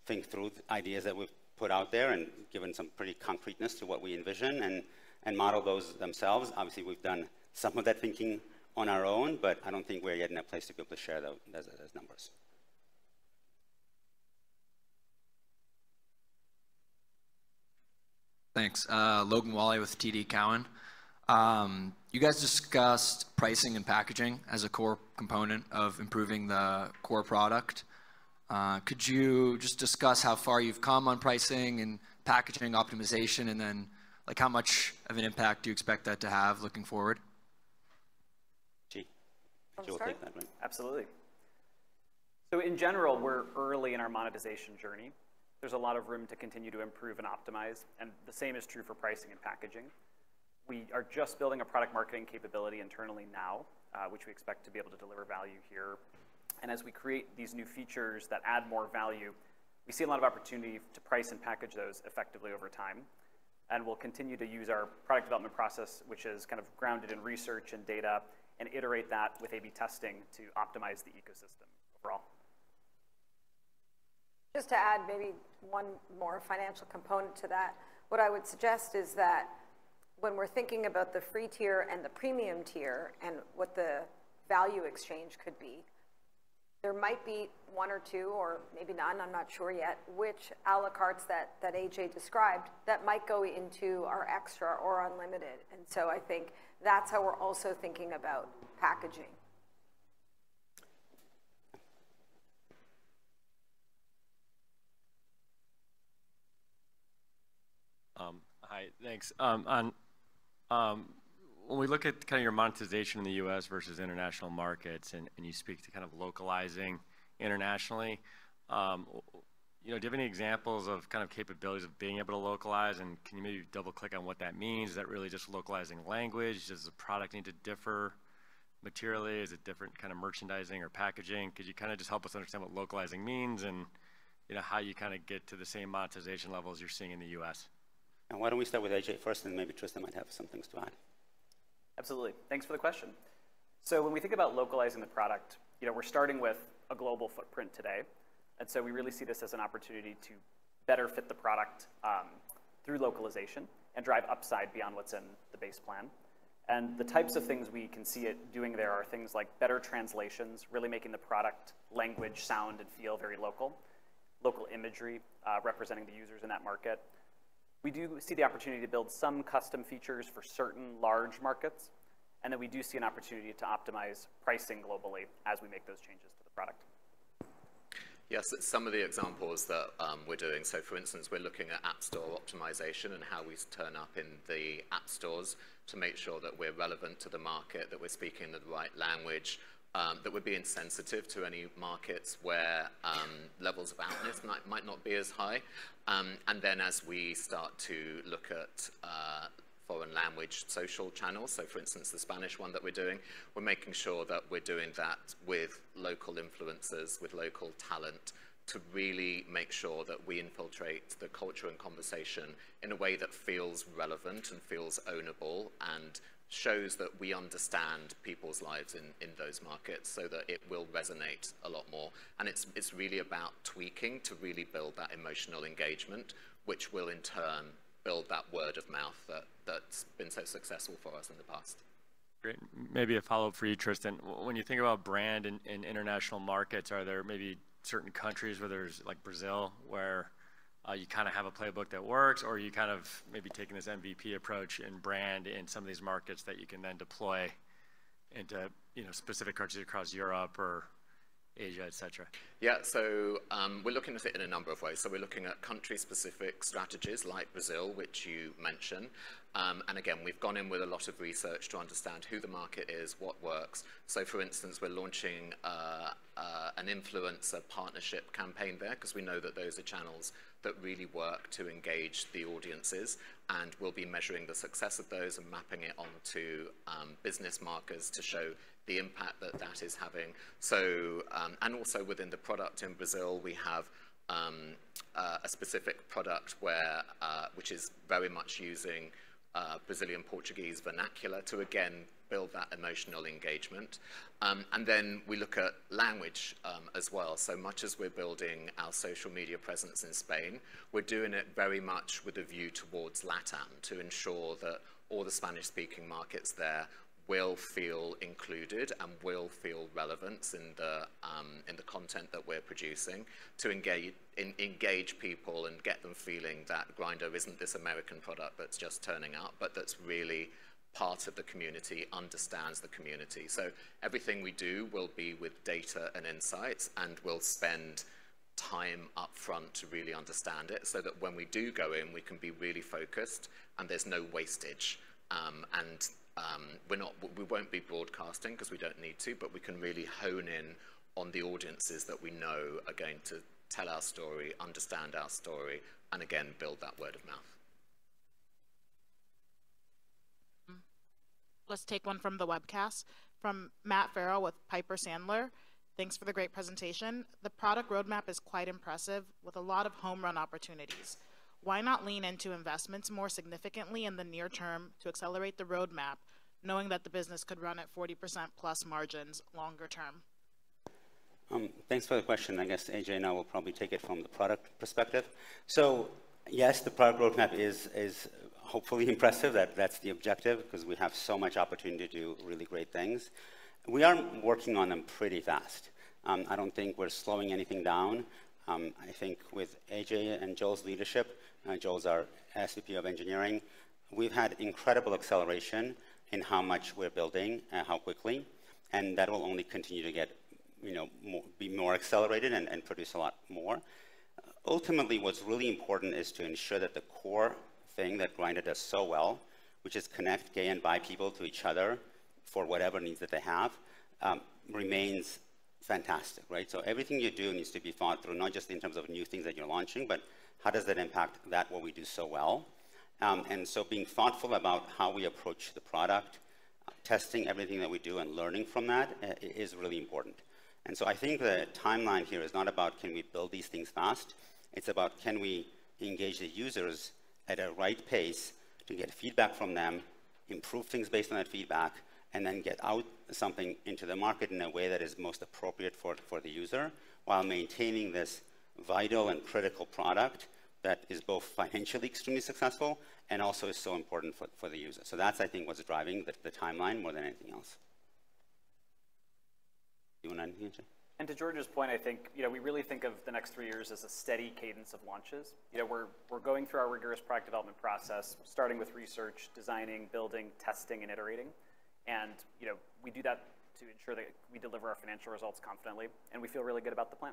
think through the ideas that we've put out there and given some pretty concreteness to what we envision and model those themselves. Obviously, we've done some of that thinking on our own, but I don't think we're yet in a place to be able to share those numbers. Thanks. Logan Walle with TD Cowen. You guys discussed pricing and packaging as a core component of improving the core product. Could you just discuss how far you've come on pricing and packaging optimization, and then, like, how much of an impact do you expect that to have looking forward? AJ, do you want to take that one? Absolutely. So in general, we're early in our monetization journey. There's a lot of room to continue to improve and optimize, and the same is true for pricing and packaging. We are just building a product marketing capability internally now, which we expect to be able to deliver value here. And as we create these new features that add more value, we see a lot of opportunity to price and package those effectively over time, and we'll continue to use our product development process, which is kind of grounded in research and data, and iterate that with A/B testing to optimize the ecosystem overall. Just to add maybe one more financial component to that. What I would suggest is that when we're thinking about the free tier and the premium tier and what the value exchange could be, there might be one or two or maybe none, I'm not sure yet, which à la cartes that, that AJ described, that might go into our XTRA or Unlimited. And so I think that's how we're also thinking about packaging. Hi, thanks. When we look at kinda your monetization in the US versus international markets, and you speak to kind of localizing internationally, you know, do you have any examples of kind of capabilities of being able to localize? And can you maybe double-click on what that means? Is that really just localizing language? Does the product need to differ materially? Is it different kind of merchandising or packaging? Could you kinda just help us understand what localizing means and, you know, how you kinda get to the same monetization levels you're seeing in the US? Why don't we start with AJ first, and maybe Tristan might have some things to add. Absolutely. Thanks for the question. So when we think about localizing the product, you know, we're starting with a global footprint today, and so we really see this as an opportunity to better fit the product through localization and drive upside beyond what's in the base plan. And the types of things we can see it doing there are things like better translations, really making the product language sound and feel very local, local imagery, representing the users in that market. We do see the opportunity to build some custom features for certain large markets, and then we do see an opportunity to optimize pricing globally as we make those changes to the product. Yes, some of the examples that we're doing, so for instance, we're looking at App Store optimization and how we turn up in the app stores to make sure that we're relevant to the market, that we're speaking the right language, that would be insensitive to any markets where levels of alertness might not be as high. And then as we start to look at foreign language social channels, so for instance, the Spanish one that we're doing, we're making sure that we're doing that with local influencers, with local talent, to really make sure that we infiltrate the culture and conversation in a way that feels relevant and feels ownable and shows that we understand people's lives in those markets, so that it will resonate a lot more. It's, it's really about tweaking to really build that emotional engagement, which will in turn build that word-of-mouth that, that's been so successful for us in the past. Great. Maybe a follow-up for you, Tristan. When you think about brand in, in international markets, are there maybe certain countries where there's, like Brazil, where you kinda have a playbook that works, or are you kind of maybe taking this MVP approach and brand in some of these markets that you can then deploy into, you know, specific countries across Europe or-... Asia, etcetera? Yeah, so, we're looking at it in a number of ways. So we're looking at country-specific strategies like Brazil, which you mentioned. And again, we've gone in with a lot of research to understand who the market is, what works. So for instance, we're launching an influencer partnership campaign there, 'cause we know that those are channels that really work to engage the audiences. And we'll be measuring the success of those and mapping it onto business markers to show the impact that that is having. So, and also within the product in Brazil, we have a specific product which is very much using Brazilian Portuguese vernacular to again, build that emotional engagement. And then we look at language as well. So much as we're building our social media presence in Spain, we're doing it very much with a view towards LATAM, to ensure that all the Spanish-speaking markets there will feel included and will feel relevance in the content that we're producing, to engage people and get them feeling that Grindr isn't this American product that's just turning up, but that's really part of the community, understands the community. So everything we do will be with data and insights, and we'll spend time up front to really understand it, so that when we do go in, we can be really focused, and there's no wastage. We won't be broadcasting 'cause we don't need to, but we can really hone in on the audiences that we know are going to tell our story, understand our story, and again, build that word of mouth. Let's take one from the webcast. From Matt Farrell with Piper Sandler: "Thanks for the great presentation. The product roadmap is quite impressive, with a lot of home-run opportunities. Why not lean into investments more significantly in the near term to accelerate the roadmap, knowing that the business could run at 40%+ margins longer term? Thanks for the question. I guess AJ and I will probably take it from the product perspective. So yes, the product roadmap is hopefully impressive. That's the objective, 'cause we have so much opportunity to do really great things. We are working on them pretty fast. I don't think we're slowing anything down. I think with AJ and Joel's leadership, Joel's our SVP of engineering, we've had incredible acceleration in how much we're building and how quickly, and that will only continue to get, you know, more accelerated and produce a lot more. Ultimately, what's really important is to ensure that the core thing that Grindr does so well, which is connect gay and bi people to each other for whatever needs that they have, remains fantastic, right? So everything you do needs to be thought through, not just in terms of new things that you're launching, but how does that impact that what we do so well? And so being thoughtful about how we approach the product, testing everything that we do and learning from that, is really important. And so I think the timeline here is not about, can we build these things fast? It's about, can we engage the users at a right pace to get feedback from them, improve things based on that feedback, and then get out something into the market in a way that is most appropriate for, for the user, while maintaining this vital and critical product that is both financially extremely successful and also is so important for, for the user. So that's, I think, what's driving the, the timeline more than anything else. You wanna add anything, AJ? To George's point, I think, you know, we really think of the next three years as a steady cadence of launches. You know, we're going through our rigorous product development process, starting with research, designing, building, testing, and iterating. You know, we do that to ensure that we deliver our financial results confidently, and we feel really good about the plan.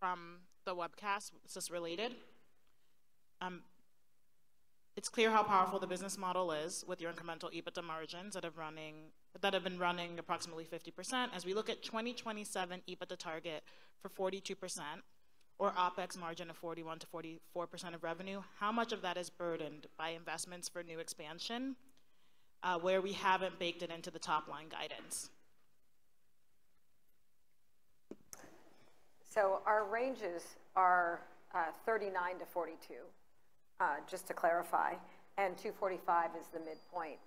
From the webcast, this is related. It's clear how powerful the business model is with your incremental EBITDA margins that have been running approximately 50%. As we look at 2027 EBITDA target for 42% or OpEx margin of 41%-44% of revenue, how much of that is burdened by investments for new expansion, where we haven't baked it into the top-line guidance? So our ranges are $39-$42, just to clarify, and $245 is the midpoint.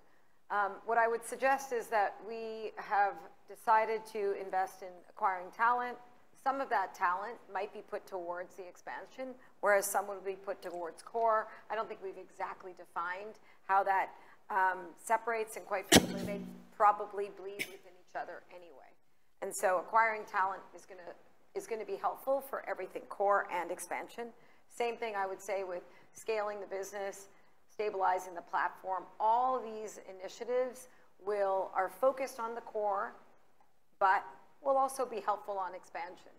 What I would suggest is that we have decided to invest in acquiring talent. Some of that talent might be put towards the expansion, whereas some will be put towards core. I don't think we've exactly defined how that separates, and quite frankly, they probably bleed within each other anyway. And so acquiring talent is gonna be helpful for everything, core and expansion. Same thing I would say with scaling the business, stabilizing the platform. All these initiatives are focused on the core, but will also be helpful on expansion.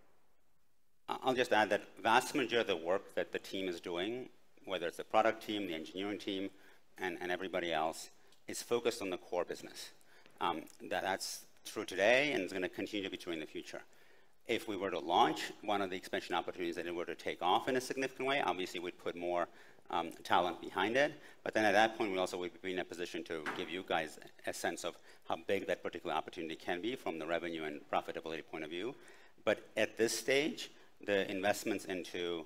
I'll just add that vast majority of the work that the team is doing, whether it's the product team, the engineering team, and everybody else, is focused on the core business. That's true today, and it's gonna continue to be true in the future. If we were to launch one of the expansion opportunities, and it were to take off in a significant way, obviously, we'd put more talent behind it. But then at that point, we also would be in a position to give you guys a sense of how big that particular opportunity can be from the revenue and profitability point of view. But at this stage, the investments into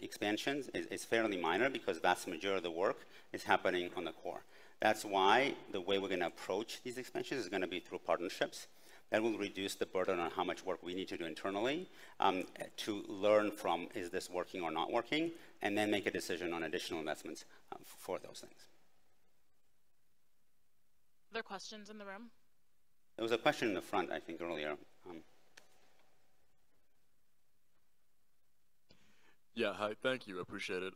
expansions is fairly minor because vast majority of the work is happening on the core. That's why the way we're gonna approach these expansions is gonna be through partnerships. That will reduce the burden on how much work we need to do internally, to learn from, is this working or not working? And then make a decision on additional investments, for those things. Other questions in the room? There was a question in the front, I think, earlier. ... Yeah. Hi. Thank you. I appreciate it.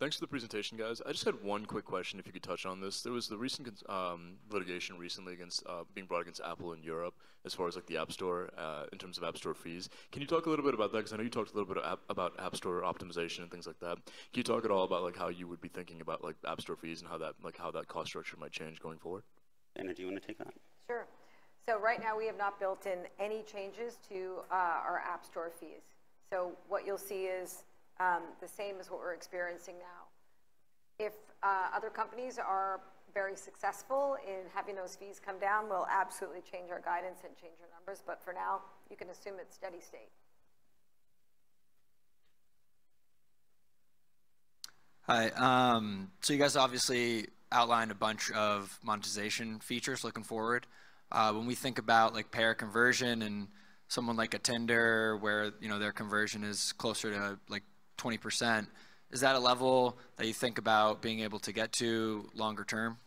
Thanks for the presentation, guys. I just had one quick question, if you could touch on this. There was the recent litigation recently against being brought against Apple in Europe as far as, like, the App Store in terms of App Store fees. Can you talk a little bit about that? Because I know you talked a little bit about App Store optimization and things like that. Can you talk at all about, like, how you would be thinking about, like, the App Store fees and how that, like, how that cost structure might change going forward? Vanna, do you want to take that? Sure. So right now, we have not built in any changes to our App Store fees. So what you'll see is the same as what we're experiencing now. If other companies are very successful in having those fees come down, we'll absolutely change our guidance and change our numbers, but for now, you can assume it's steady state. Hi, so you guys obviously outlined a bunch of monetization features looking forward. When we think about, like, payer conversion and someone like a Tinder, where, you know, their conversion is closer to, like, 20%, is that a level that you think about being able to get to longer term?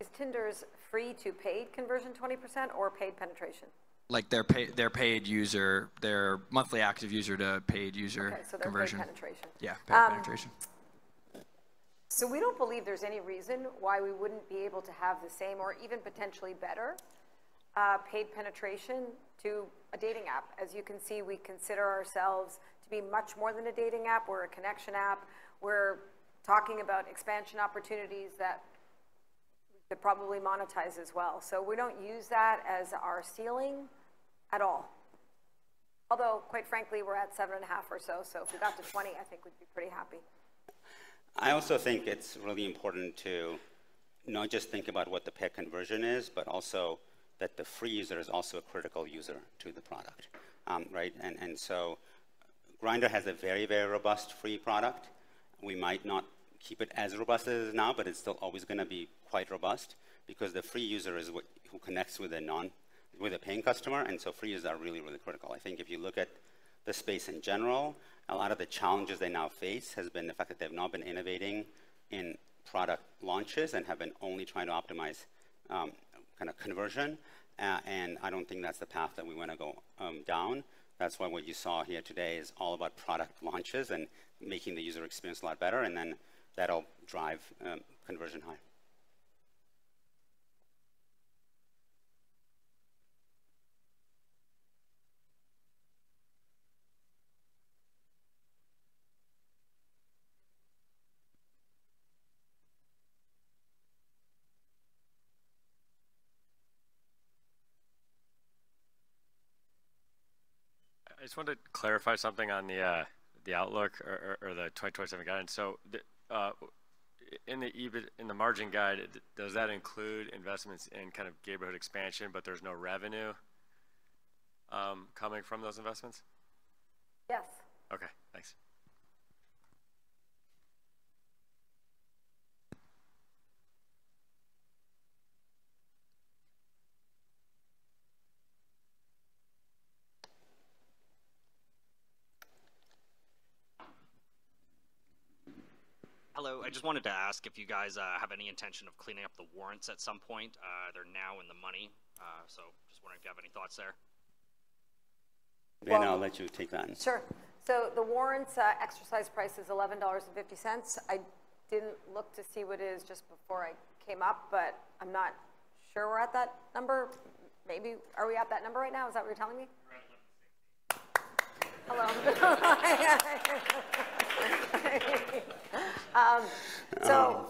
Is Tinder's free-to-paid conversion 20% or paid penetration? Like, their paid user, their monthly active user to paid user- Okay- Penetration Their paid penetration. Yeah, paid penetration. So we don't believe there's any reason why we wouldn't be able to have the same or even potentially better, paid penetration to a dating app. As you can see, we consider ourselves to be much more than a dating app. We're a connection app. We're talking about expansion opportunities that probably monetize as well. So we don't use that as our ceiling at all. Although quite frankly, we're at 7.5 or so, so if we got to 20, I think we'd be pretty happy. I also think it's really important to not just think about what the paid conversion is, but also that the free user is also a critical user to the product. Right? And so Grindr has a very, very robust free product. We might not keep it as robust as it is now, but it's still always gonna be quite robust because the free user is who connects with a paying customer, and so free users are really, really critical. I think if you look at the space in general, a lot of the challenges they now face has been the fact that they've not been innovating in product launches and have been only trying to optimize kind of conversion. And I don't think that's the path that we wanna go down. That's why what you saw here today is all about product launches and making the user experience a lot better, and then that'll drive, conversion high. I just wanted to clarify something on the outlook or the 2027 guide. So in the EBIT margin guide, does that include investments in kind of Gayborhood expansion, but there's no revenue coming from those investments? Yes. Okay, thanks. Hello. I just wanted to ask if you guys have any intention of cleaning up the warrants at some point. They're now in the money, so just wondering if you have any thoughts there. Well- Vanna, I'll let you take that. Sure. So the warrants exercise price is $11.50. I didn't look to see what it is just before I came up, but I'm not sure we're at that number. Maybe... Are we at that number right now? Is that what you're telling me? We're at 11:50. Hello. So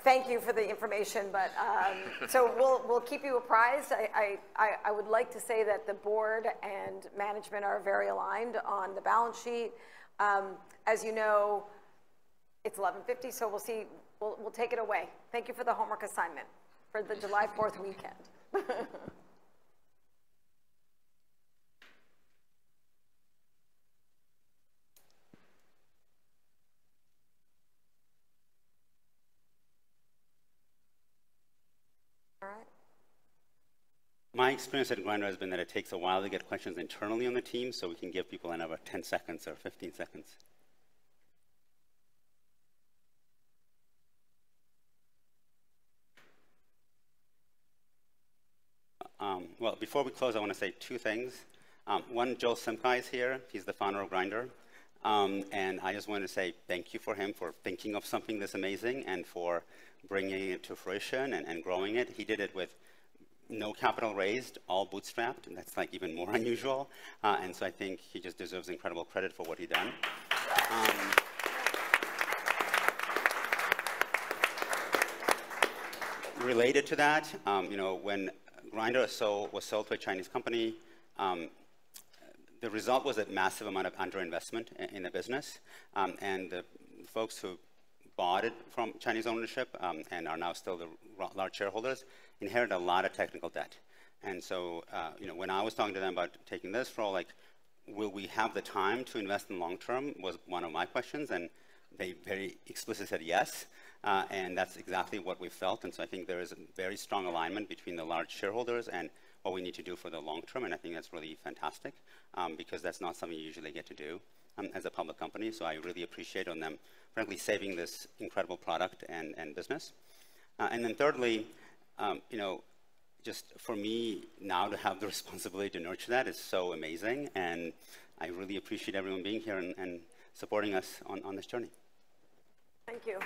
thank you for the information, but so we'll keep you apprised. I would like to say that the board and management are very aligned on the balance sheet. As you know, it's 11:50, so we'll see. We'll take it away. Thank you for the homework assignment for the July fourth weekend. All right. My experience at Grindr has been that it takes a while to get questions internally on the team, so we can give people another 10 seconds or 15 seconds. Well, before we close, I want to say two things. One, Joel Simkhai is here. He's the founder of Grindr. I just wanted to say thank you for him for thinking of something this amazing and for bringing it to fruition and growing it. He did it with no capital raised, all bootstrapped, and that's, like, even more unusual. So I think he just deserves incredible credit for what he's done. Related to that, you know, when Grindr was sold to a Chinese company, the result was a massive amount of underinvestment in the business. and the folks who bought it from Chinese ownership, and are now still the large shareholders, inherited a lot of technical debt. And so, you know, when I was talking to them about taking this role, like, will we have the time to invest in long term? Was one of my questions, and they very explicitly said yes. And that's exactly what we felt, and so I think there is a very strong alignment between the large shareholders and what we need to do for the long term, and I think that's really fantastic, because that's not something you usually get to do, as a public company. So I really appreciate on them, frankly, saving this incredible product and, and business. And then thirdly, you know, just for me now to have the responsibility to nurture that is so amazing, and I really appreciate everyone being here and supporting us on this journey. Thank you.